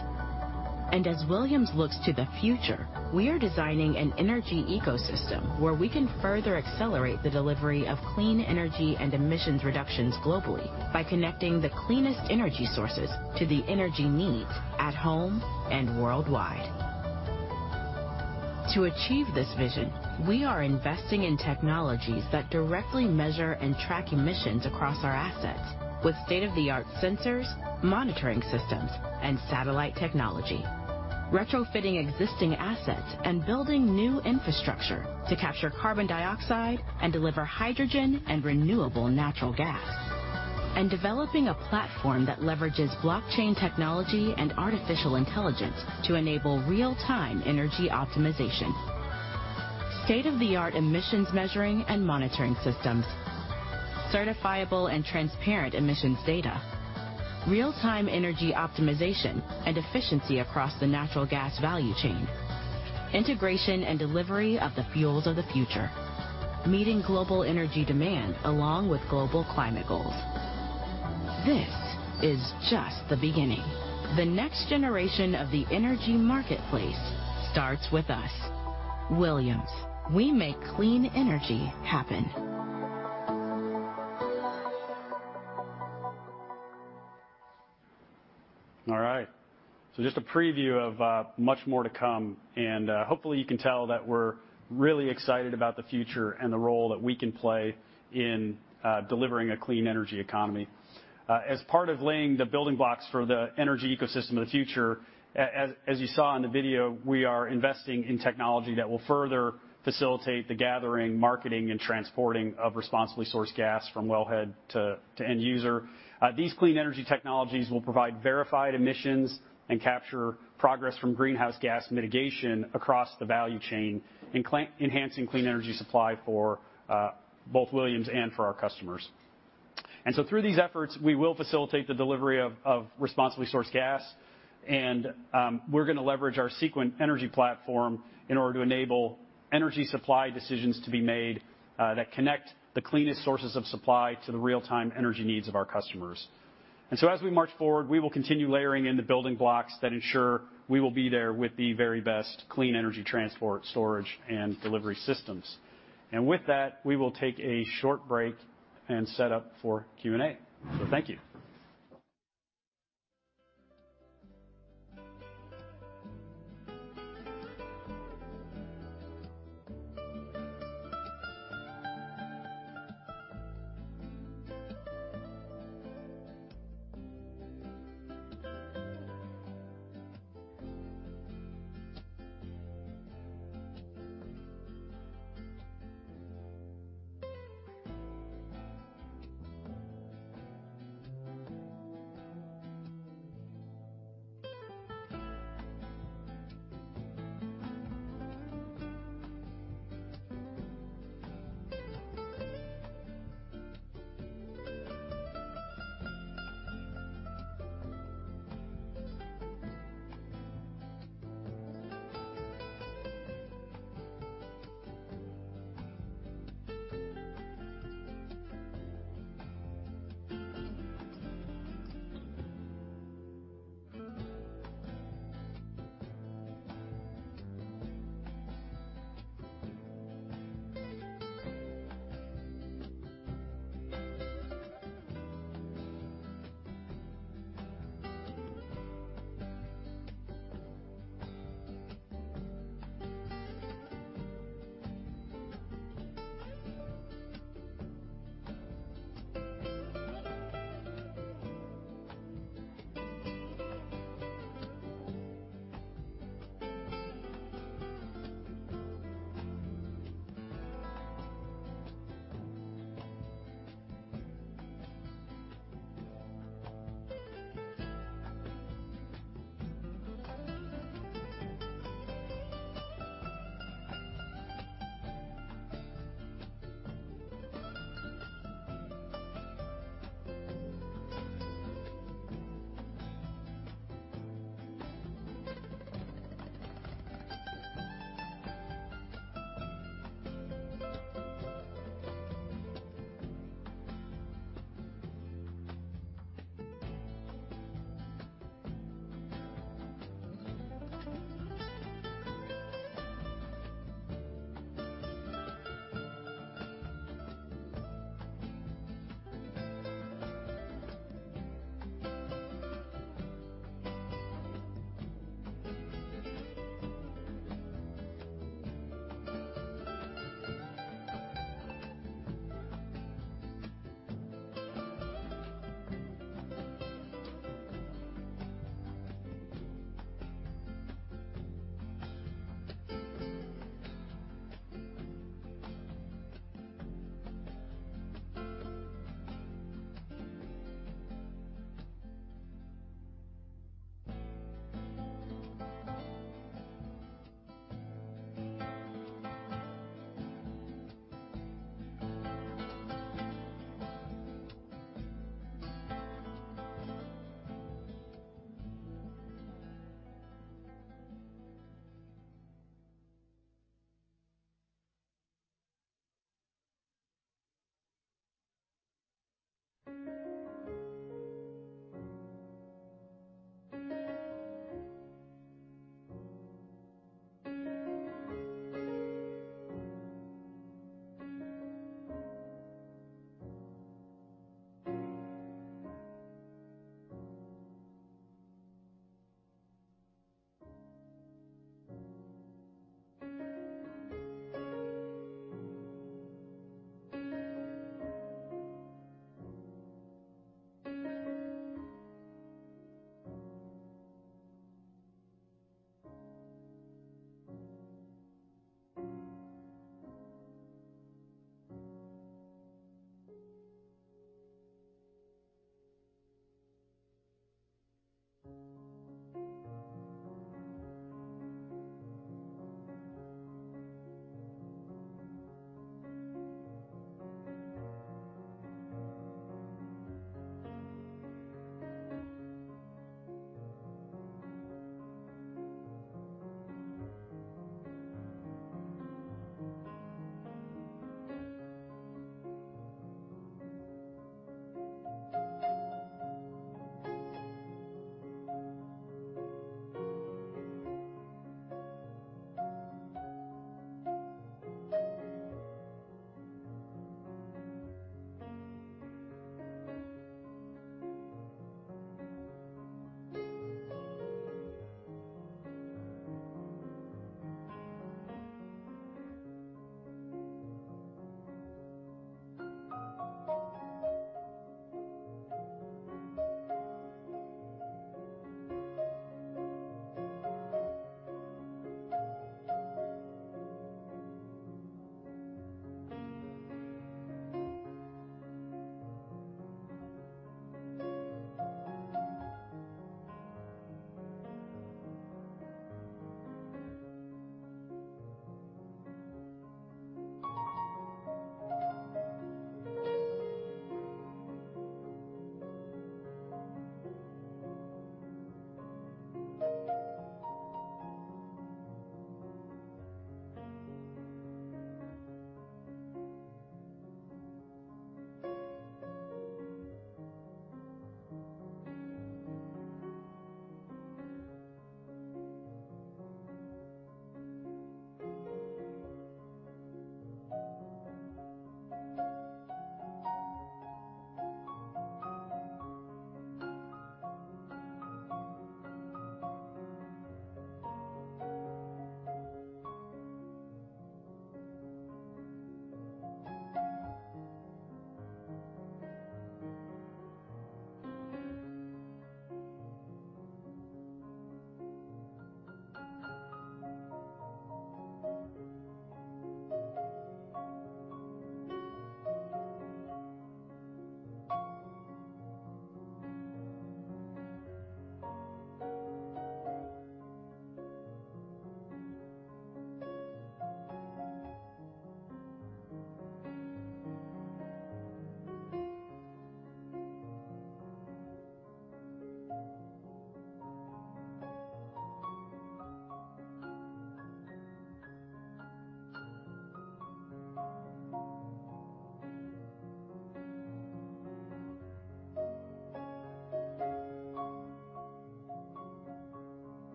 Speaker 7: As Williams looks to the future, we are designing an energy ecosystem where we can further accelerate the delivery of clean energy and emissions reductions globally by connecting the cleanest energy sources to the energy needs at home and worldwide. To achieve this vision, we are investing in technologies that directly measure and track emissions across our assets with state-of-the-art sensors, monitoring systems, and satellite technology, retrofitting existing assets and building new infrastructure to capture carbon dioxide and deliver hydrogen and renewable natural gas. Developing a platform that leverages blockchain technology and artificial intelligence to enable real-time energy optimization. State-of-the-art emissions measuring and monitoring systems. Certifiable and transparent emissions data. Real-time energy optimization and efficiency across the natural gas value chain. Integration and delivery of the fuels of the future. Meeting global energy demand along with global climate goals. This is just the beginning. The next generation of the energy marketplace starts with us. Williams, we make clean energy happen.
Speaker 6: All right. Just a preview of much more to come, and hopefully you can tell that we're really excited about the future and the role that we can play in delivering a clean energy economy. As part of laying the building blocks for the energy ecosystem of the future, as you saw in the video, we are investing in technology that will further facilitate the gathering, marketing, and transporting of responsibly sourced gas from wellhead to end user. These clean energy technologies will provide verified emissions and capture progress from greenhouse gas mitigation across the value chain, enhancing clean energy supply for both Williams and for our customers. Through these efforts, we will facilitate the delivery of responsibly sourced gas, and we're gonna leverage our Sequent Energy platform in order to enable energy supply decisions to be made that connect the cleanest sources of supply to the real-time energy needs of our customers. As we march forward, we will continue layering in the building blocks that ensure we will be there with the very best clean energy transport, storage, and delivery systems. With that, we will take a short break and set up for Q&A. Thank you.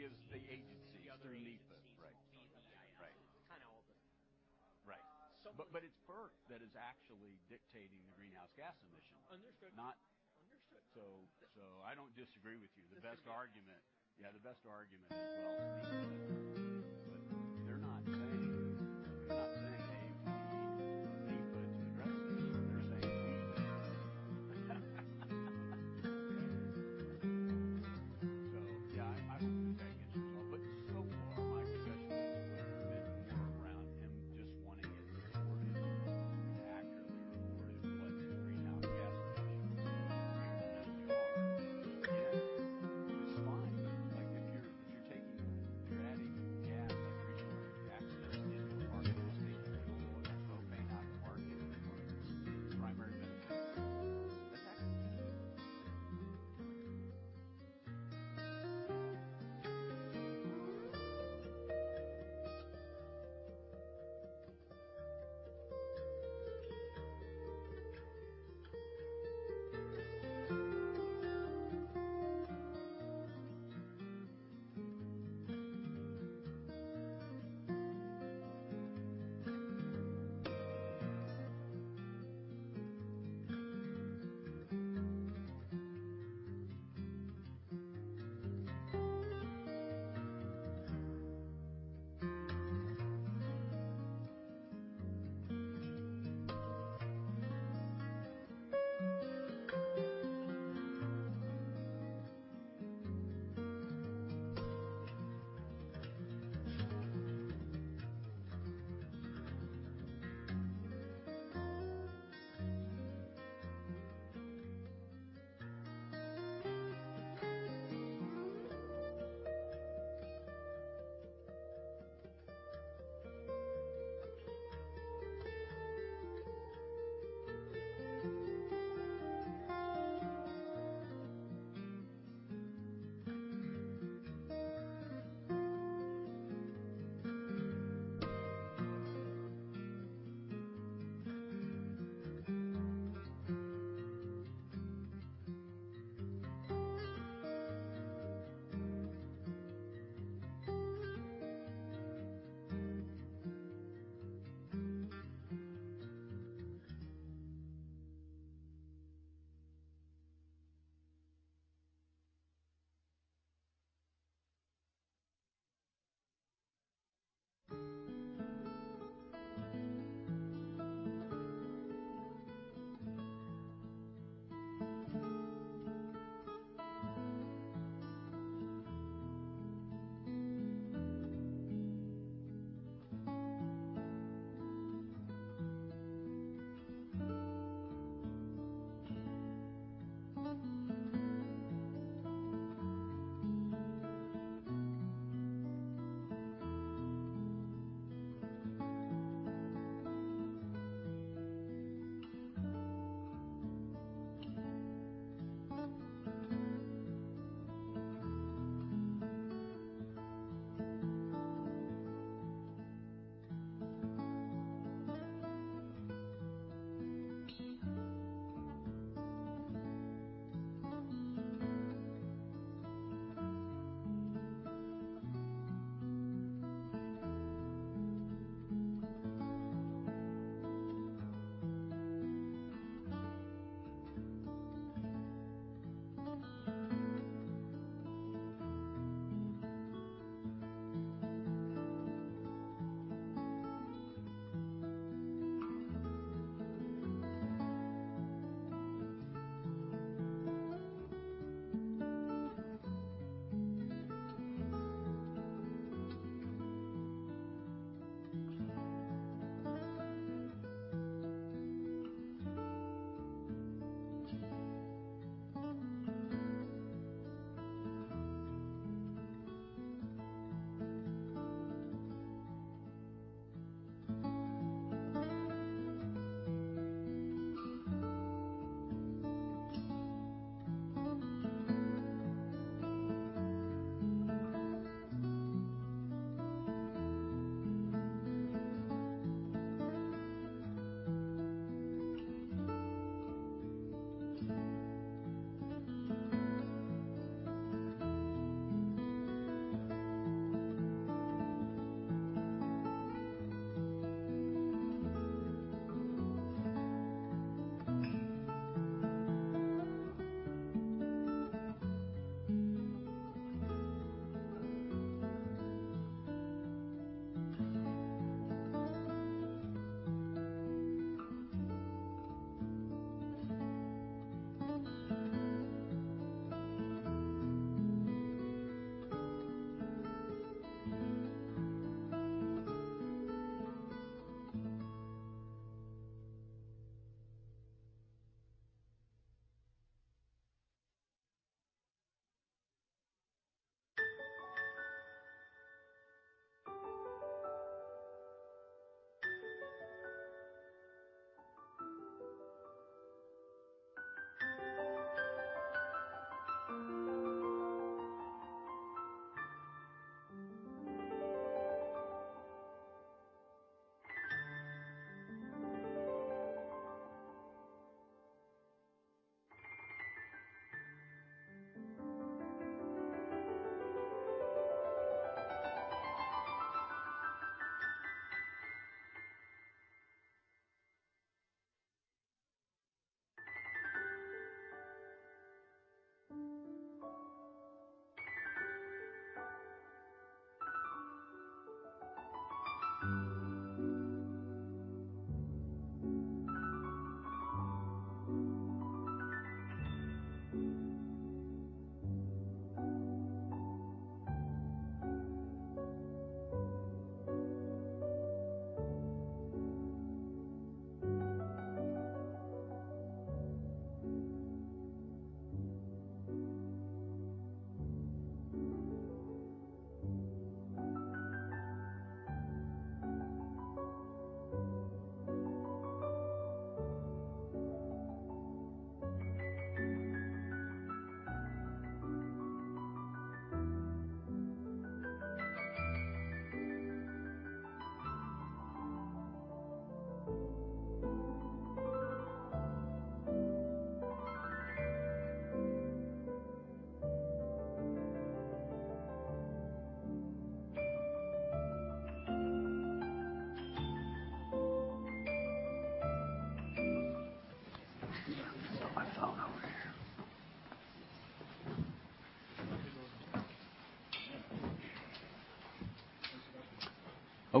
Speaker 8: Right. It gives the agencies through NEPA. The other agencies, EPA, kind of all the. It's FERC that is actually dictating the greenhouse gas emission. Understood. I don't disagree with you. The best argument, yeah, is, well, speak to it. They're not saying, "Hey, we need NEPA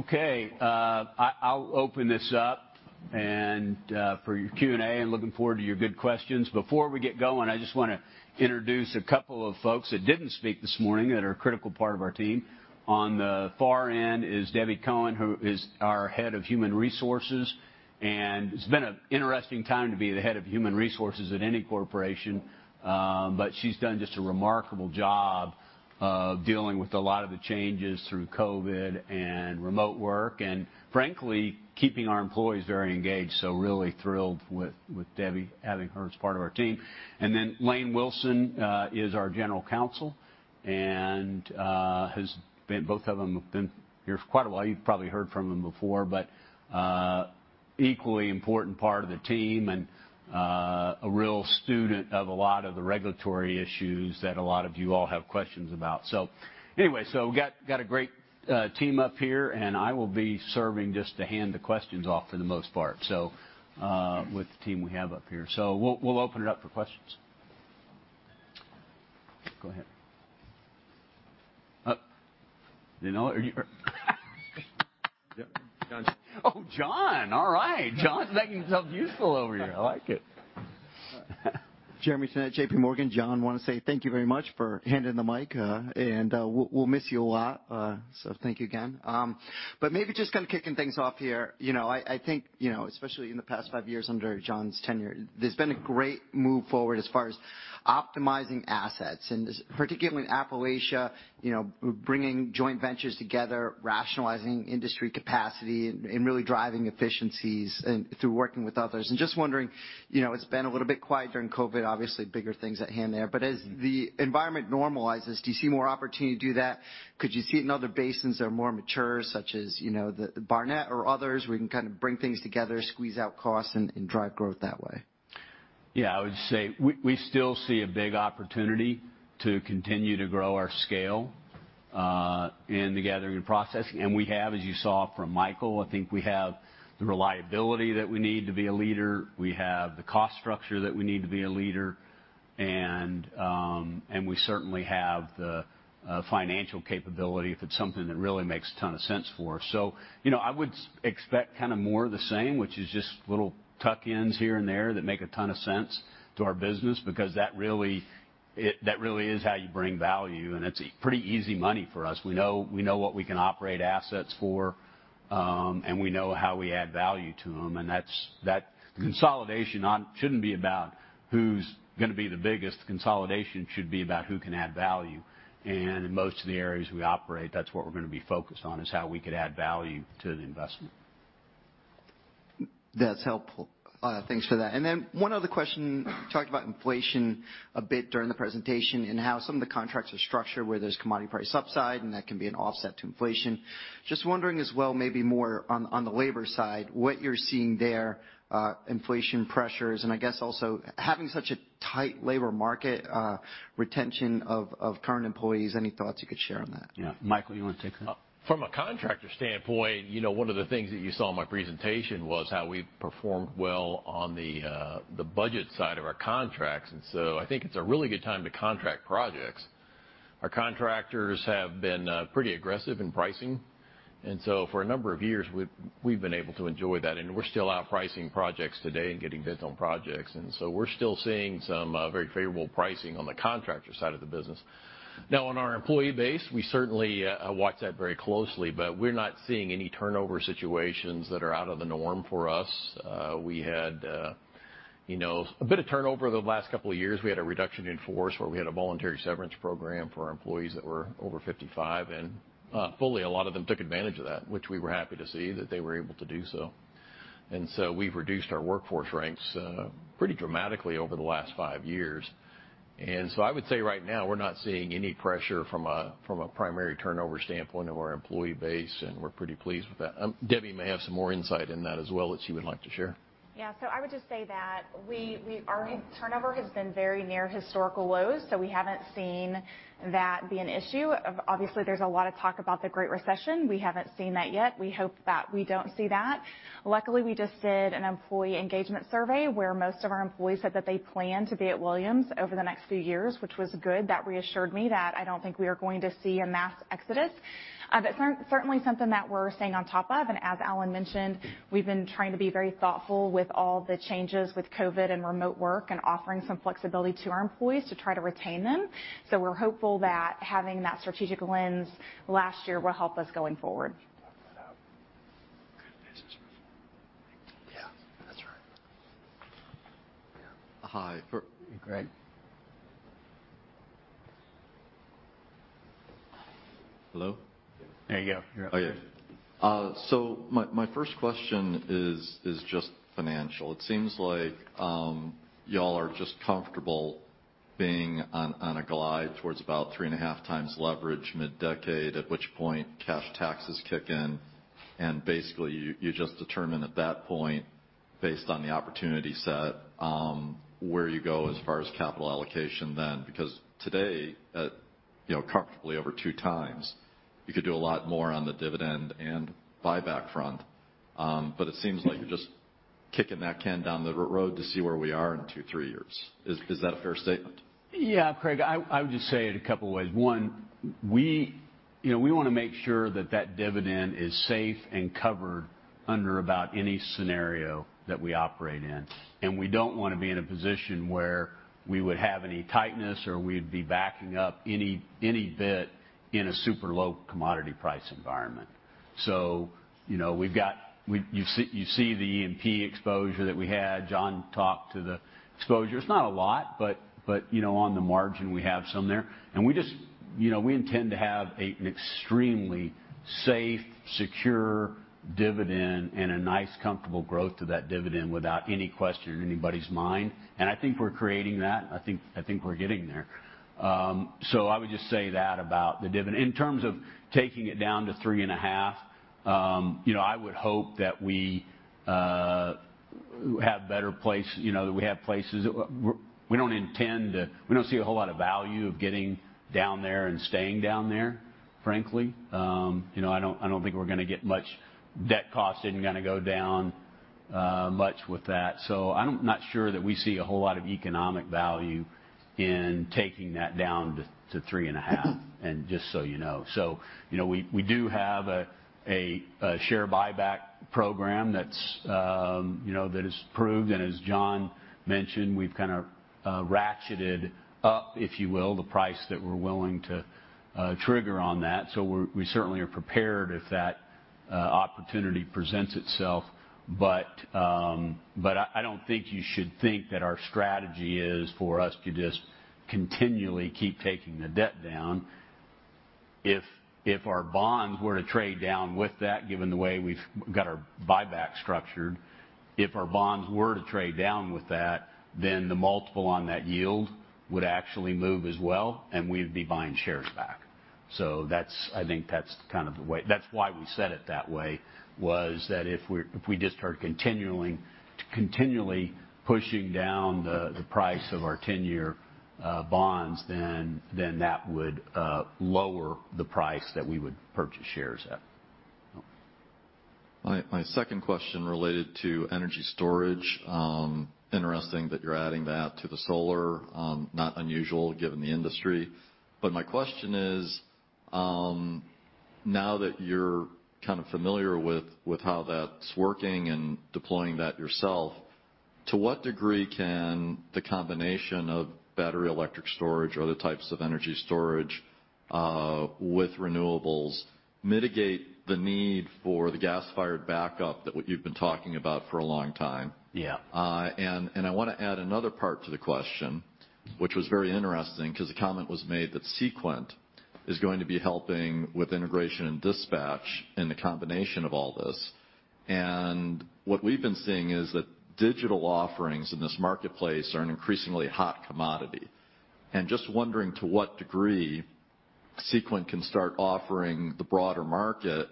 Speaker 8: to address this." They're saying. Yeah, I would be very interested. So far, my discussion has been more around him just wanting it reported, accurately reported what the greenhouse gas emissions are. Yeah. Which is fine, but like if you're adding gas, like Q3 of the excess into the market will take natural gas, so it may not matter any more than its primary benefits. Exactly.
Speaker 3: Put my phone over here. Okay. I'll open this up and for your Q&A. I'm looking forward to your good questions. Before we get going, I just wanna introduce a couple of folks that didn't speak this morning that are a critical part of our team. On the far end is Debbie Cowan, who is our head of human resources. It's been an interesting time to be the head of human resources at any corporation. But she's done just a remarkable job of dealing with a lot of the changes through COVID and remote work, and frankly, keeping our employees very engaged. Really thrilled with Debbie, having her as part of our team. Then Lane Wilson is our general counsel and, both of them have been here for quite a while. You've probably heard from them before. Equally important part of the team and a real student of a lot of the regulatory issues that a lot of you all have questions about. So anyway, we got a great team up here, and I will be serving just to hand the questions off for the most part, with the team we have up here. So we'll open it up for questions. Go ahead. You know John. Oh, John. All right. John's making himself useful over here. I like it.
Speaker 9: Jeremy Tonet at J.P. Morgan. John, I want to say thank you very much for handing the mic, and we'll miss you a lot, so thank you again. But maybe just kind of kicking things off here. You know, I think, you know, especially in the past five years under John's tenure, there's been a great move forward as far as optimizing assets and particularly in Appalachia, you know, bringing joint ventures together, rationalizing industry capacity and really driving efficiencies and through working with others. Just wondering, you know, it's been a little bit quiet during COVID, obviously bigger things at hand there. But as the environment normalizes, do you see more opportunity to do that? Could you see it in other basins that are more mature, such as, you know, the Barnett or others, where you can kind of bring things together, squeeze out costs and drive growth that way?
Speaker 3: Yeah, I would say we still see a big opportunity to continue to grow our scale in the gathering and processing. We have, as you saw from Michael, I think we have the reliability that we need to be a leader. We have the cost structure that we need to be a leader. We certainly have the financial capability if it's something that really makes a ton of sense for us. You know, I would expect kind of more of the same, which is just little tuck-ins here and there that make a ton of sense to our business, because that really is how you bring value, and it's pretty easy money for us. We know what we can operate assets for, and we know how we add value to them, and that's that. Consolidation shouldn't be about who's gonna be the biggest. Consolidation should be about who can add value. In most of the areas we operate, that's what we're gonna be focused on, is how we could add value to the investment.
Speaker 9: That's helpful. Thanks for that. One other question. You talked about inflation a bit during the presentation and how some of the contracts are structured where there's commodity price upside, and that can be an offset to inflation. Just wondering as well, maybe more on the labor side, what you're seeing there, inflation pressures and I guess also having such a tight labor market, retention of current employees. Any thoughts you could share on that?
Speaker 3: Yeah. Michael, you wanna take that?
Speaker 4: From a contractor standpoint, you know, one of the things that you saw in my presentation was how we performed well on the budget side of our contracts. I think it's a really good time to contract projects. Our contractors have been pretty aggressive in pricing. For a number of years, we've been able to enjoy that, and we're still out pricing projects today and getting bids on projects. We're still seeing some very favorable pricing on the contractor side of the business. Now, on our employee base, we certainly watch that very closely, but we're not seeing any turnover situations that are out of the norm for us. You know, we had a bit of turnover the last couple of years. We had a reduction in force where we had a voluntary severance program for our employees that were over 55. A lot of them took advantage of that, which we were happy to see that they were able to do so. We've reduced our workforce ranks pretty dramatically over the last five years. I would say right now, we're not seeing any pressure from a primary turnover standpoint of our employee base, and we're pretty pleased with that. Debbie may have some more insight in that as well that she would like to share.
Speaker 10: Yeah. I would just say that our turnover has been very near historical lows, so we haven't seen that be an issue. Obviously, there's a lot of talk about the Great Resignation. We haven't seen that yet. We hope that we don't see that. Luckily, we just did an employee engagement survey where most of our employees said that they plan to be at Williams over the next few years, which was good. That reassured me that I don't think we are going to see a mass exodus. But certainly something that we're staying on top of. And as Alan mentioned, we've been trying to be very thoughtful with all the changes with COVID and remote work and offering some flexibility to our employees to try to retain them. We're hopeful that having that strategic lens last year will help us going forward.
Speaker 3: Yeah. That's right. Yeah.
Speaker 8: Hi.
Speaker 3: Greg.
Speaker 8: Hello?
Speaker 3: There you go. You're up.
Speaker 8: Okay. My first question is just financial. It seems like y'all are just comfortable being on a glide towards about 3.5X leverage mid-decade, at which point cash taxes kick in. Basically, you just determine at that point, based on the opportunity set, where you go as far as capital allocation then. Because today, you know, comfortably over 2X, you could do a lot more on the dividend and buyback front. It seems like you're just kicking that can down the road to see where we are in two, three years. Is that a fair statement?
Speaker 3: Yeah, Craig. I would just say it a couple ways. One, you know, we wanna make sure that that dividend is safe and covered under about any scenario that we operate in. We don't wanna be in a position where we would have any tightness or we'd be backing up any bit in a super low commodity price environment. You know, you see the E&P exposure that we had. John talked about the exposure. It's not a lot, but you know, on the margin, we have some there. We just, you know, we intend to have an extremely safe, secure dividend and a nice, comfortable growth to that dividend without any question in anybody's mind. I think we're creating that. I think we're getting there. I would just say that about the dividend. In terms of taking it down to 3.5, you know, I would hope that we have better place, you know, that we have places. We don't see a whole lot of value in getting down there and staying down there, frankly. You know, I don't think we're gonna get much. Debt cost isn't gonna go down much with that. I'm not sure that we see a whole lot of economic value in taking that down to 3.5, and just so you know. You know, we do have a share buyback program that's, you know, that is approved. As John mentioned, we've kind of ratcheted up, if you will, the price that we're willing to trigger on that. We're certainly prepared if that opportunity presents itself. I don't think you should think that our strategy is for us to just continually keep taking the debt down. If our bonds were to trade down with that, given the way we've got our buyback structured, if our bonds were to trade down with that, then the multiple on that yield would actually move as well, and we'd be buying shares back. I think that's kind of the way that's why we said it that way, was that if we just start continually pushing down the price of our ten-year bonds, then that would lower the price that we would purchase shares at.
Speaker 8: My second question related to energy storage. Interesting that you're adding that to the solar. Not unusual given the industry. My question is, now that you're kind of familiar with with how that's working and deploying that yourself, to what degree can the combination of battery electric storage or other types of energy storage with renewables mitigate the need for the gas-fired backup that you've been talking about for a long time?
Speaker 3: Yeah.
Speaker 8: I wanna add another part to the question, which was very interesting because the comment was made that Sequent is going to be helping with integration and dispatch in the combination of all this. What we've been seeing is that digital offerings in this marketplace are an increasingly hot commodity. I'm just wondering to what degree Sequent can start offering the broader market,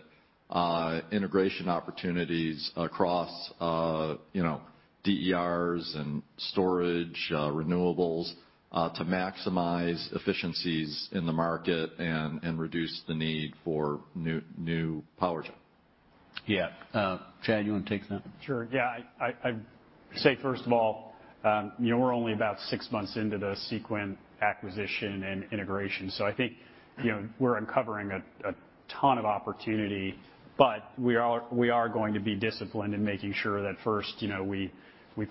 Speaker 8: integration opportunities across, you know, DERs and storage, renewables, to maximize efficiencies in the market and reduce the need for new power gen.
Speaker 3: Yeah. Chad, you wanna take that?
Speaker 6: Sure. Yeah. I'd say first of all, you know, we're only about six months into the Sequent acquisition and integration. I think, you know, we're uncovering a ton of opportunity, but we are going to be disciplined in making sure that first, you know, we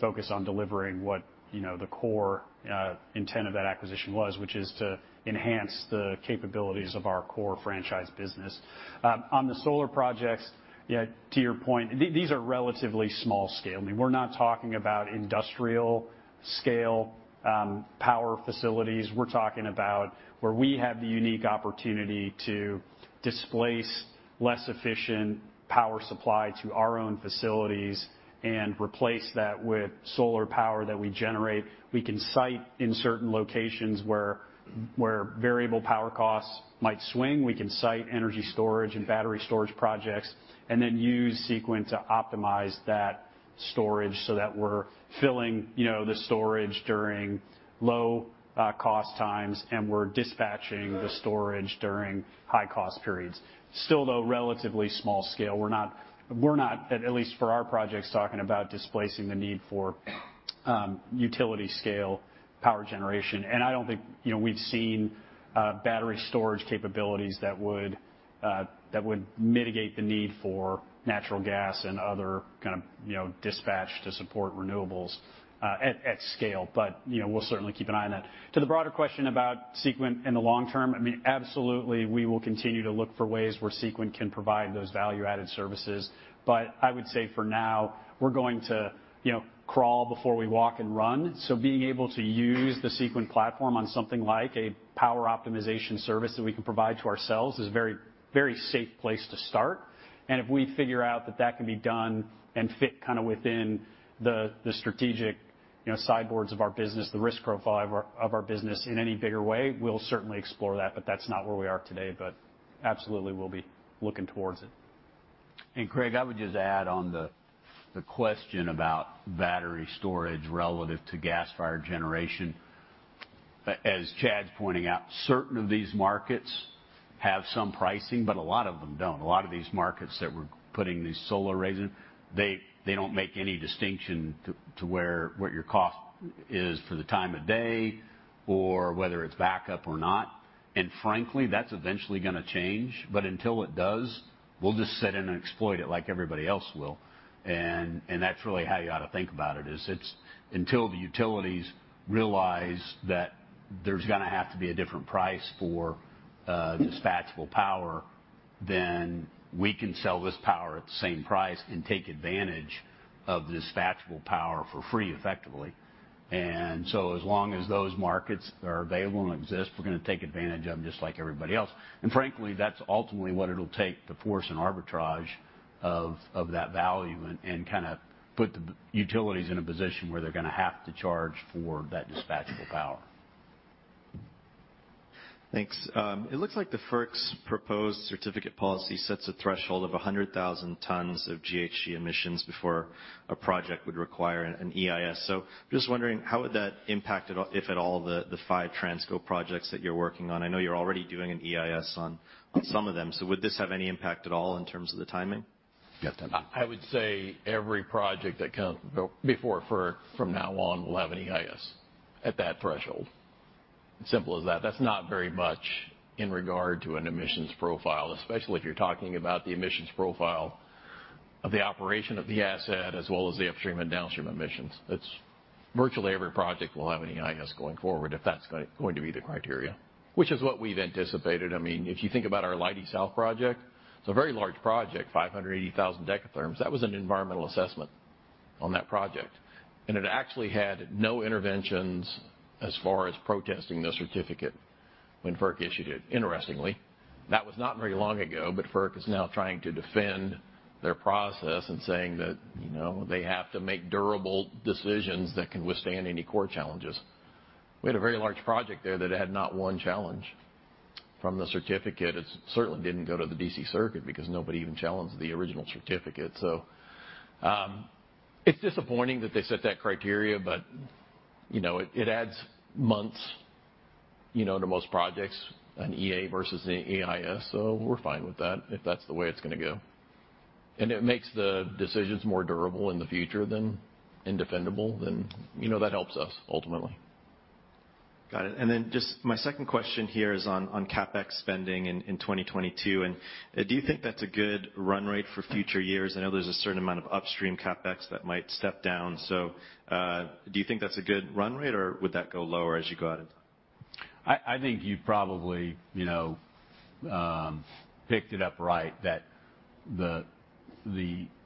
Speaker 6: focus on delivering what, you know, the core intent of that acquisition was, which is to enhance the capabilities of our core franchise business. On the solar projects, yeah, to your point, these are relatively small scale. I mean, we're not talking about industrial scale power facilities. We're talking about where we have the unique opportunity to displace less efficient power supply to our own facilities and replace that with solar power that we generate. We can site in certain locations where variable power costs might swing. We can site energy storage and battery storage projects and then use Sequent to optimize that storage so that we're filling, you know, the storage during low cost times, and we're dispatching the storage during high cost periods. Still, though, relatively small scale. We're not, at least for our projects, talking about displacing the need for utility scale power generation. I don't think, you know, we've seen battery storage capabilities that would mitigate the need for natural gas and other kind of, you know, dispatch to support renewables at scale. You know, we'll certainly keep an eye on that. To the broader question about Sequent in the long term, I mean, absolutely, we will continue to look for ways where Sequent can provide those value-added services. I would say for now, we're going to, you know, crawl before we walk and run. Being able to use the Sequent platform on something like a power optimization service that we can provide to ourselves is very, very safe place to start. If we figure out that that can be done and fit kind of within the strategic, you know, sideboards of our business, the risk profile of our, of our business in any bigger way, we'll certainly explore that, but that's not where we are today. Absolutely, we'll be looking towards it.
Speaker 3: Craig, I would just add on the question about battery storage relative to gas-fired generation. As Chad's pointing out, certain of these markets have some pricing, but a lot of them don't. A lot of these markets that we're putting these solar arrays in, they don't make any distinction to where what your cost is for the time of day or whether it's backup or not. Frankly, that's eventually gonna change. But until it does, we'll just sit in and exploit it like everybody else will. That's really how you ought to think about it, is it's until the utilities realize that there's gonna have to be a different price for dispatchable power, then we can sell this power at the same price and take advantage of dispatchable power for free, effectively. As long as those markets are available and exist, we're gonna take advantage of them just like everybody else. Frankly, that's ultimately what it'll take to force an arbitrage of that value and kind of put the utilities in a position where they're gonna have to charge for that dispatchable power.
Speaker 8: Thanks. It looks like the FERC's proposed certificate policy sets a threshold of 100,000 tons of GHG emissions before a project would require an EIS. Just wondering how would that impact at all, if at all, the five Transco projects that you're working on? I know you're already doing an EIS on some of them. Would this have any impact at all in terms of the timing?
Speaker 3: Yeah. I would say every project that come before FERC from now on will have an EIS. At that threshold. Simple as that. That's not very much in regard to an emissions profile, especially if you're talking about the emissions profile of the operation of the asset as well as the upstream and downstream emissions. It's virtually every project will have an EIS going forward if that's going to be the criteria, which is what we've anticipated. I mean, if you think about our Leidy South project, it's a very large project, 580,000 decatherms. That was an environmental assessment on that project, and it actually had no interventions as far as protesting the certificate when FERC issued it, interestingly. That was not very long ago, but FERC is now trying to defend their process and saying that, you know, they have to make durable decisions that can withstand any court challenges. We had a very large project there that had not one challenge from the certificate. It certainly didn't go to the D.C. Circuit because nobody even challenged the original certificate. It's disappointing that they set that criteria, but, you know, it adds months, you know, to most projects, an EA versus an EIS. We're fine with that if that's the way it's going to go. It makes the decisions more durable in the future than and defendable, then, you know, that helps us ultimately.
Speaker 8: Got it. Just my second question here is on CapEx spending in 2022. Do you think that's a good run rate for future years? I know there's a certain amount of upstream CapEx that might step down. Do you think that's a good run rate, or would that go lower as you go out in time?
Speaker 3: I think you probably, you know, picked it up right that the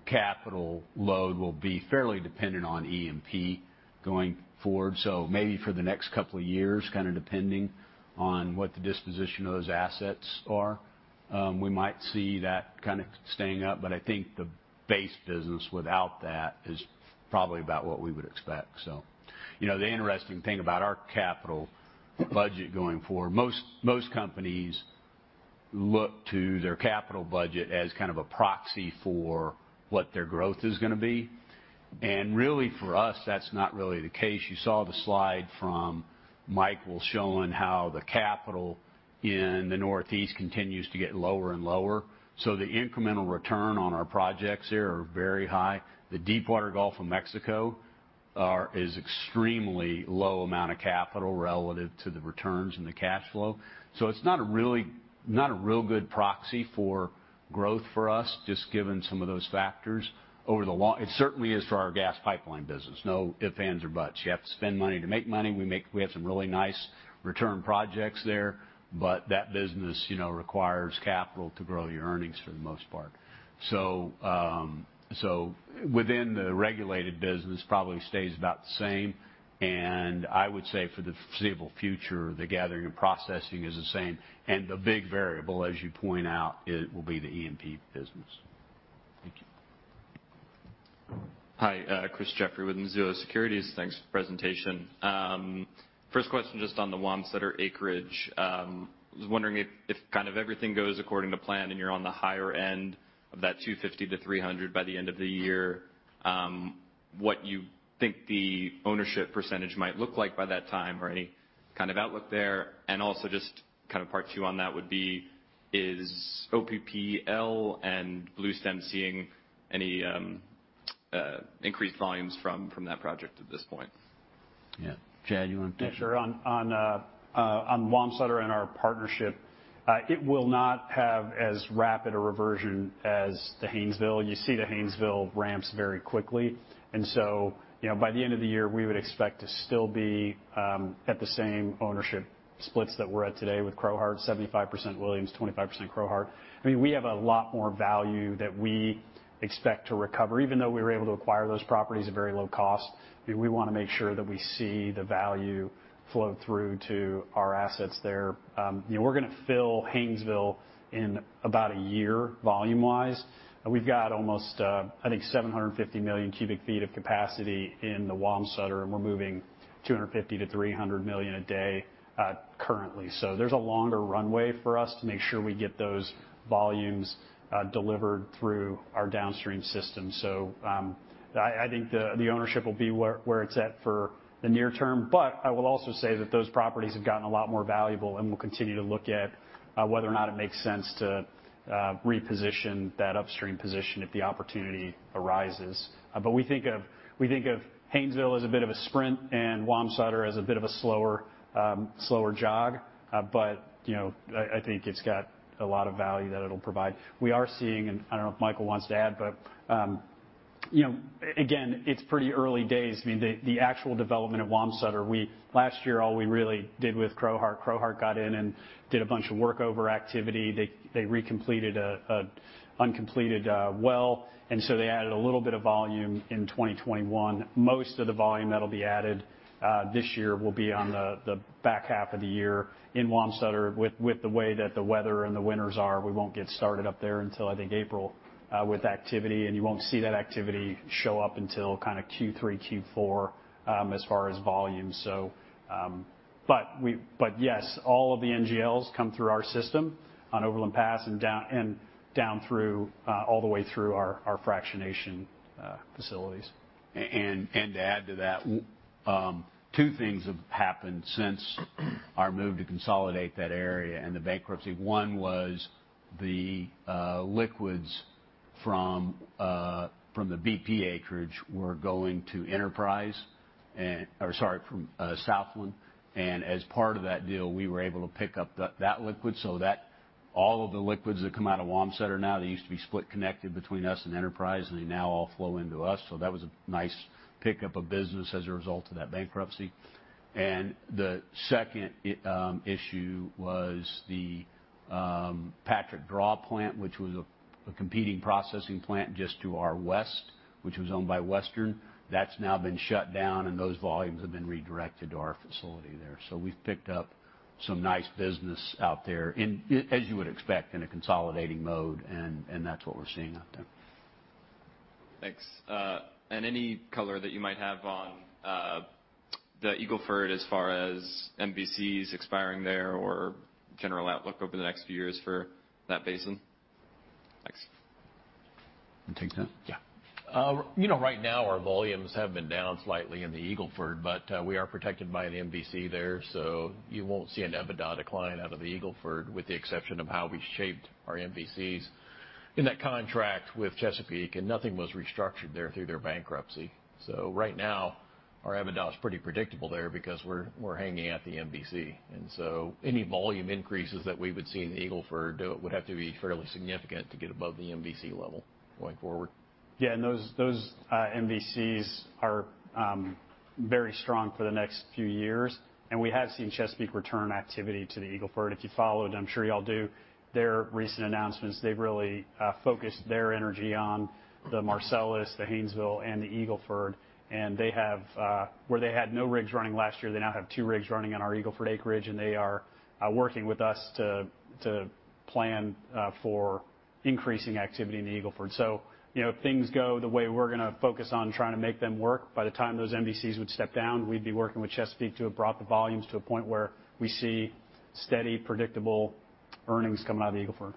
Speaker 3: capital load will be fairly dependent on EMP going forward. Maybe for the next couple of years, kind of depending on what the disposition of those assets are, we might see that kind of staying up. I think the base business without that is probably about what we would expect. You know, the interesting thing about our capital budget going forward, most companies look to their capital budget as kind of a proxy for what their growth is going to be. Really, for us, that's not really the case. You saw the slide from Michael showing how the capital in the Northeast continues to get lower and lower. The incremental return on our projects there are very high. The deepwater Gulf of Mexico is extremely low amount of capital relative to the returns and the cash flow. It's not a real good proxy for growth for us, just given some of those factors over the long. It certainly is for our gas pipeline business. No ifs, ands, or buts. You have to spend money to make money. We have some really nice return projects there, but that business, you know, requires capital to grow your earnings for the most part. Within the regulated business, probably stays about the same. I would say for the foreseeable future, the gathering and processing is the same. The big variable, as you point out, it will be the G&P business.
Speaker 8: Thank you.
Speaker 11: Hi, Chris Sighinolfi with Mizuho Securities. Thanks for the presentation. First question, just on the Wamsutter acreage. I was wondering if kind of everything goes according to plan and you're on the higher end of that 250-300 by the end of the year, what you think the ownership percentage might look like by that time or any kind of outlook there. Also, just kind of part two on that would be, is OPL and Bluestem seeing any increased volumes from that project at this point?
Speaker 3: Yeah. Chad, you want to take it?
Speaker 6: Yeah, sure. On Wamsutter and our partnership, it will not have as rapid a reversion as the Haynesville. You see the Haynesville ramps very quickly. You know, by the end of the year, we would expect to still be at the same ownership splits that we're at today with Crowheart, 75% Williams, 25% Crowheart. I mean, we have a lot more value that we expect to recover, even though we were able to acquire those properties at very low cost. We wanna make sure that we see the value flow through to our assets there. You know, we're gonna fill Haynesville in about a year volume-wise. We've got almost, I think 750 million cubic feet of capacity in the Wamsutter, and we're moving 250-300 million a day currently. There's a longer runway for us to make sure we get those volumes, delivered through our downstream system. I think the ownership will be where it's at for the near term. I will also say that those properties have gotten a lot more valuable, and we'll continue to look at whether or not it makes sense to reposition that upstream position if the opportunity arises. We think of Haynesville as a bit of a sprint and Wamsutter as a bit of a slower jog. You know, I think it's got a lot of value that it'll provide. We are seeing, and I don't know if Michael wants to add, you know, again, it's pretty early days. I mean, the actual development of Wamsutter last year all we really did with Crowheart. Crowheart got in and did a bunch of workover activity. They recompleted a uncompleted well, and so they added a little bit of volume in 2021. Most of the volume that'll be added this year will be on the back half of the year in Wamsutter. With the way that the weather and the winters are, we won't get started up there until I think April with activity, and you won't see that activity show up until kind of Q3, Q4 as far as volume. But yes, all of the NGLs come through our system on Overland Pass and down through all the way through our fractionation facilities.
Speaker 3: To add to that, two things have happened since our move to consolidate that area and the bankruptcy. One was the liquids From the Southland. As part of that deal, we were able to pick up that liquid so that all of the liquids that come out of Wamsutter now, they used to be split connected between us and Enterprise, and they now all flow into us. That was a nice pickup of business as a result of that bankruptcy. The second issue was the Patrick Draw plant, which was a competing processing plant just to our west, which was owned by Western Gas. That's now been shut down, and those volumes have been redirected to our facility there. We've picked up some nice business out there as you would expect in a consolidating mode, and that's what we're seeing out there.
Speaker 11: Thanks. Any color that you might have on the Eagle Ford as far as MVCs expiring there or general outlook over the next few years for that basin? Thanks.
Speaker 3: Want to take that?
Speaker 4: Yeah, you know, right now our volumes have been down slightly in the Eagle Ford, but we are protected by an MVC there, so you won't see an EBITDA decline out of the Eagle Ford with the exception of how we've shaped our MVCs in that contract with Chesapeake, and nothing was restructured there through their bankruptcy. Right now, our EBITDA is pretty predictable there because we're hanging at the MVC. Any volume increases that we would see in the Eagle Ford would have to be fairly significant to get above the MVC level going forward.
Speaker 3: Those MVCs are very strong for the next few years. We have seen Chesapeake return activity to the Eagle Ford. If you followed, I'm sure y'all do, their recent announcements, they've really focused their energy on the Marcellus, the Haynesville, and the Eagle Ford. They have, where they had no rigs running last year, they now have 2 rigs running on our Eagle Ford acreage, and they are working with us to plan for increasing activity in the Eagle Ford. You know, if things go the way we're gonna focus on trying to make them work, by the time those MVCs would step down, we'd be working with Chesapeake to have brought the volumes to a point where we see steady, predictable earnings coming out of the Eagle Ford.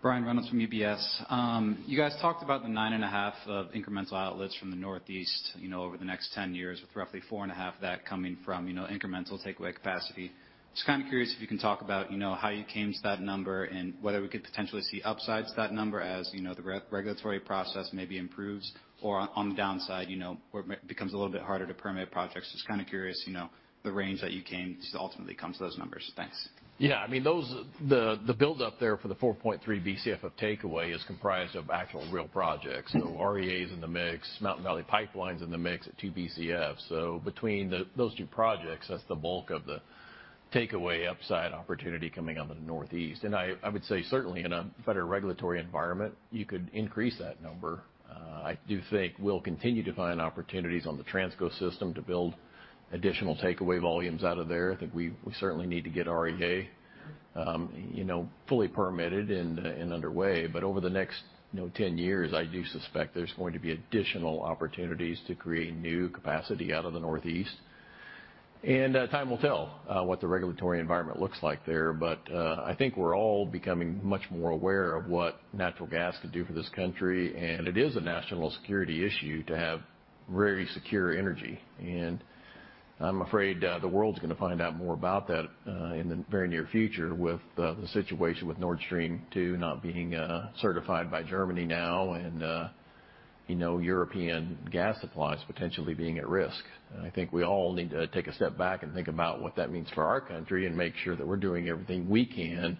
Speaker 12: Brian Reynolds from UBS. You guys talked about the 9.5 of incremental outlets from the Northeast, you know, over the next 10 years, with roughly 4.5 of that coming from, you know, incremental takeaway capacity. Just kind of curious if you can talk about, you know, how you came to that number and whether we could potentially see upsides to that number as, you know, the regulatory process maybe improves, or on the downside, you know, where it becomes a little bit harder to permit projects. Just kind of curious, you know, the range that you came to ultimately come to those numbers. Thanks.
Speaker 4: Yeah. I mean, the buildup there for the 4.3 Bcf of takeaway is comprised of actual real projects. REA's in the mix, Mountain Valley Pipeline's in the mix at 2 Bcf. Between those two projects, that's the bulk of the takeaway upside opportunity coming out of the Northeast. I would say certainly in a better regulatory environment, you could increase that number. I do think we'll continue to find opportunities on the Transco system to build additional takeaway volumes out of there. I think we certainly need to get REA, you know, fully permitted and underway. Over the next, you know, 10 years, I do suspect there's going to be additional opportunities to create new capacity out of the Northeast. Time will tell what the regulatory environment looks like there. I think we're all becoming much more aware of what natural gas could do for this country, and it is a national security issue to have very secure energy. I'm afraid the world's gonna find out more about that in the very near future with the situation with Nord Stream 2 not being certified by Germany now and you know, European gas supplies potentially being at risk. I think we all need to take a step back and think about what that means for our country and make sure that we're doing everything we can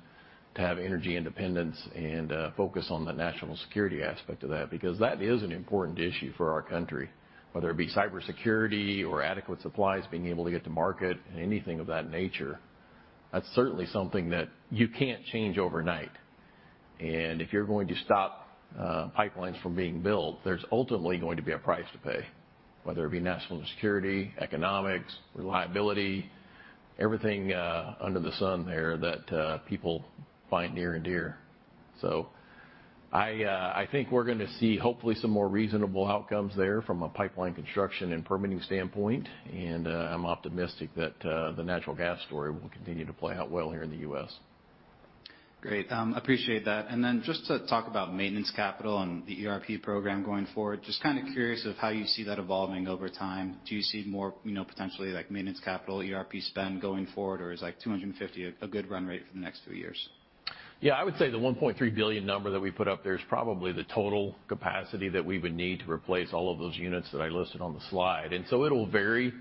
Speaker 4: to have energy independence and focus on the national security aspect of that, because that is an important issue for our country. Whether it be cybersecurity or adequate supplies being able to get to market and anything of that nature, that's certainly something that you can't change overnight. If you're going to stop pipelines from being built, there's ultimately going to be a price to pay, whether it be national security, economics, reliability, everything under the sun there that people find near and dear. I think we're gonna see hopefully some more reasonable outcomes there from a pipeline construction and permitting standpoint. I'm optimistic that the natural gas story will continue to play out well here in the U.S.
Speaker 12: Great. Appreciate that. Just to talk about maintenance capital and the ERP program going forward, just kind of curious of how you see that evolving over time. Do you see more, you know, potentially like maintenance capital, ERP spend going forward, or is like $250 a good run rate for the next few years?
Speaker 4: Yeah. I would say the 1.3 billion number that we put up there is probably the total capacity that we would need to replace all of those units that I listed on the slide. It'll vary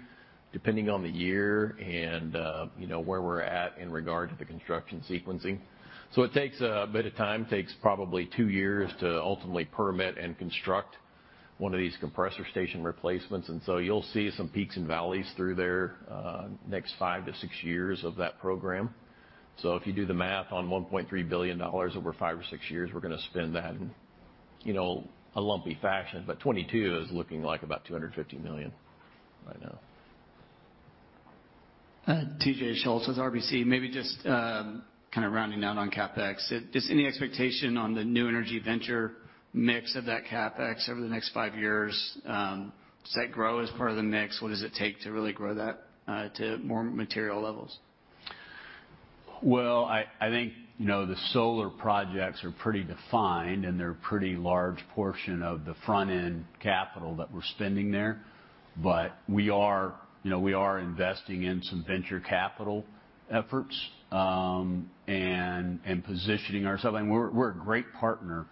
Speaker 4: depending on the year and, you know, where we're at in regard to the construction sequencing. It takes a bit of time, takes probably two years to ultimately permit and construct one of these compressor station replacements. You'll see some peaks and valleys through their next five-six years of that program. If you do the math on $1.3 billion over five or six years, we're gonna spend that in, you know, a lumpy fashion. 2022 is looking like about $250 million right now.
Speaker 3: Uh.
Speaker 13: T.J. Schultz with RBC. Maybe just kind of rounding out on CapEx. Is there any expectation on the new energy venture mix of that CapEx over the next five years, does that grow as part of the mix? What does it take to really grow that to more material levels?
Speaker 3: Well, I think, you know, the solar projects are pretty defined, and they're a pretty large portion of the front-end capital that we're spending there. We are investing in some venture capital efforts, you know, and positioning ourselves. I mean, we're a great partner.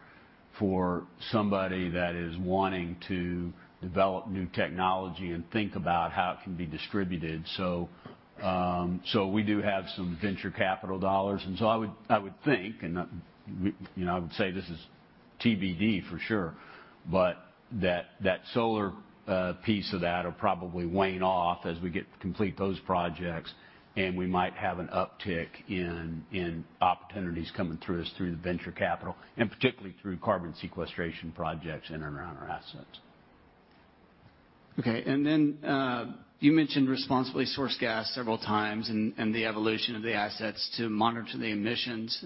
Speaker 3: For somebody that is wanting to develop new technology and think about how it can be distributed. We do have some venture capital dollars. I would think, you know, I would say this is TBD for sure, but that solar piece of that'll probably wane off as we complete those projects, and we might have an uptick in opportunities coming through us through the venture capital, and particularly through carbon sequestration projects in and around our assets.
Speaker 13: Okay. You mentioned responsibly sourced gas several times and the evolution of the assets to monitor the emissions.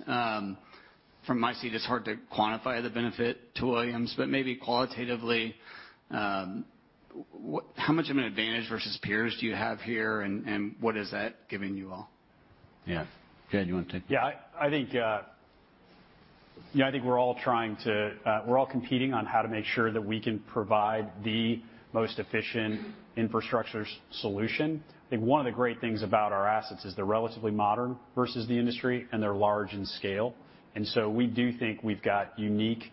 Speaker 13: From my seat, it's hard to quantify the benefit to Williams, but maybe qualitatively, how much of an advantage versus peers do you have here and what is that giving you all?
Speaker 3: Yeah. Chad, you wanna take that?
Speaker 6: I think we're all competing on how to make sure that we can provide the most efficient infrastructure solution. I think one of the great things about our assets is they're relatively modern versus the industry, and they're large in scale. We do think we've got unique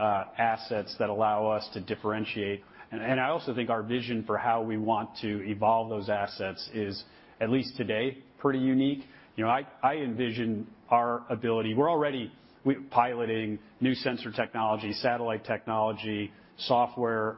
Speaker 6: assets that allow us to differentiate. I also think our vision for how we want to evolve those assets is, at least today, pretty unique. We're already piloting new sensor technology, satellite technology, software,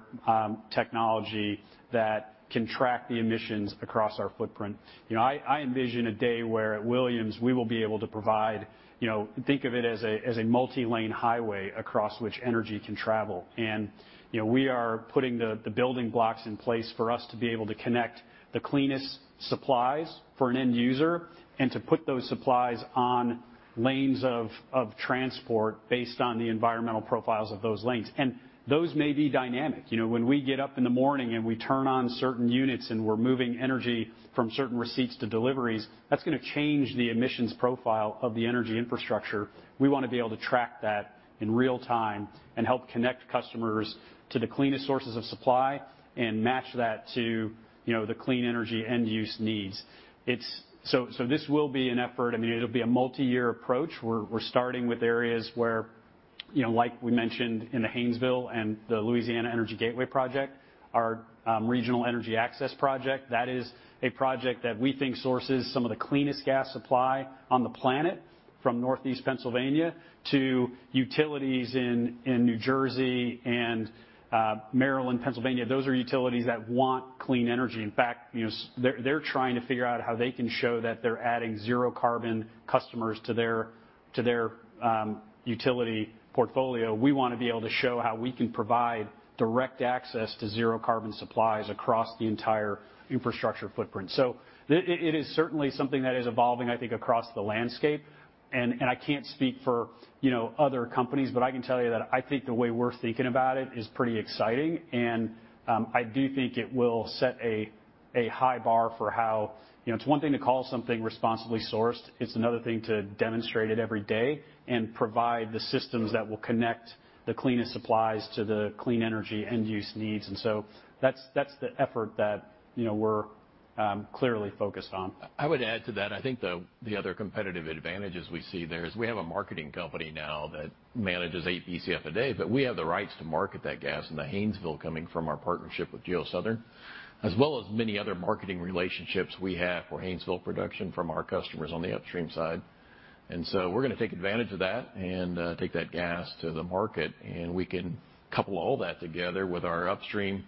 Speaker 6: technology that can track the emissions across our footprint. You know, I envision a day where at Williams, we will be able to provide, you know, think of it as a multi-lane highway across which energy can travel. You know, we are putting the building blocks in place for us to be able to connect the cleanest supplies for an end user, and to put those supplies on lanes of transport based on the environmental profiles of those lanes. Those may be dynamic. You know, when we get up in the morning and we turn on certain units, and we're moving energy from certain receipts to deliveries, that's gonna change the emissions profile of the energy infrastructure. We wanna be able to track that in real time and help connect customers to the cleanest sources of supply and match that to, you know, the clean energy end-use needs. It's an effort. I mean, it'll be a multi-year approach. We're starting with areas where, you know, like we mentioned in the Haynesville and the Louisiana Energy Gateway project, our Regional Energy Access project. That is a project that we think sources some of the cleanest gas supply on the planet from Northeast Pennsylvania to utilities in New Jersey and Maryland, Pennsylvania. Those are utilities that want clean energy. In fact, you know, they're trying to figure out how they can show that they're adding zero-carbon customers to their utility portfolio. We wanna be able to show how we can provide direct access to zero-carbon supplies across the entire infrastructure footprint. It is certainly something that is evolving, I think, across the landscape. I can't speak for, you know, other companies, but I can tell you that I think the way we're thinking about it is pretty exciting. I do think it will set a high bar for how you know, it's one thing to call something responsibly sourced. It's another thing to demonstrate it every day and provide the systems that will connect the cleanest supplies to the clean energy end-use needs. That's the effort that, you know, we're clearly focused on.
Speaker 3: I would add to that. I think the other competitive advantages we see there is we have a marketing company now that manages 8 Bcf a day, but we have the rights to market that gas in the Haynesville coming from our partnership with GeoSouthern, as well as many other marketing relationships we have for Haynesville production from our customers on the upstream side. We're gonna take advantage of that and take that gas to the market, and we can couple all that together with our upstream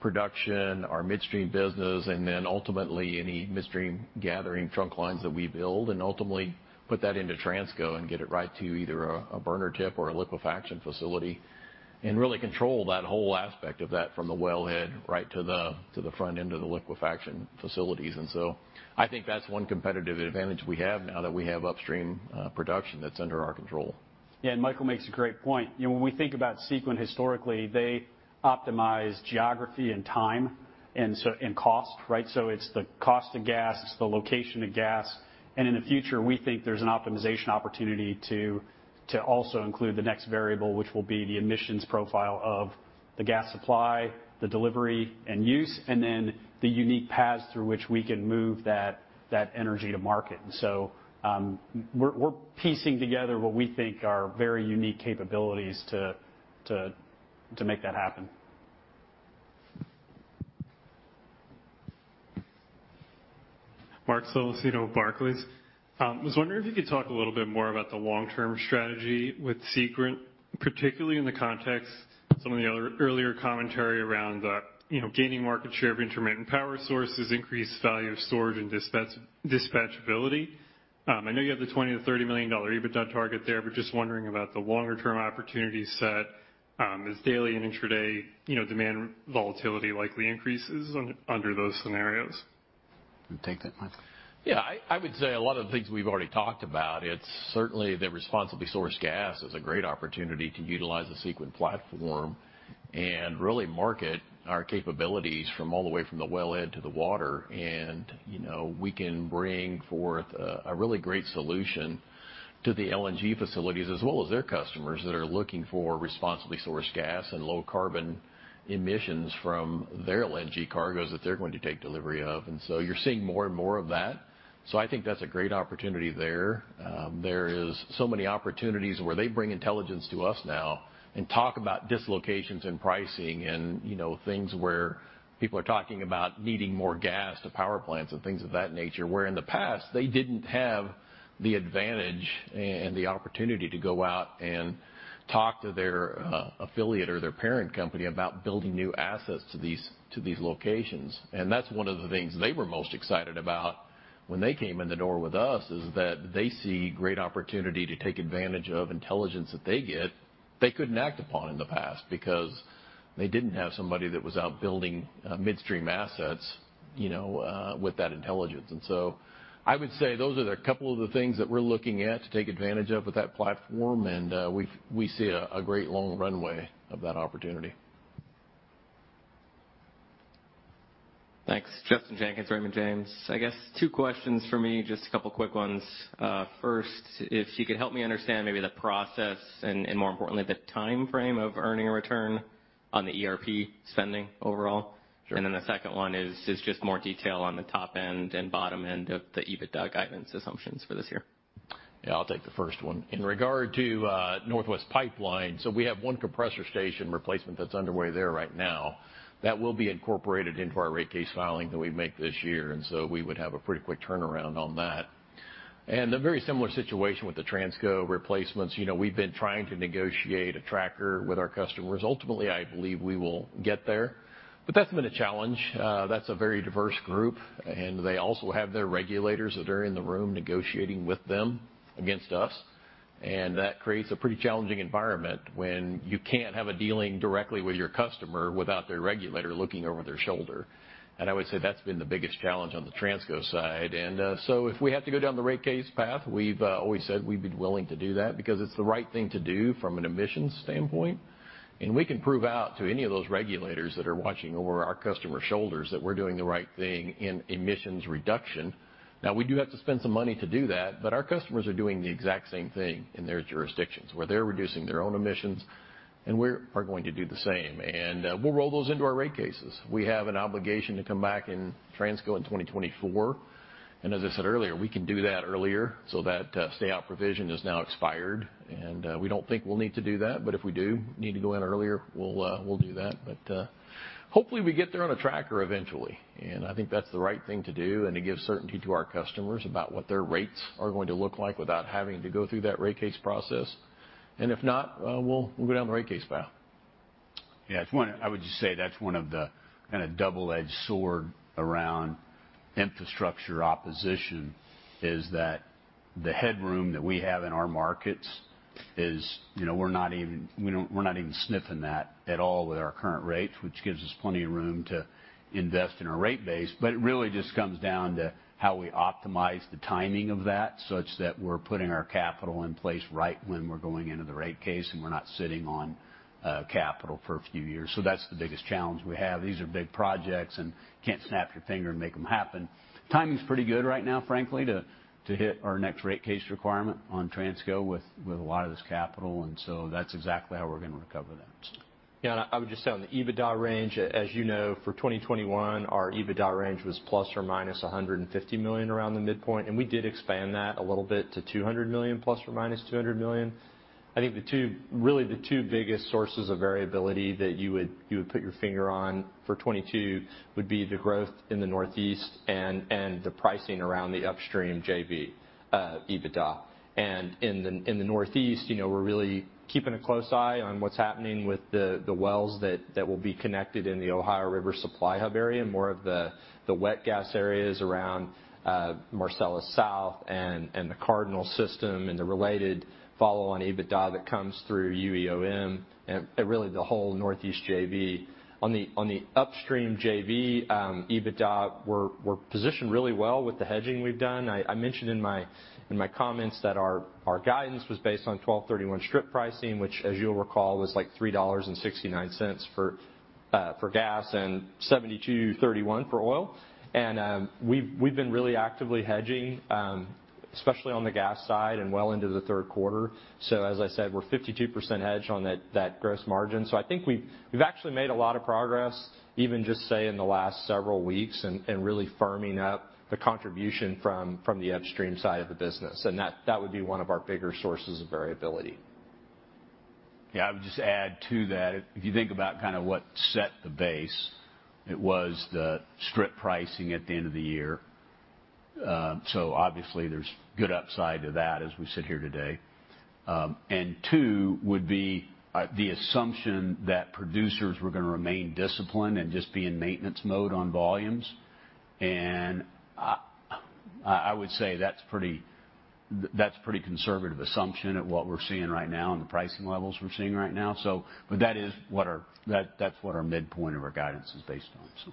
Speaker 3: production, our midstream business, and then ultimately any midstream gathering trunk lines that we build, and ultimately put that into Transco and get it right to either a burner tip or a liquefaction facility, and really control that whole aspect of that from the wellhead right to the front end of the liquefaction facilities. I think that's one competitive advantage we have now that we have upstream production that's under our control.
Speaker 6: Yeah, Michael makes a great point. You know, when we think about Sequent historically, they optimize geography and time and cost, right? It's the cost of gas, it's the location of gas. In the future, we think there's an optimization opportunity to also include the next variable, which will be the emissions profile of the gas supply, the delivery, and use, and then the unique paths through which we can move that energy to market. We're piecing together what we think are very unique capabilities to make that happen.
Speaker 14: Mark Thompson, Barclays. I was wondering if you could talk a little bit more about the long-term strategy with Sequent, particularly in the context of some of the earlier commentary around, you know, gaining market share of intermittent power sources, increased value of storage and dispatch, dispatchability. I know you have the $20 million-$30 million EBITDA target there, but just wondering about the longer-term opportunity set, as daily and intraday, you know, demand volatility likely increases under those scenarios.
Speaker 3: You take that, Mike?
Speaker 4: Yeah. I would say a lot of the things we've already talked about. It's certainly the responsibly sourced gas is a great opportunity to utilize the Sequent platform and really market our capabilities from all the way from the wellhead to the world. You know, we can bring forth a really great solution to the LNG facilities as well as their customers that are looking for responsibly sourced gas and low-carbon emissions from their LNG cargos that they're going to take delivery of. You're seeing more and more of that. I think that's a great opportunity there. There is so many opportunities where they bring intelligence to us now and talk about dislocations in pricing and, you know, things where people are talking about needing more gas to power plants and things of that nature, where in the past, they didn't have the advantage and the opportunity to go out and talk to their affiliate or their parent company about building new assets to these locations. That's one of the things they were most excited about when they came in the door with us, is that they see great opportunity to take advantage of intelligence that they get, they couldn't act upon in the past because they didn't have somebody that was out building midstream assets, you know, with that intelligence. I would say those are a couple of things that we're looking at to take advantage of with that platform, and we see a great long runway of that opportunity.
Speaker 15: Thanks. Justin Jenkins, Raymond James. I guess two questions from me, just a couple quick ones. First, if you could help me understand maybe the process and, more importantly, the timeframe of earning a return on the ERP spending overall.
Speaker 4: Sure.
Speaker 15: The second one is just more detail on the top end and bottom end of the EBITDA guidance assumptions for this year.
Speaker 4: Yeah. I'll take the first one. In regard to Northwest Pipeline, we have one compressor station replacement that's underway there right now. That will be incorporated into our rate case filing that we make this year, and we would have a pretty quick turnaround on that. A very similar situation with the Transco replacements. You know, we've been trying to negotiate a tracker with our customers. Ultimately, I believe we will get there, but that's been a challenge. That's a very diverse group, and they also have their regulators that are in the room negotiating with them against us, and that creates a pretty challenging environment when you can't have a dealing directly with your customer without their regulator looking over their shoulder. I would say that's been the biggest challenge on the Transco side. If we have to go down the rate case path, we've always said we'd be willing to do that because it's the right thing to do from an emissions standpoint. We can prove out to any of those regulators that are watching over our customers' shoulders that we're doing the right thing in emissions reduction. Now, we do have to spend some money to do that, but our customers are doing the exact same thing in their jurisdictions, where they're reducing their own emissions, and we're going to do the same. We'll roll those into our rate cases. We have an obligation to come back in Transco in 2024, and as I said earlier, we can do that earlier, so that stay-out provision is now expired. We don't think we'll need to do that, but if we do need to go in earlier, we'll do that. Hopefully we get there on a tracker eventually, and I think that's the right thing to do and to give certainty to our customers about what their rates are going to look like without having to go through that rate case process. If not, we'll go down the rate case path.
Speaker 3: Yeah. I would just say that's one of the kinda double-edged sword around infrastructure opposition, is that the headroom that we have in our markets is, you know, we're not even sniffing that at all with our current rates, which gives us plenty of room to invest in our rate base. It really just comes down to how we optimize the timing of that such that we're putting our capital in place right when we're going into the rate case and we're not sitting on capital for a few years. That's the biggest challenge we have. These are big projects, and you can't snap your finger and make them happen. Timing's pretty good right now, frankly, to hit our next rate case requirement on Transco with a lot of this capital, and so that's exactly how we're gonna recover that stuff.
Speaker 4: Yeah. I would just say on the EBITDA range, as you know, for 2021, our EBITDA range was ±$150 million around the midpoint, and we did expand that a little bit to $200 million, ±$200 million. I think really the two biggest sources of variability that you would put your finger on for 2022 would be the growth in the Northeast and the pricing around the upstream JV EBITDA. In the Northeast, you know, we're really keeping a close eye on what's happening with the wells that will be connected in the Ohio River Supply Hub area, more of the wet gas areas around Marcellus South and the Cardinal system and the related follow-on EBITDA that comes through Utica East Ohio Midstream and really the whole Northeast JV. On the upstream JV, EBITDA, we're positioned really well with the hedging we've done. I mentioned in my comments that our guidance was based on 12/31 strip pricing, which as you'll recall, was like $3.69 for gas and $72.31 for oil. We've been really actively hedging, especially on the gas side and well into the Q3. As I said, we're 52% hedged on that gross margin. I think we've actually made a lot of progress, even just, say, in the last several weeks and really firming up the contribution from the upstream side of the business. That would be one of our bigger sources of variability.
Speaker 3: Yeah. I would just add to that, if you think about kind of what set the base, it was the strip pricing at the end of the year. So obviously there's good upside to that as we sit here today. And two would be the assumption that producers were gonna remain disciplined and just be in maintenance mode on volumes. I would say that's a pretty conservative assumption at what we're seeing right now and the pricing levels we're seeing right now. But that is what our midpoint of our guidance is based on so.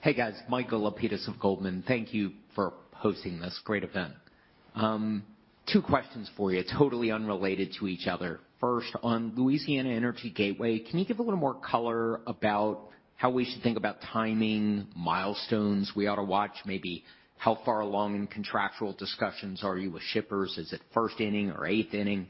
Speaker 16: Hey, guys. Michael Lapides of Goldman. Thank you for hosting this great event. Two questions for you, totally unrelated to each other. First, on Louisiana Energy Gateway, can you give a little more color about how we should think about timing, milestones we ought to watch, maybe how far along in contractual discussions are you with shippers? Is it first inning or eighth inning?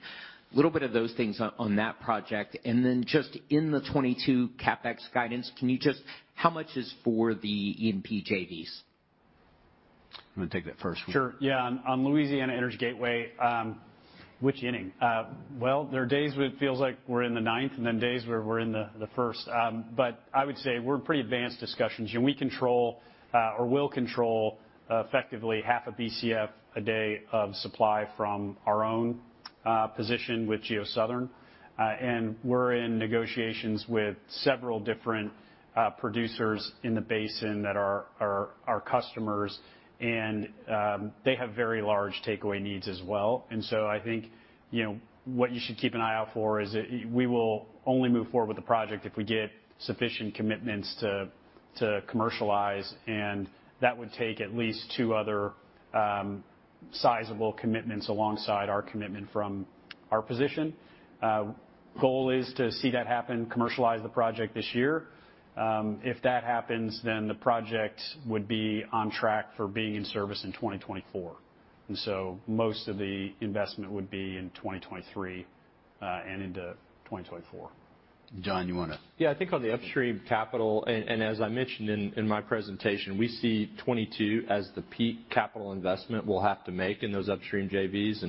Speaker 16: Little bit of those things on that project. Just in the 2022 CapEx guidance, can you just how much is for the E&P JVs?
Speaker 3: You wanna take that first?
Speaker 6: Sure, yeah. On Louisiana Energy Gateway, which inning? Well, there are days when it feels like we're in the ninth and then days where we're in the first. But I would say we're in pretty advanced discussions, and we control or will control effectively half a Bcf a day of supply from our own position with GeoSouthern. And we're in negotiations with several different producers in the basin that are our customers, and they have very large takeaway needs as well. I think, you know, what you should keep an eye out for is we will only move forward with the project if we get sufficient commitments to commercialize, and that would take at least two other sizable commitments alongside our commitment from our position. Goal is to see that happen, commercialize the project this year. If that happens, then the project would be on track for being in service in 2024. Most of the investment would be in 2023, and into 2024.
Speaker 3: John, you wanna-
Speaker 5: Yeah. I think on the upstream capital, and as I mentioned in my presentation, we see 2022 as the peak capital investment we'll have to make in those upstream JVs.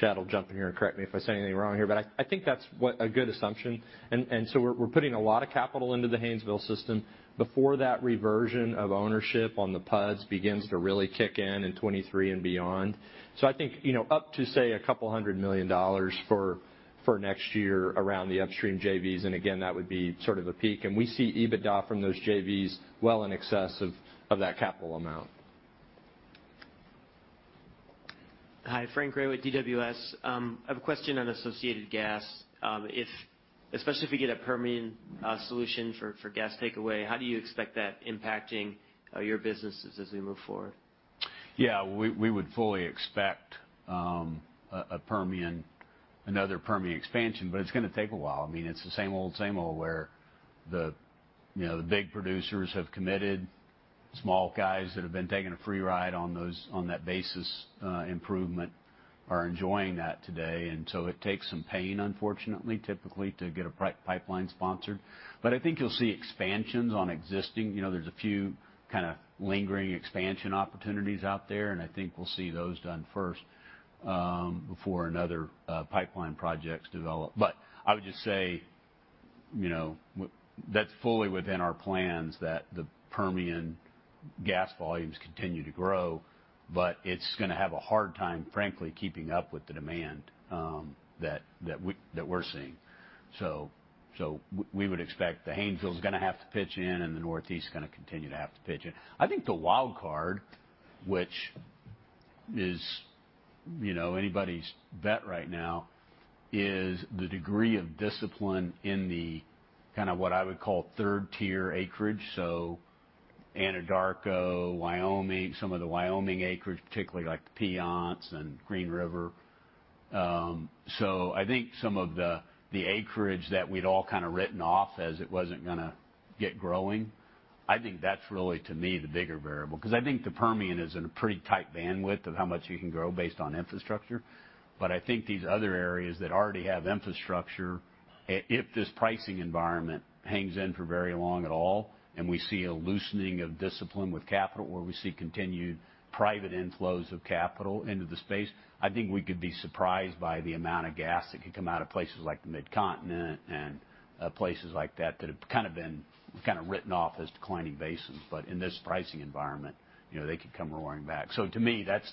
Speaker 5: Chad will jump in here and correct me if I say anything wrong here, but I think that's what a good assumption. So we're putting a lot of capital into the Haynesville system before that reversion of ownership on the PUDs begins to really kick in in 2023 and beyond. I think, you know, up to, say, $200 million for next year around the upstream JVs, and again, that would be sort of a peak. We see EBITDA from those JVs well in excess of that capital amount.
Speaker 17: Hi. Frank Grywitt with DWS. I have a question on associated gas. Especially if we get a Permian solution for gas takeaway, how do you expect that impacting your businesses as we move forward?
Speaker 3: Yeah. We would fully expect another Permian expansion, but it's gonna take a while. I mean, it's the same old, same old where you know the big producers have committed. Small guys that have been taking a free ride on those on that basis improvement are enjoying that today. It takes some pain, unfortunately, typically to get a pipeline sponsored. I think you'll see expansions on existing. You know, there's a few kinda lingering expansion opportunities out there, and I think we'll see those done first before another pipeline projects develop. I would just say you know that's fully within our plans that the Permian gas volumes continue to grow, but it's gonna have a hard time, frankly, keeping up with the demand that we're seeing. We would expect the Haynesville's gonna have to pitch in, and the Northeast is gonna continue to have to pitch in. I think the wild card, which is, you know, anybody's bet right now, is the degree of discipline in the kind of what I would call third-tier acreage. Anadarko, Wyoming, some of the Wyoming acreage, particularly like the Piceance and Green River. I think some of the acreage that we'd all kinda written off as it wasn't gonna get growing, I think that's really, to me, the bigger variable. 'Cause I think the Permian is in a pretty tight bandwidth of how much you can grow based on infrastructure. I think these other areas that already have infrastructure, if this pricing environment hangs in for very long at all and we see a loosening of discipline with capital where we see continued private inflows of capital into the space, I think we could be surprised by the amount of gas that could come out of places like the Mid-Continent and places like that that have kind of been kinda written off as declining basins. In this pricing environment, you know, they could come roaring back. To me, that's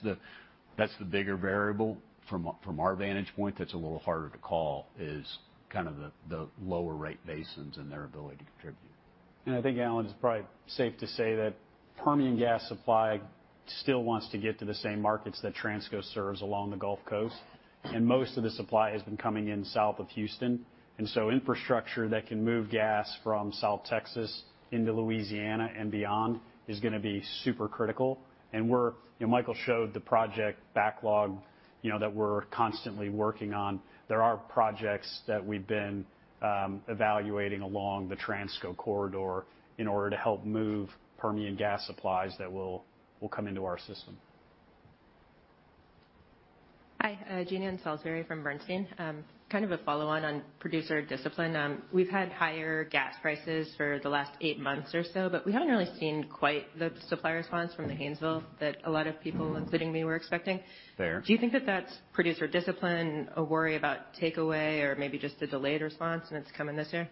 Speaker 3: the bigger variable from our vantage point that's a little harder to call, is kind of the lower rate basins and their ability to contribute.
Speaker 6: I think, Alan, it's probably safe to say that Permian gas supply still wants to get to the same markets that Transco serves along the Gulf Coast, and most of the supply has been coming in south of Houston. Infrastructure that can move gas from South Texas into Louisiana and beyond is gonna be super critical. We're, you know, Michael showed the project backlog, you know, that we're constantly working on. There are projects that we've been evaluating along the Transco corridor in order to help move Permian gas supplies that will come into our system.
Speaker 18: Hi. Jean Ann Salisbury from Bernstein. Kind of a follow-on on producer discipline. We've had higher gas prices for the last eight months or so, but we haven't really seen quite the supplier response from the Haynesville that a lot of people, including me, were expecting.
Speaker 3: Fair.
Speaker 18: Do you think that that's producer discipline, a worry about takeaway, or maybe just a delayed response, and it's coming this year?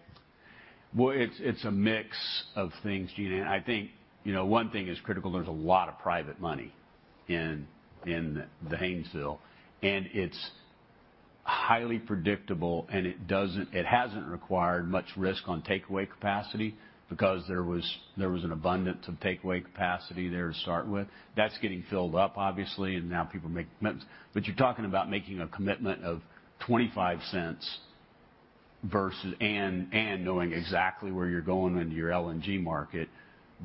Speaker 3: Well, it's a mix of things, Jean Ann. I think, you know, one thing is critical. There's a lot of private money in the Haynesville, and it's highly predictable, and it hasn't required much risk on takeaway capacity because there was an abundance of takeaway capacity there to start with. That's getting filled up, obviously, and now people make commitments. But you're talking about making a commitment of $0.25 versus and knowing exactly where you're going into your LNG market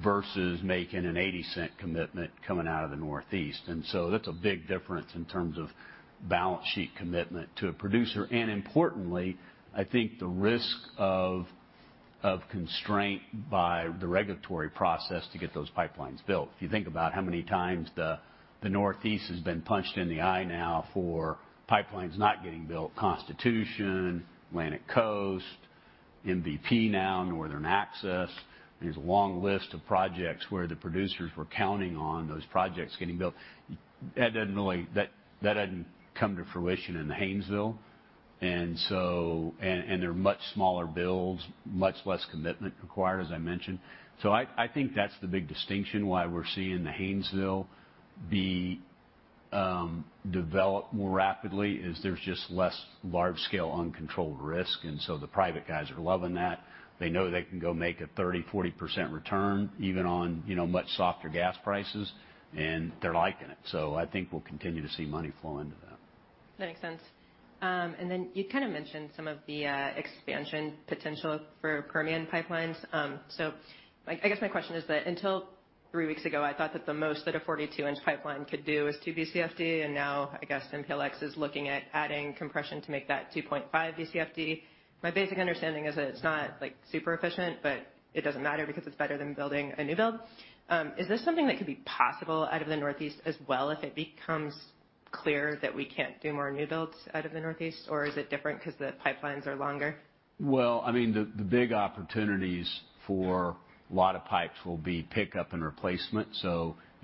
Speaker 3: versus making an $0.80 commitment coming out of the Northeast. That's a big difference in terms of balance sheet commitment to a producer. Importantly, I think the risk of constraint by the regulatory process to get those pipelines built. If you think about how many times the Northeast has been punched in the eye now for pipelines not getting built, Constitution, Atlantic Coast, MVP now, Northern Access. There's a long list of projects where the producers were counting on those projects getting built. That hadn't come to fruition in the Haynesville, and they're much smaller builds, much less commitment required, as I mentioned. I think that's the big distinction why we're seeing the Haynesville be developed more rapidly, is there's just less large-scale uncontrolled risk, and so the private guys are loving that. They know they can go make a 30-40% return even on much softer gas prices, and they're liking it. I think we'll continue to see money flow into that.
Speaker 18: That makes sense. Then you kind of mentioned some of the expansion potential for Permian pipelines. I guess my question is that until three weeks ago, I thought that the most that a 42-inch pipeline could do is 2 Bcf/d, and now I guess MPLX is looking at adding compression to make that 2.5 Bcf/d. My basic understanding is that it's not, like, super efficient, but it doesn't matter because it's better than building a new build. Is this something that could be possible out of the Northeast as well if it becomes clear that we can't do more new builds out of the Northeast? Or is it different because the pipelines are longer?
Speaker 3: Well, I mean, the big opportunities for a lot of pipes will be pickup and replacement.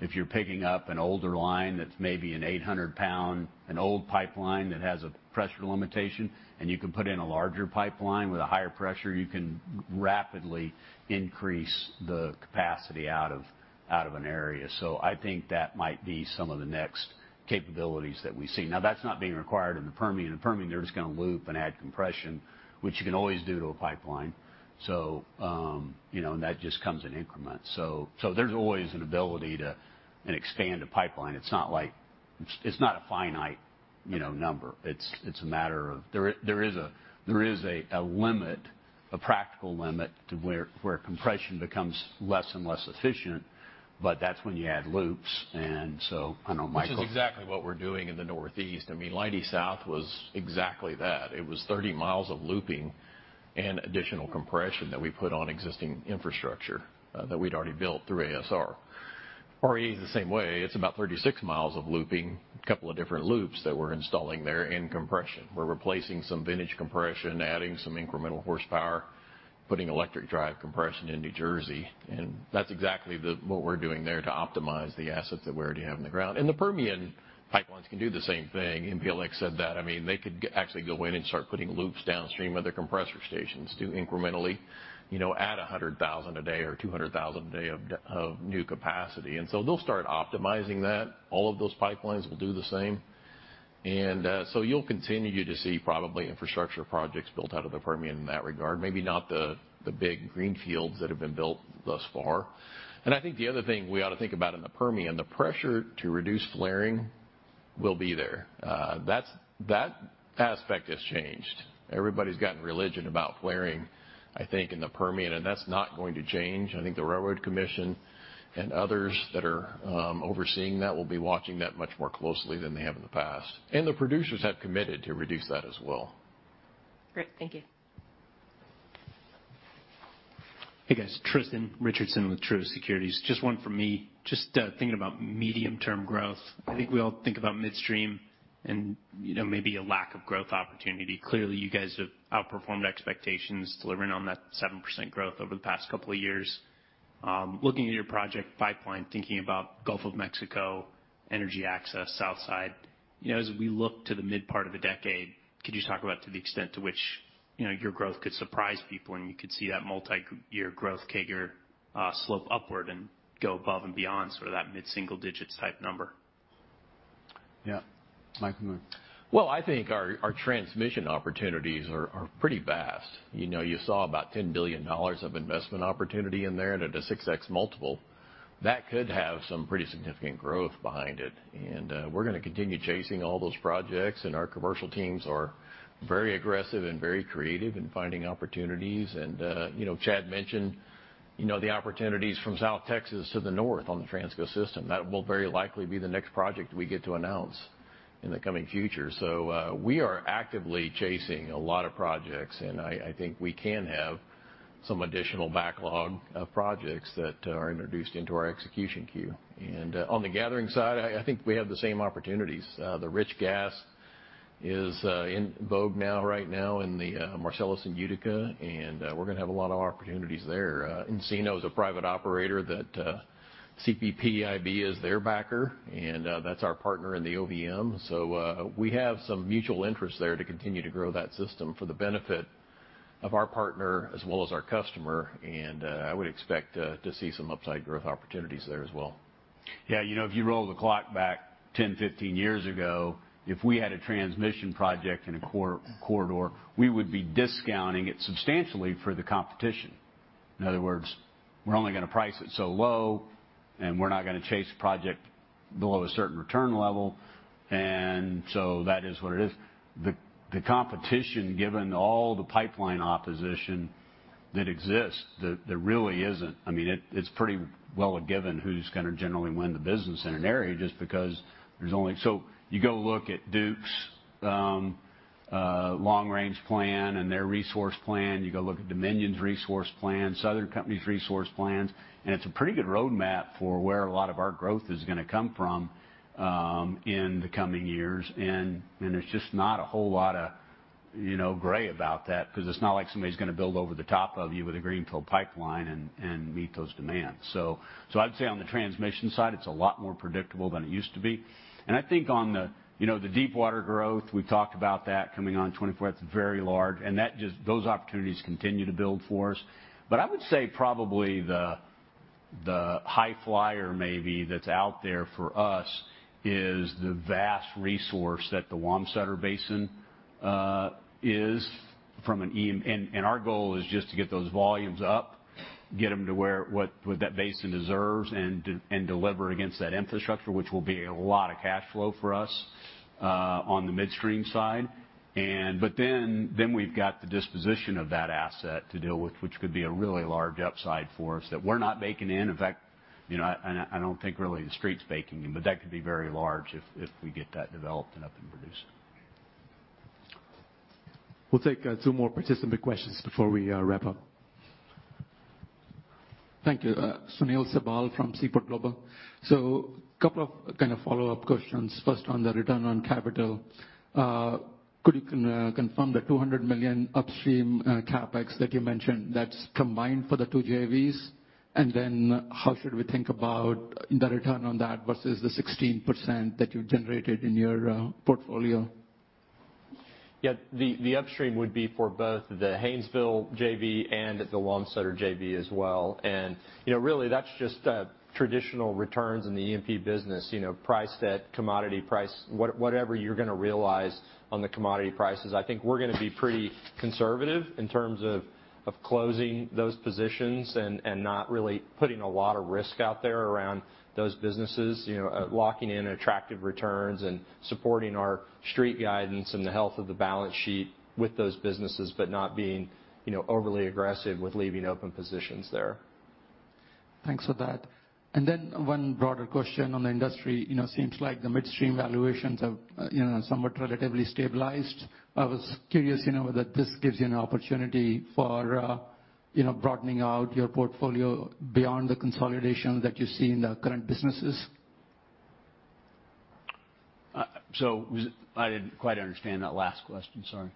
Speaker 3: If you're picking up an older line that's maybe an 800-pound, an old pipeline that has a pressure limitation, and you can put in a larger pipeline with a higher pressure, you can rapidly increase the capacity out of an area. I think that might be some of the next capabilities that we see. Now that's not being required in the Permian. In Permian, they're just gonna loop and add compression, which you can always do to a pipeline. You know, and that just comes in increments. There's always an ability to expand a pipeline. It's not a finite, you know, number. It's a matter of there is a practical limit to where compression becomes less and less efficient, but that's when you add loops. I know Michael-
Speaker 4: Which is exactly what we're doing in the Northeast. I mean, Leidy South was exactly that. It was 30 miles of looping and additional compression that we put on existing infrastructure that we'd already built through REA. REA is the same way. It's about 36 miles of looping, a couple of different loops that we're installing there in compression. We're replacing some vintage compression, adding some incremental horsepower, putting electric drive compression in New Jersey. That's exactly what we're doing there to optimize the assets that we already have in the ground. The Permian pipelines can do the same thing. MPLX said that. I mean, they could actually go in and start putting loops downstream of their compressor stations to incrementally, you know, add 100,000 a day or 200,000 a day of new capacity. They'll start optimizing that. All of those pipelines will do the same. You'll continue to see probably infrastructure projects built out of the Permian in that regard, maybe not the big greenfields that have been built thus far. I think the other thing we ought to think about in the Permian, the pressure to reduce flaring will be there. That aspect has changed. Everybody's gotten religion about flaring, I think, in the Permian, and that's not going to change. I think the Railroad Commission and others that are overseeing that will be watching that much more closely than they have in the past. The producers have committed to reduce that as well.
Speaker 18: Great. Thank you.
Speaker 19: Hey, guys. Tristan Richardson with Truist Securities. Just one from me. Just thinking about medium-term growth. I think we all think about midstream and, you know, maybe a lack of growth opportunity. Clearly, you guys have outperformed expectations, delivering on that 7% growth over the past couple of years. Looking at your project pipeline, thinking about Gulf of Mexico energy access Southside, you know, as we look to the mid part of the decade, could you talk about to the extent to which, you know, your growth could surprise people, and you could see that multiyear growth CAGR slope upward and go above and beyond sort of that mid-single digits type number?
Speaker 3: Yeah, Michael.
Speaker 4: Well, I think our transmission opportunities are pretty vast. You know, you saw about $10 billion of investment opportunity in there at a 6x multiple. That could have some pretty significant growth behind it. We're gonna continue chasing all those projects, and our commercial teams are very aggressive and very creative in finding opportunities. You know, Chad mentioned, you know, the opportunities from South Texas to the north on the Transco system. That will very likely be the next project we get to announce in the coming future. We are actively chasing a lot of projects, and I think we can have some additional backlog of projects that are introduced into our execution queue. On the gathering side, I think we have the same opportunities. The rich gas is in vogue now right now in the Marcellus and Utica, and we're gonna have a lot of opportunities there. Encino Energy is a private operator that CPPIB is their backer, and that's our partner in the OVM. We have some mutual interest there to continue to grow that system for the benefit
Speaker 5: Of our partner as well as our customer, and I would expect to see some upside growth opportunities there as well.
Speaker 3: Yeah. You know, if you roll the clock back 10, 15 years ago, if we had a transmission project in a corridor, we would be discounting it substantially for the competition. In other words, we're only gonna price it so low, and we're not gonna chase a project below a certain return level. That is what it is. The competition, given all the pipeline opposition that exists, there really isn't. I mean, it's pretty well a given who's gonna generally win the business in an area just because there's only. You go look at Duke's long range plan and their resource plan. You go look at Dominion's resource plan, Southern Company's resource plans, and it's a pretty good roadmap for where a lot of our growth is gonna come from in the coming years. There's just not a whole lot of, you know, gray about that 'cause it's not like somebody's gonna build over the top of you with a greenfield pipeline and meet those demands. I'd say on the transmission side, it's a lot more predictable than it used to be. I think on the, you know, the deep water growth, we've talked about that coming on 2024. It's very large, and that just those opportunities continue to build for us. I would say probably the high flyer maybe that's out there for us is the vast resource that the Wamsutter Basin is from an E&P, and our goal is just to get those volumes up, get them to what that basin deserves and deliver against that infrastructure, which will be a lot of cash flow for us on the midstream side. We've got the disposition of that asset to deal with, which could be a really large upside for us that we're not baking in. In fact, you know, I don't think really the Street's baking in, but that could be very large if we get that developed and up and producing.
Speaker 5: We'll take two more participant questions before we wrap up.
Speaker 20: Thank you. Sunil Sibal from Seaport Global. Couple of kind of follow-up questions. First, on the return on capital, could you confirm the $200 million upstream CapEx that you mentioned that's combined for the two JVs? And then how should we think about the return on that versus the 16% that you generated in your portfolio?
Speaker 5: Yeah. The upstream would be for both the Haynesville JV and the Wamsutter JV as well. You know, really, that's just traditional returns in the E&P business, you know, priced at commodity price, whatever you're gonna realize on the commodity prices. I think we're gonna be pretty conservative in terms of closing those positions and not really putting a lot of risk out there around those businesses. You know, locking in attractive returns and supporting our Street guidance and the health of the balance sheet with those businesses, but not being, you know, overly aggressive with leaving open positions there.
Speaker 20: Thanks for that. One broader question on the industry. You know, seems like the midstream valuations have, you know, somewhat relatively stabilized. I was curious, you know, whether this gives you an opportunity for, you know, broadening out your portfolio beyond the consolidation that you see in the current businesses.
Speaker 3: I didn't quite understand that last question, sorry.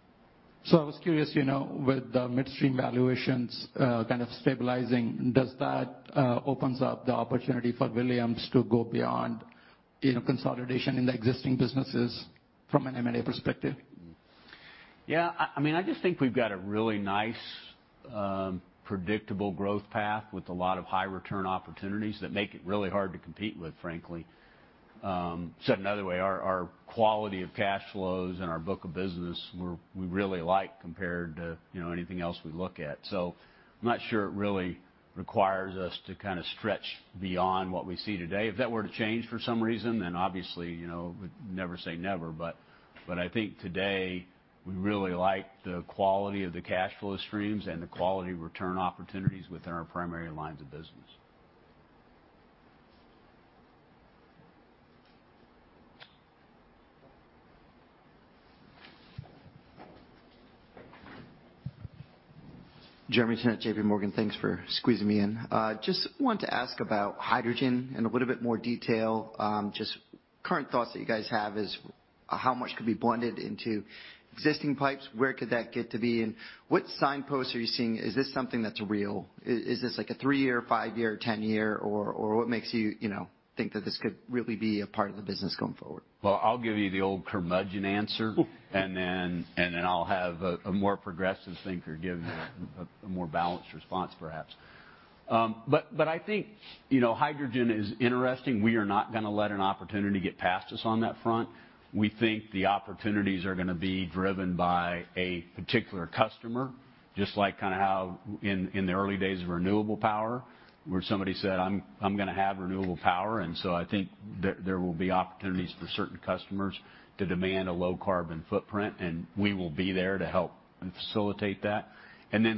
Speaker 20: I was curious, you know, with the midstream valuations, kind of stabilizing, does that opens up the opportunity for Williams to go beyond, you know, consolidation in the existing businesses from an M&A perspective?
Speaker 3: Yeah. I mean, I just think we've got a really nice predictable growth path with a lot of high return opportunities that make it really hard to compete with, frankly. Said another way, our quality of cash flows and our book of business we really like compared to, you know, anything else we look at. I'm not sure it really requires us to kind of stretch beyond what we see today. If that were to change for some reason, then obviously, you know, never say never, but I think today we really like the quality of the cash flow streams and the quality return opportunities within our primary lines of business.
Speaker 9: Jeremy Tonet, J.P. Morgan. Thanks for squeezing me in. Just wanted to ask about hydrogen in a little bit more detail. Just current thoughts that you guys have is how much could be blended into existing pipes? Where could that get to be, and what signposts are you seeing? Is this something that's real? Is this like a three-year, five-year, ten-year, or what makes you know, think that this could really be a part of the business going forward?
Speaker 3: Well, I'll give you the old curmudgeon answer, and then I'll have a more progressive thinker give a more balanced response perhaps. I think, you know, hydrogen is interesting. We are not gonna let an opportunity get past us on that front. We think the opportunities are gonna be driven by a particular customer, just like kind of how in the early days of renewable power, where somebody said, "I'm gonna have renewable power." I think there will be opportunities for certain customers to demand a low carbon footprint, and we will be there to help facilitate that.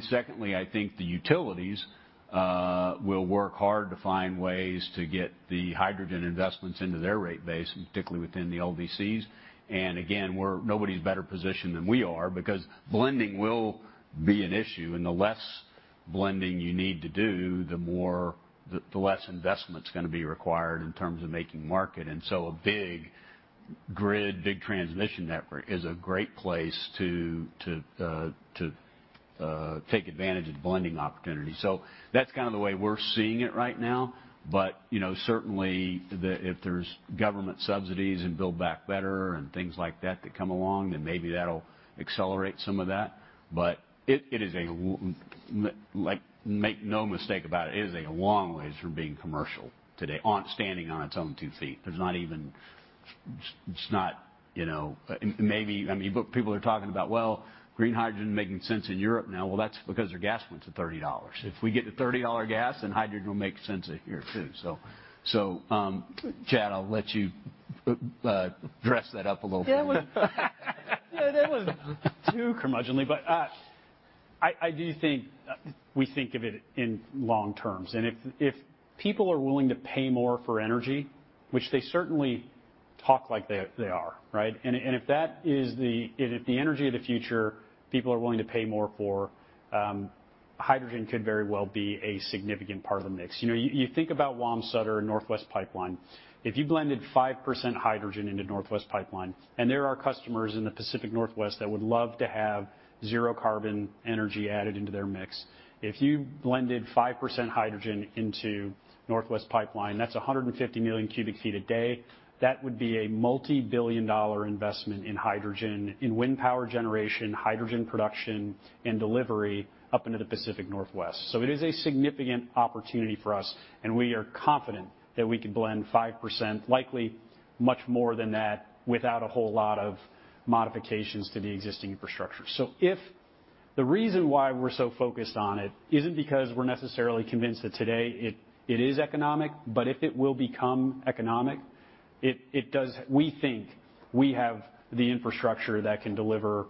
Speaker 3: Secondly, I think the utilities will work hard to find ways to get the hydrogen investments into their rate base, and particularly within the LDCs. Again, we're nobody's better positioned than we are because blending will be an issue, and the less blending you need to do, the less investment's gonna be required in terms of making market. A big grid, big transmission network is a great place to take advantage of the blending opportunity. That's kind of the way we're seeing it right now. You know, certainly if there's government subsidies and Build Back Better and things like that that come along, then maybe that'll accelerate some of that. It is, like, make no mistake about it is a long way from being commercial today standing on its own two feet. There's not even. It's not, you know. Maybe, I mean, but people are talking about, well, green hydrogen making sense in Europe now. Well, that's because their gas went to $30. If we get to $30 gas, then hydrogen will make sense here too. Chad, I'll let you dress that up a little for me.
Speaker 6: Yeah, that was too curmudgeonly. I do think we think of it in long terms. If people are willing to pay more for energy, which they certainly talk like they are, right? If that is the energy of the future people are willing to pay more for, hydrogen could very well be a significant part of the mix. You know, you think about Wamsutter and Northwest Pipeline. If you blended 5% hydrogen into Northwest Pipeline, there are customers in the Pacific Northwest that would love to have zero carbon energy added into their mix. If you blended 5% hydrogen into Northwest Pipeline, that's 150 million cubic feet a day. That would be a multi-billion-dollar investment in hydrogen, in wind power generation, hydrogen production, and delivery up into the Pacific Northwest. It is a significant opportunity for us, and we are confident that we could blend 5%, likely much more than that, without a whole lot of modifications to the existing infrastructure. If the reason why we're so focused on it isn't because we're necessarily convinced that today it is economic, but if it will become economic, it does, we think we have the infrastructure that can deliver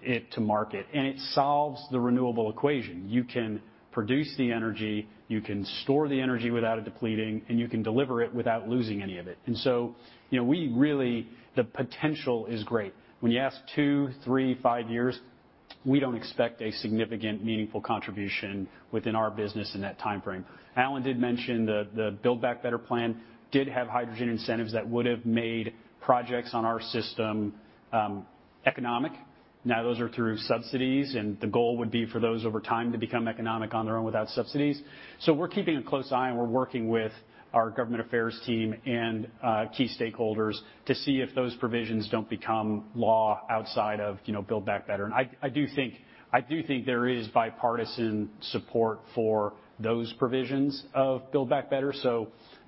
Speaker 6: it to market, and it solves the renewable equation. You can produce the energy, you can store the energy without it depleting, and you can deliver it without losing any of it. You know, the potential is great. When you ask two, three, five years, we don't expect a significant, meaningful contribution within our business in that timeframe. Alan did mention the Build Back Better plan did have hydrogen incentives that would've made projects on our system economic. Now those are through subsidies, and the goal would be for those over time to become economic on their own without subsidies. We're keeping a close eye, and we're working with our government affairs team and key stakeholders to see if those provisions don't become law outside of, you know, Build Back Better. I do think there is bipartisan support for those provisions of Build Back Better.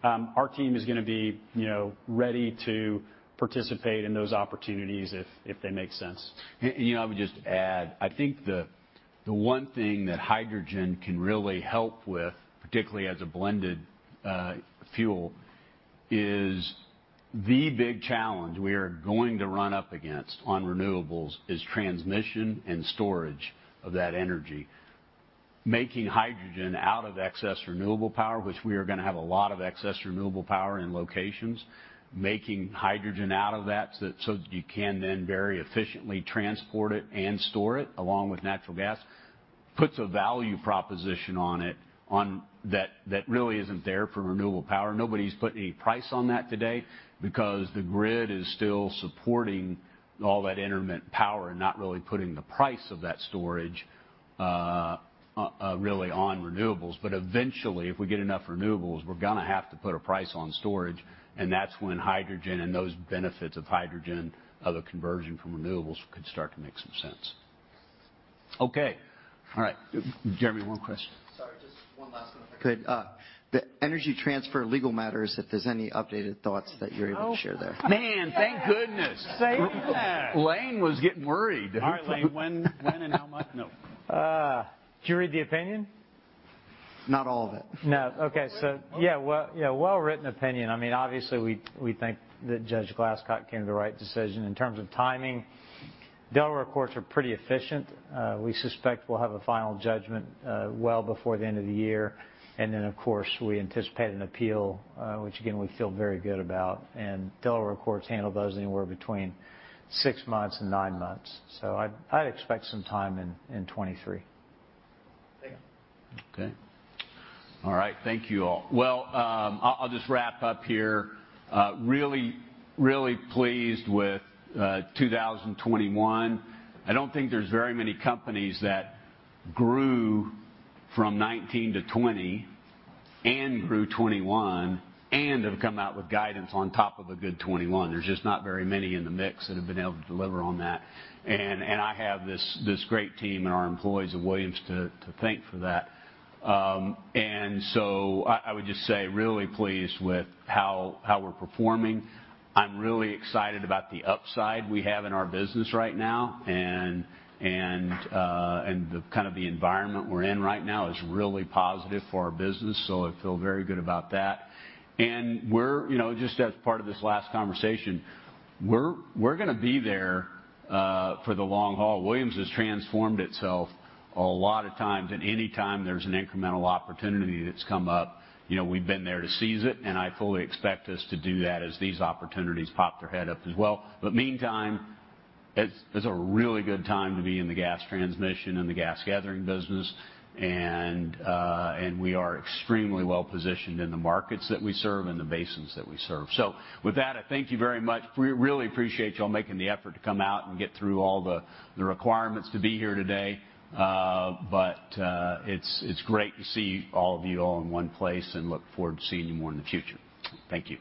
Speaker 6: Our team is gonna be, you know, ready to participate in those opportunities if they make sense.
Speaker 3: You know, I would just add, I think the one thing that hydrogen can really help with, particularly as a blended fuel, is the big challenge we are going to run up against on renewables is transmission and storage of that energy. Making hydrogen out of excess renewable power, which we are gonna have a lot of excess renewable power in locations. Making hydrogen out of that so that you can then very efficiently transport it and store it along with natural gas, puts a value proposition on it, on that really isn't there for renewable power. Nobody's put any price on that today because the grid is still supporting all that intermittent power and not really putting the price of that storage really on renewables. Eventually, if we get enough renewables, we're gonna have to put a price on storage, and that's when hydrogen and those benefits of hydrogen as a conversion from renewables could start to make some sense. Okay. All right. Jeremy, one question.
Speaker 9: Sorry, just one last one if I could. The Energy Transfer legal matters, if there's any updated thoughts that you're able to share there?
Speaker 3: Man, thank goodness.
Speaker 6: Save the best.
Speaker 3: Lane was getting worried.
Speaker 6: All right, Lane.
Speaker 9: Did you read the opinion?
Speaker 3: Not all of it. Well-written opinion. I mean, obviously we think that Judge Glasscock came to the right decision. In terms of timing, Delaware courts are pretty efficient. We suspect we'll have a final judgment well before the end of the year. Of course, we anticipate an appeal, which again, we feel very good about. Delaware courts handle those anywhere between six months and nine months. I'd expect some time in 2023.
Speaker 9: Thank you.
Speaker 3: Okay. All right. Thank you all. Well, I'll just wrap up here. Really pleased with 2021. I don't think there's very many companies that grew from 2019 to 2020 and grew 2021 and have come out with guidance on top of a good 2021. There's just not very many in the mix that have been able to deliver on that. I have this great team and our employees at Williams to thank for that. I would just say really pleased with how we're performing. I'm really excited about the upside we have in our business right now. The kind of the environment we're in right now is really positive for our business, so I feel very good about that. We're, you know, just as part of this last conversation, we're gonna be there for the long haul. Williams has transformed itself a lot of times, and any time there's an incremental opportunity that's come up, you know, we've been there to seize it, and I fully expect us to do that as these opportunities pop their head up as well. But meantime, it's a really good time to be in the gas transmission and the gas gathering business. We are extremely well-positioned in the markets that we serve and the basins that we serve. With that, I thank you very much. We really appreciate y'all making the effort to come out and get through all the requirements to be here today. It's great to see all of you all in one place, and I look forward to seeing you more in the future. Thank you.